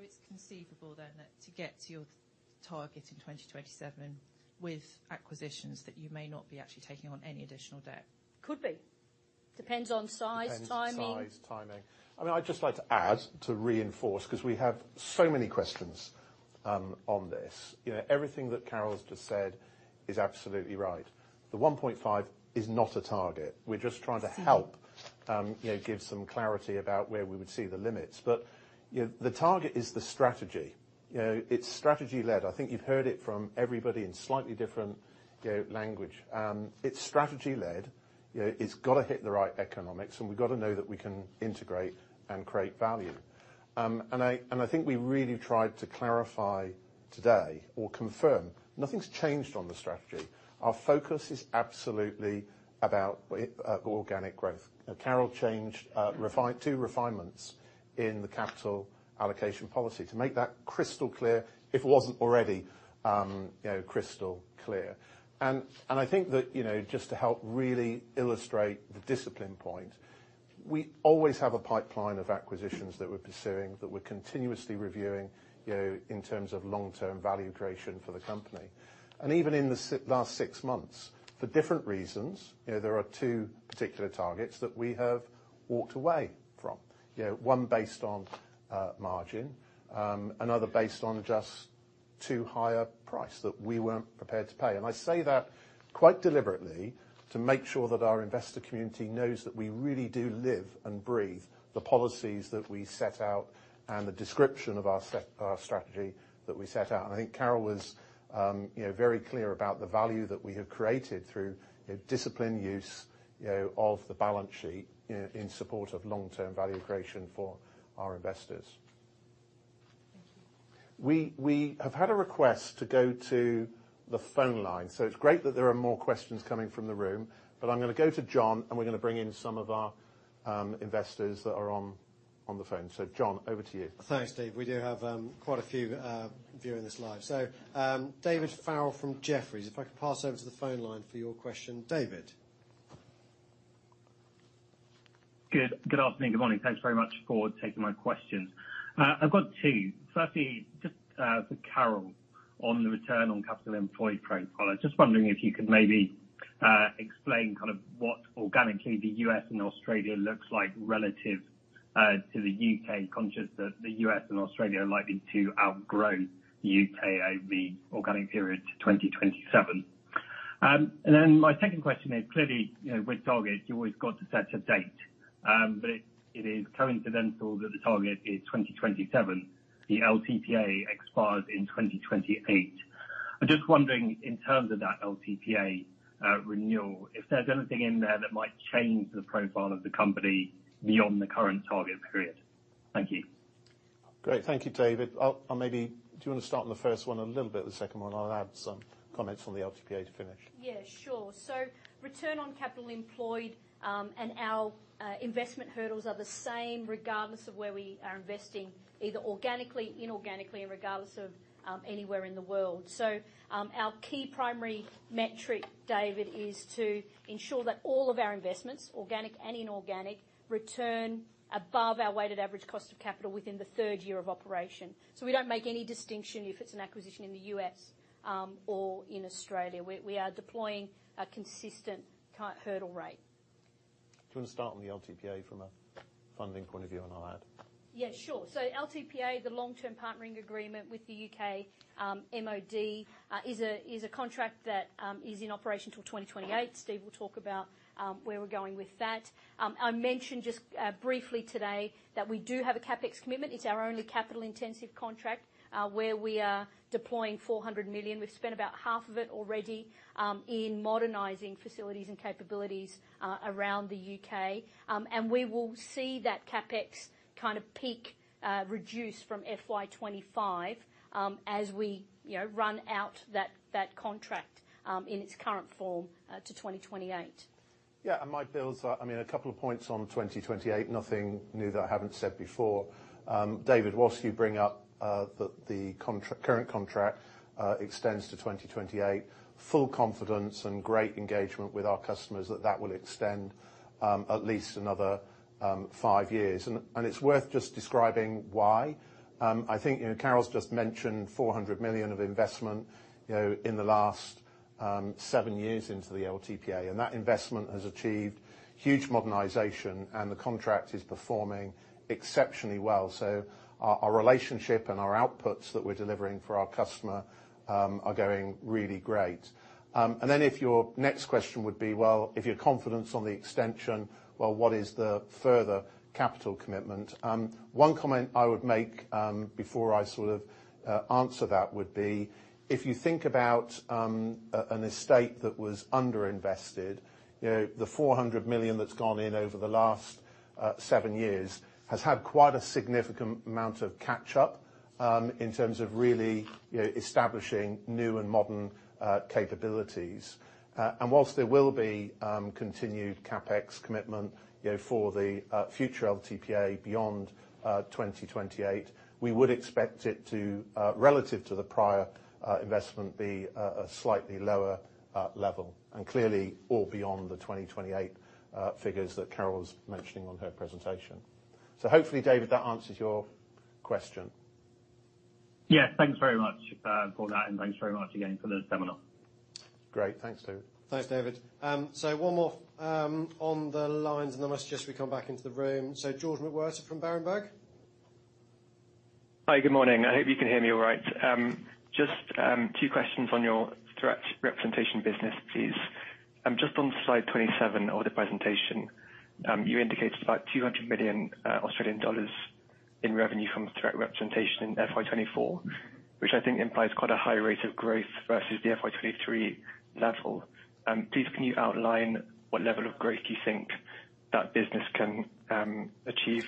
It's conceivable then, that to get to your target in 2027 with acquisitions, that you may not be actually taking on any additional debt? Could be. Depends on size, timing. Depends on size, timing. I mean, I'd just like to add, to reinforce, 'cause we have so many questions on this. You know, everything that Carol has just said is absolutely right. The 1.5x is not a target. We're just trying to help you know, give some clarity about where we would see the limits. But, you know, the target is the strategy. You know, it's strategy led. I think you've heard it from everybody in slightly different, you know, language. It's strategy led. You know, it's got to hit the right economics, and we've got to know that we can integrate and create value. And I, and I think we really tried to clarify today or confirm nothing's changed on the strategy. Our focus is absolutely about organic growth. Now, Carol changed two refinements in the capital allocation policy to make that crystal clear, if it wasn't already, you know, crystal clear. I think that, you know, just to help really illustrate the discipline point, we always have a pipeline of acquisitions that we're pursuing, that we're continuously reviewing, you know, in terms of long-term value creation for the company. And even in the last six months, for different reasons, you know, there are two particular targets that we have walked away from. You know, one based on margin, another based on too high a price that we weren't prepared to pay. And I say that quite deliberately to make sure that our investor community knows that we really do live and breathe the policies that we set out and the description of our strategy that we set out. I think Carol was, you know, very clear about the value that we have created through a disciplined use, you know, of the balance sheet in support of long-term value creation for our investors. Thank you. We have had a request to go to the phone line, so it's great that there are more questions coming from the room. But I'm gonna go to John, and we're gonna bring in some of our investors that are on the phone. So John, over to you. Thanks, Steve. We do have quite a few viewing this live. So, David Farrell from Jefferies. If I could pass over to the phone line for your question, David. Good, good afternoon, good morning. Thanks very much for taking my questions. I've got two. Firstly, just, for Carol on the return on capital employed profile. I was just wondering if you could maybe, explain kind of what organically the U.S. and Australia looks like relative, to the U.K., conscious that the U.S. and Australia are likely to outgrow U.K. over the organic period to 2027. And then my second question is, clearly, you know, with targets, you've always got to set a date, but it, it is coincidental that the target is 2027. The LTPA expires in 2028. I'm just wondering, in terms of that LTPA, renewal, if there's anything in there that might change the profile of the company beyond the current target period? Thank you. Great. Thank you, David. I'll maybe. Do you want to start on the first one? A little bit on the second one, I'll add some comments on the LTPA to finish. Yeah, sure. So return on capital employed and our investment hurdles are the same, regardless of where we are investing, either organically, inorganically, and regardless of anywhere in the world. So our key primary metric, David, is to ensure that all of our investments, organic and inorganic, return above our weighted average cost of capital within the third year of operation. So we don't make any distinction if it's an acquisition in the U.S. or in Australia. We are deploying a consistent kind of hurdle rate. Do you want to start on the LTPA from a funding point of view, and I'll add? Yeah, sure. So LTPA, the Long-Term Partnering Agreement with the U.K. MOD, is a contract that is in operation till 2028. Steve will talk about where we're going with that. I mentioned just briefly today that we do have a CapEx commitment. It's our only capital-intensive contract where we are deploying 400 million. We've spent about GBP 200 million already in modernizing facilities and capabilities around the U.K. And we will see that CapEx kind of peak reduce from FY 2025 as we, you know, run out that contract in its current form to 2028. Yeah, I might build. I mean, a couple of points on 2028. Nothing new that I haven't said before. David, whilst you bring up the current contract extends to 2028, full confidence and great engagement with our customers that that will extend at least another five years. And it's worth just describing why. I think, you know, Carol's just mentioned 400 million of investment, you know, in the last seven years into the LTPA, and that investment has achieved huge modernization, and the contract is performing exceptionally well. So our relationship and our outputs that we're delivering for our customer are going really great. And then if your next question would be, well, if you're confident on the extension, well, what is the further capital commitment? One comment I would make, before I sort of, answer that would be, if you think about, an estate that was underinvested, you know, the 400 million that's gone in over the last, seven years has had quite a significant amount of catch up, in terms of really, you know, establishing new and modern, capabilities. And whilst there will be, continued CapEx commitment, you know, for the, future LTPA beyond, 2028, we would expect it to, relative to the prior, investment, be a slightly lower, level, and clearly all beyond the 2028, figures that Carol was mentioning on her presentation. So hopefully, David, that answers your question. Yeah, thanks very much, for that, and thanks very much again for the seminar. Great. Thanks, David. Thanks, David. So one more, on the lines, and then I suggest we come back into the room. So George McWhirter from Berenberg. Hi, good morning. I hope you can hear me all right. Just two questions on your threat representation business, please. Just on slide 27 of the presentation, you indicated about 200 million Australian dollars in revenue from threat representation in FY 2024, which I think implies quite a high rate of growth versus the FY 2023 level. Please, can you outline what level of growth you think that business can achieve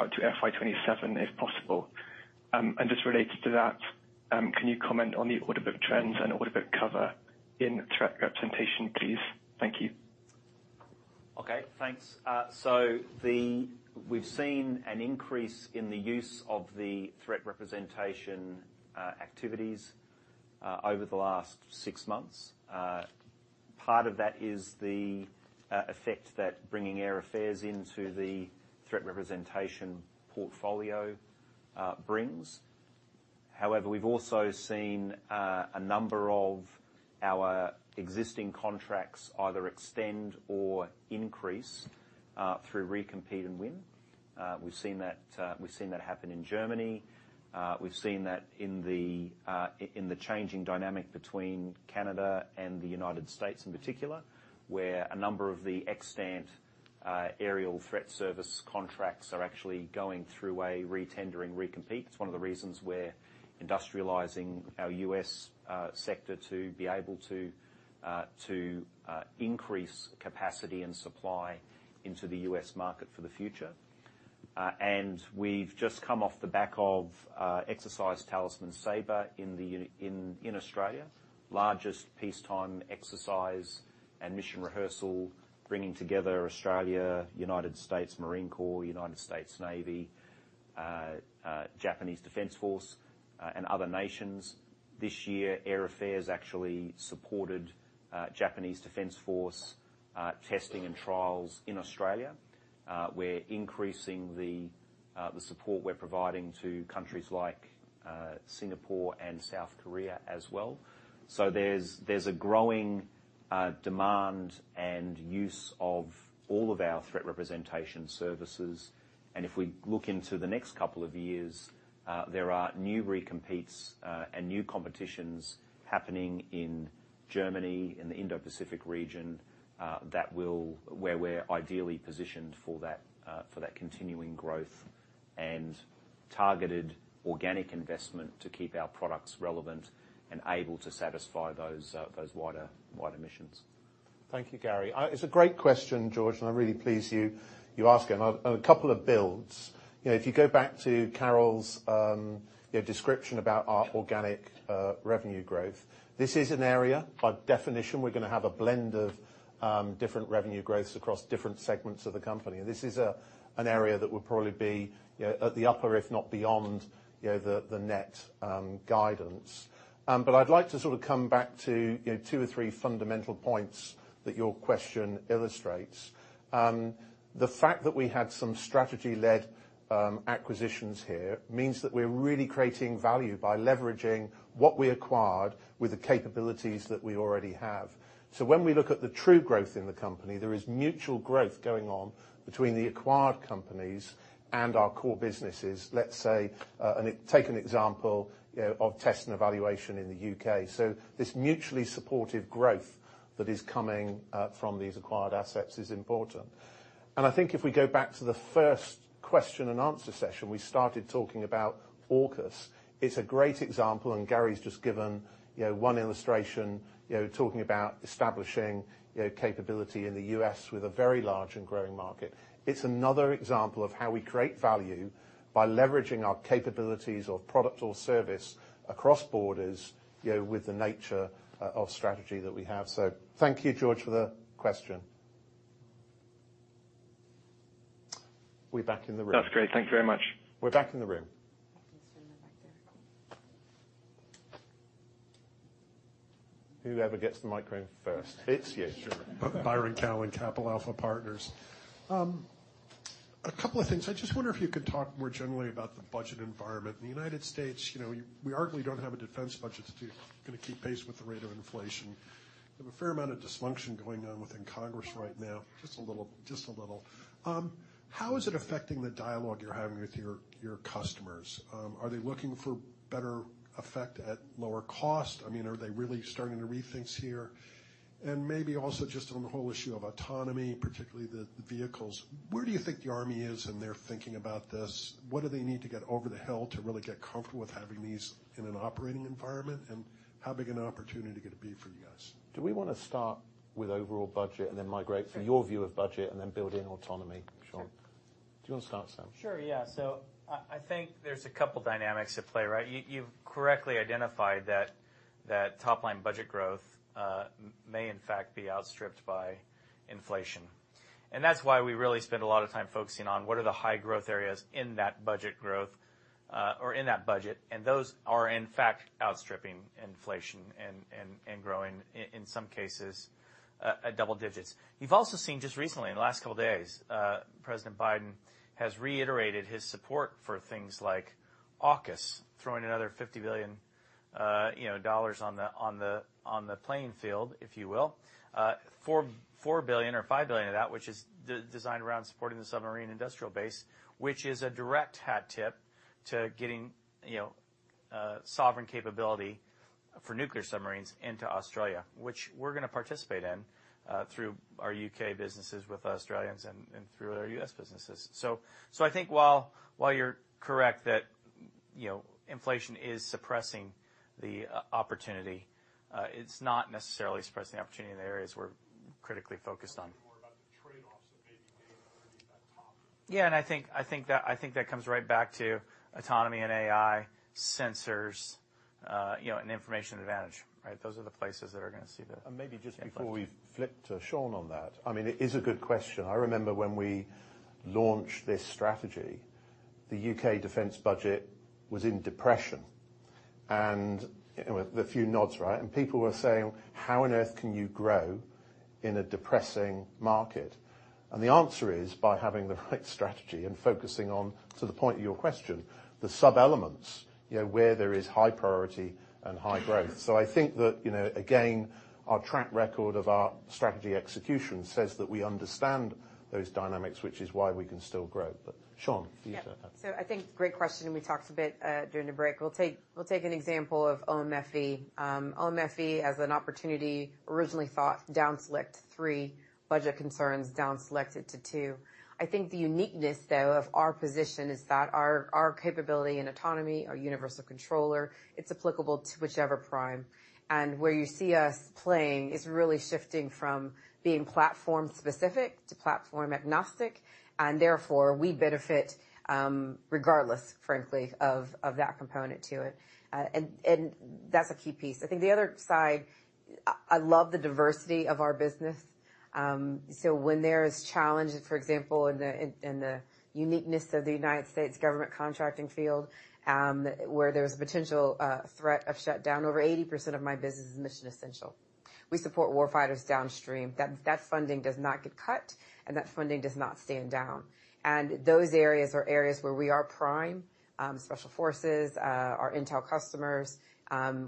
out to FY 2027, if possible? And just related to that, can you comment on the order book trends and order book cover in threat representation, please? Thank you. Okay, thanks. So we've seen an increase in the use of the threat representation activities over the last six months. Part of that is the effect that bringing Air Affairs into the threat representation portfolio brings. However, we've also seen a number of our existing contracts either extend or increase through recompete and win. We've seen that happen in Germany. We've seen that in the changing dynamic between Canada and the United States, in particular, where a number of the extant aerial threat service contracts are actually going through a retendering recompete. It's one of the reasons we're industrializing our U.S. sector to be able to increase capacity and supply into the U.S. market for the future. We've just come off the back of Exercise Talisman Sabre in Australia, largest peacetime exercise and mission rehearsal, bringing together Australia, United States Marine Corps, United States Navy, Japan Self-Defense Forces, and other nations. This year, Air Affairs actually supported Japan Self-Defense Forces testing and trials in Australia. We're increasing the support we're providing to countries like Singapore and South Korea as well. So there's a growing demand and use of all of our threat representation services, and if we look into the next couple of years, there are new recompetes and new competitions happening in Germany, in the Indo-Pacific region, that will... where we're ideally positioned for that, for that continuing growth and targeted organic investment to keep our products relevant and able to satisfy those, those wider, wider missions. Thank you, Gary. It's a great question, George, and I'm really pleased you, you asked it. And I'll and a couple of builds. You know, if you go back to Carol's, you know, description about our organic revenue growth, this is an area, by definition, we're gonna have a blend of different revenue growths across different segments of the company. And this is an area that will probably be, you know, at the upper, if not beyond, you know, the, the net guidance. But I'd like to sort of come back to, you know, two or three fundamental points that your question illustrates. The fact that we had some strategy-led acquisitions here means that we're really creating value by leveraging what we acquired with the capabilities that we already have. So when we look at the true growth in the company, there is mutual growth going on between the acquired companies and our core businesses. Let's say, and take an example, you know, of test and evaluation in the U.K. So this mutually supportive growth that is coming from these acquired assets is important. And I think if we go back to the first question and answer session, we started talking about AUKUS. It's a great example, and Gary's just given, you know, one illustration, you know, talking about establishing, you know, capability in the U.S. with a very large and growing market. It's another example of how we create value by leveraging our capabilities or product or service across borders, you know, with the nature of strategy that we have. So thank you, George, for the question. We're back in the room. That's great. Thank you very much. We're back in the room. I can stand back there. Whoever gets the microphone first. It's you. Sure. Byron Callan, Capital Alpha Partners. A couple of things. I just wonder if you could talk more generally about the budget environment. In the United States, you know, we, we arguably don't have a defence budget to, gonna keep pace with the rate of inflation. We have a fair amount of dysfunction going on within Congress right now, just a little, just a little. How is it affecting the dialogue you're having with your, your customers? Are they looking for better effect at lower cost? I mean, are they really starting to rethink here? And maybe also just on the whole issue of autonomy, particularly the, the vehicles, where do you think the Army is in their thinking about this? What do they need to get over the hill to really get comfortable with having these in an operating environment? How big an opportunity could it be for you guys? Do we wanna start with overall budget and then migrate to your view of budget and then build in autonomy, Shawn, do you wanna start, Shawn? Sure, yeah. So I think there's a couple dynamics at play, right? You've correctly identified that top-line budget growth may in fact be outstripped by inflation. And that's why we really spend a lot of time focusing on what are the high growth areas in that budget growth, or in that budget, and those are in fact outstripping inflation and growing, in some cases, double digits. You've also seen just recently, in the last couple days, President Biden has reiterated his support for things like AUKUS, throwing another $50 billion, you know, dollars on the playing field, if you will. $4 billion or $5 billion of that, which is designed around supporting the submarine industrial base, which is a direct hat tip to getting, you know, sovereign capability for nuclear submarines into Australia, which we're gonna participate in, through our U.K. businesses with Australians and through our U.S. businesses. So I think while you're correct that, you know, inflation is suppressing the opportunity, it's not necessarily suppressing the opportunity in the areas we're critically focused on. More about the trade-offs of maybe getting over that top. Yeah, and I think that comes right back to autonomy and AI, sensors, you know, and information advantage, right? Those are the places that are gonna see the- And maybe just before we flip to Shawn on that, I mean, it is a good question. I remember when we launched this strategy, the U.K. defence budget was in depression, and with a few nods, right? And people were saying: "How on earth can you grow?"... in a depressing market? And the answer is, by having the right strategy and focusing on, to the point of your question, the sub-elements, you know, where there is high priority and high growth. So I think that, you know, again, our track record of our strategy execution says that we understand those dynamics, which is why we can still grow. But Shawn, you start. Yeah. So I think great question, and we talked a bit during the break. We'll take an example of OMFV. OMFV as an opportunity originally thought down-select three, budget concerns down-selected to two. I think the uniqueness, though, of our position is that our capability and autonomy, our universal controller, it's applicable to whichever prime. And where you see us playing is really shifting from being platform specific to platform agnostic, and therefore, we benefit, regardless frankly, of that component to it. And that's a key piece. I think the other side, I love the diversity of our business. So when there's challenges, for example, in the uniqueness of the United States government contracting field, where there's a potential threat of shutdown, over 80% of my business is mission essential. We support warfighters downstream. That, that funding does not get cut, and that funding does not stand down. Those areas are areas where we are prime, special forces, our intel customers,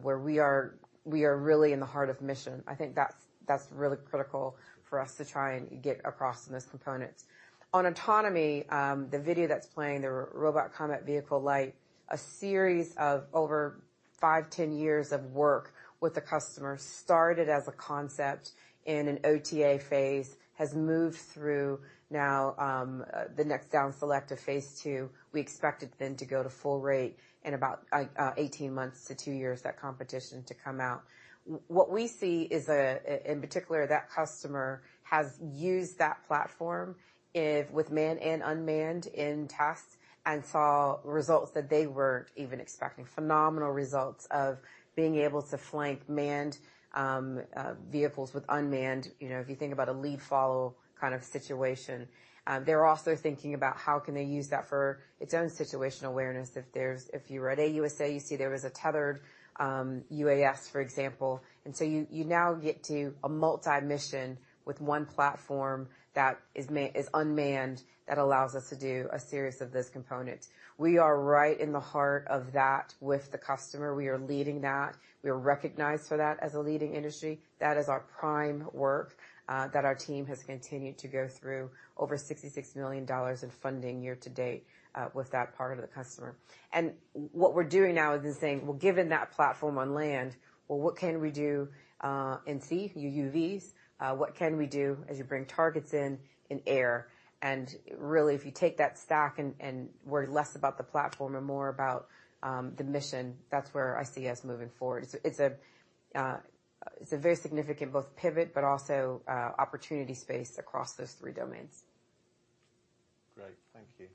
where we are, we are really in the heart of mission. I think that's, that's really critical for us to try and get across in those components. On autonomy, the video that's playing, the Robotic Combat Vehicle-Light, a series of over 5-10 years of work with the customer, started as a concept in an OTA phase, has moved through now, the next down select of phase two. We expect it then to go to full rate in about, eighteen months to 2 years, that competition to come out. What we see is a in particular, that customer has used that platform if with manned and unmanned in tasks, and saw results that they weren't even expecting. Phenomenal results of being able to flank manned vehicles with unmanned. You know, if you think about a lead follow kind of situation. They're also thinking about how can they use that for its own situational awareness. If you were at AUSA, you see there was a tethered UAS, for example. And so you now get to a multi-mission with one platform that is unmanned, that allows us to do a series of this component. We are right in the heart of that with the customer. We are leading that. We are recognized for that as a leading industry. That is our prime work, that our team has continued to go through over $66 million in funding year to date, with that part of the customer. And what we're doing now is saying, "Well, given that platform on land, well, what can we do in sea, UUVs? What can we do as you bring targets in, in air?" And really, if you take that stack and, and worry less about the platform and more about the mission, that's where I see us moving forward. It's a, it's a very significant both pivot, but also, opportunity space across those three domains. Great, thank you.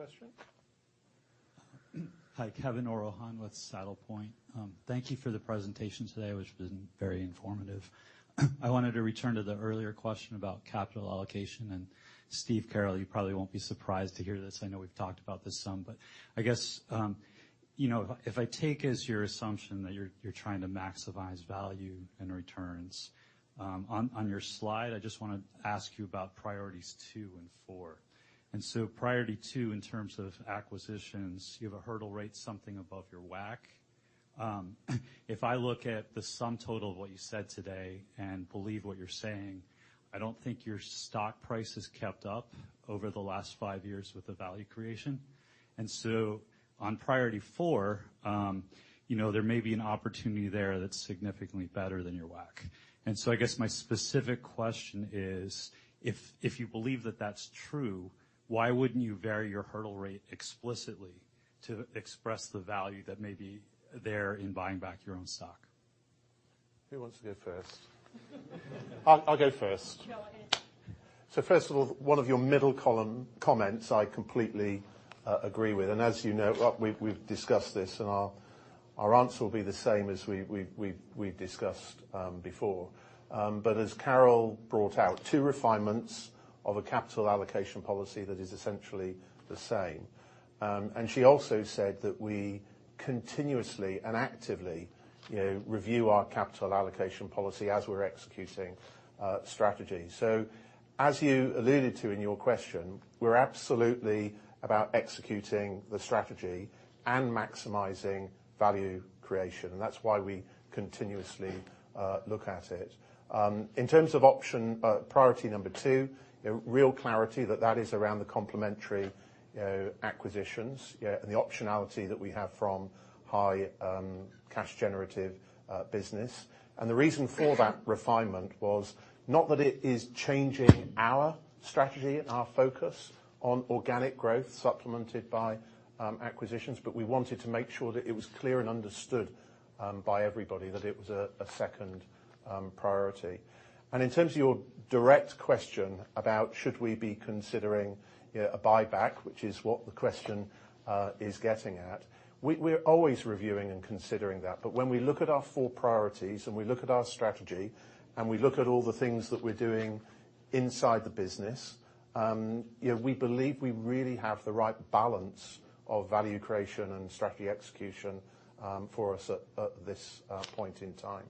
Next question? Hi, Kevin Oro-Hahn with Saddle Point. Thank you for the presentation today, which has been very informative. I wanted to return to the earlier question about capital allocation, and Steve, Carol, you probably won't be surprised to hear this. I know we've talked about this some, but I guess, you know, if I take as your assumption that you're, you're trying to maximize value and returns, on, on your slide, I just want to ask you about priorities two and four. And so priority two, in terms of acquisitions, you have a hurdle rate, something above your WACC. If I look at the sum total of what you said today and believe what you're saying, I don't think your stock price has kept up over the last five years with the value creation. On priority four, you know, there may be an opportunity there that's significantly better than your WACC. I guess my specific question is: if you believe that that's true, why wouldn't you vary your hurdle rate explicitly to express the value that may be there in buying back your own stock? Who wants to go first? I'll go first. So first of all, one of your middle column comments I completely agree with, and as you know, we've discussed this, and our answer will be the same as we've discussed before. But as Carol brought out, two refinements of a capital allocation policy, that is essentially the same. And she also said that we continuously and actively, you know, review our capital allocation policy as we're executing strategy. So as you alluded to in your question, we're absolutely about executing the strategy and maximizing value creation, and that's why we continuously look at it. In terms of option priority number two, real clarity that that is around the complementary acquisitions, yeah, and the optionality that we have from high cash-generative business. The reason for that refinement was not that it is changing our strategy and our focus on organic growth, supplemented by acquisitions, but we wanted to make sure that it was clear and understood by everybody that it was a second priority. In terms of your direct question about should we be considering a buyback, which is what the question is getting at, we're always reviewing and considering that. But when we look at our four priorities, and we look at our strategy, and we look at all the things that we're doing inside the business, you know, we believe we really have the right balance of value creation and strategy execution for us at this point in time.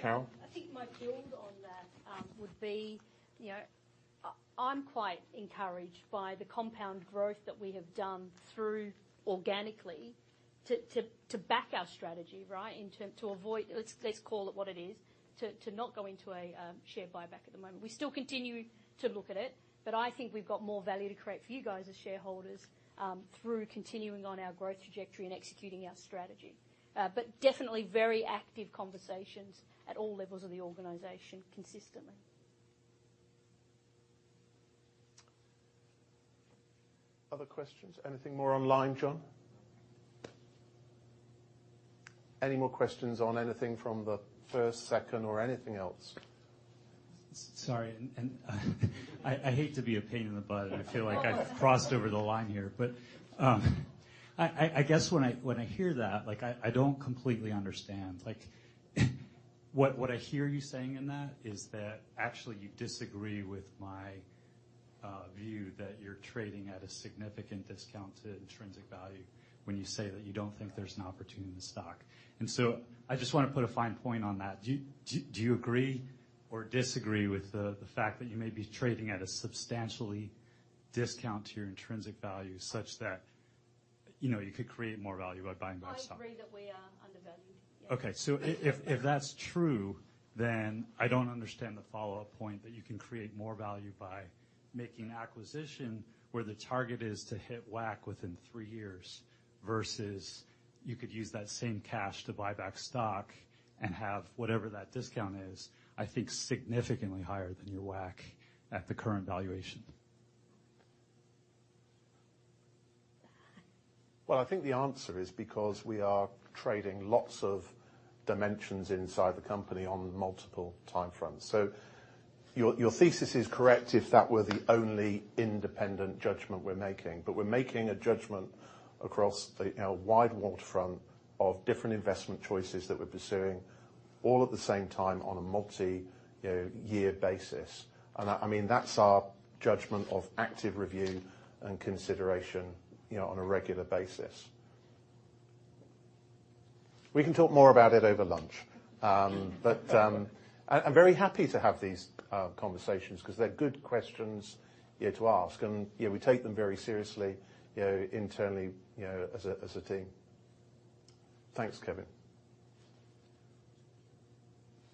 Carol? Yeah, I think my build on that would be, you know, I'm quite encouraged by the compound growth that we have done through organically to back our strategy, right? To avoid... Let's call it what it is, to not go into a share buyback at the moment. We still continue to look at it, but I think we've got more value to create for you guys as shareholders through continuing on our growth trajectory and executing our strategy. But definitely very active conversations at all levels of the organization consistently. Other questions? Anything more online, John? Any more questions on anything from the first, second or anything else? Sorry, I hate to be a pain in the butt, and I feel like I've crossed over the line here. But I guess when I hear that, like I don't completely understand. Like, what I hear you saying in that, is that actually you disagree with my view that you're trading at a significant discount to intrinsic value when you say that you don't think there's an opportunity in the stock. And so I just want to put a fine point on that. Do you agree or disagree with the fact that you may be trading at a substantially discount to your intrinsic value, such that, you know, you could create more value by buying back stock? I agree that we are undervalued, yes. Okay. So if that's true, then I don't understand the follow-up point that you can create more value by making acquisition, where the target is to hit WACC within three years, versus you could use that same cash to buy back stock and have whatever that discount is, I think, significantly higher than your WACC at the current valuation. Well, I think the answer is because we are trading lots of dimensions inside the company on multiple timeframes. So your, your thesis is correct if that were the only independent judgment we're making. But we're making a judgment across the, you know, wide waterfront of different investment choices that we're pursuing, all at the same time on a multi, you know, year basis. And I, I mean, that's our judgment of active review and consideration, you know, on a regular basis. We can talk more about it over lunch. But, I'm very happy to have these conversations, 'cause they're good questions, yeah, to ask. And, you know, we take them very seriously, you know, internally, you know, as a, as a team. Thanks, Kevin.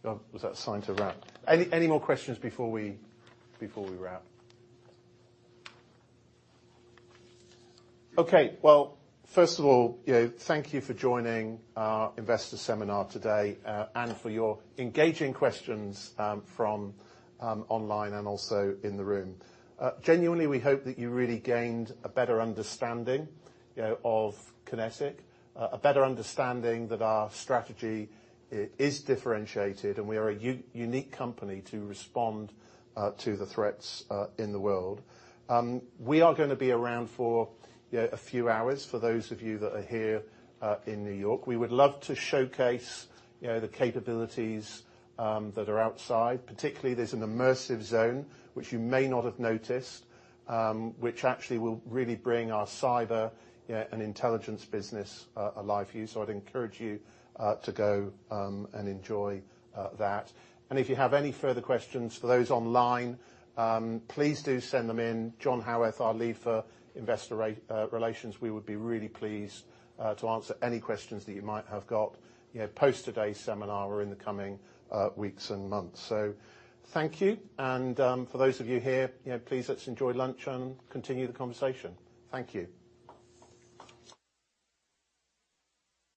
Oh, was that a sign to wrap? Any, any more questions before we, before we wrap? Okay. Well, first of all, you know, thank you for joining our investor seminar today, and for your engaging questions from online and also in the room. Genuinely, we hope that you really gained a better understanding, you know, of QinetiQ. A better understanding that our strategy is differentiated, and we are a unique company to respond to the threats in the world. We are gonna be around for, you know, a few hours, for those of you that are here in New York. We would love to showcase, you know, the capabilities that are outside. Particularly, there's an immersive zone, which you may not have noticed, which actually will really bring our Cyber and Intelligence business alive for you. So I'd encourage you to go and enjoy that. If you have any further questions, for those online, please do send them in. John Haworth, our lead for investor relations, we would be really pleased to answer any questions that you might have got, you know, post today's seminar or in the coming weeks and months. So thank you, and, for those of you here, you know, please let's enjoy lunch and continue the conversation. Thank you.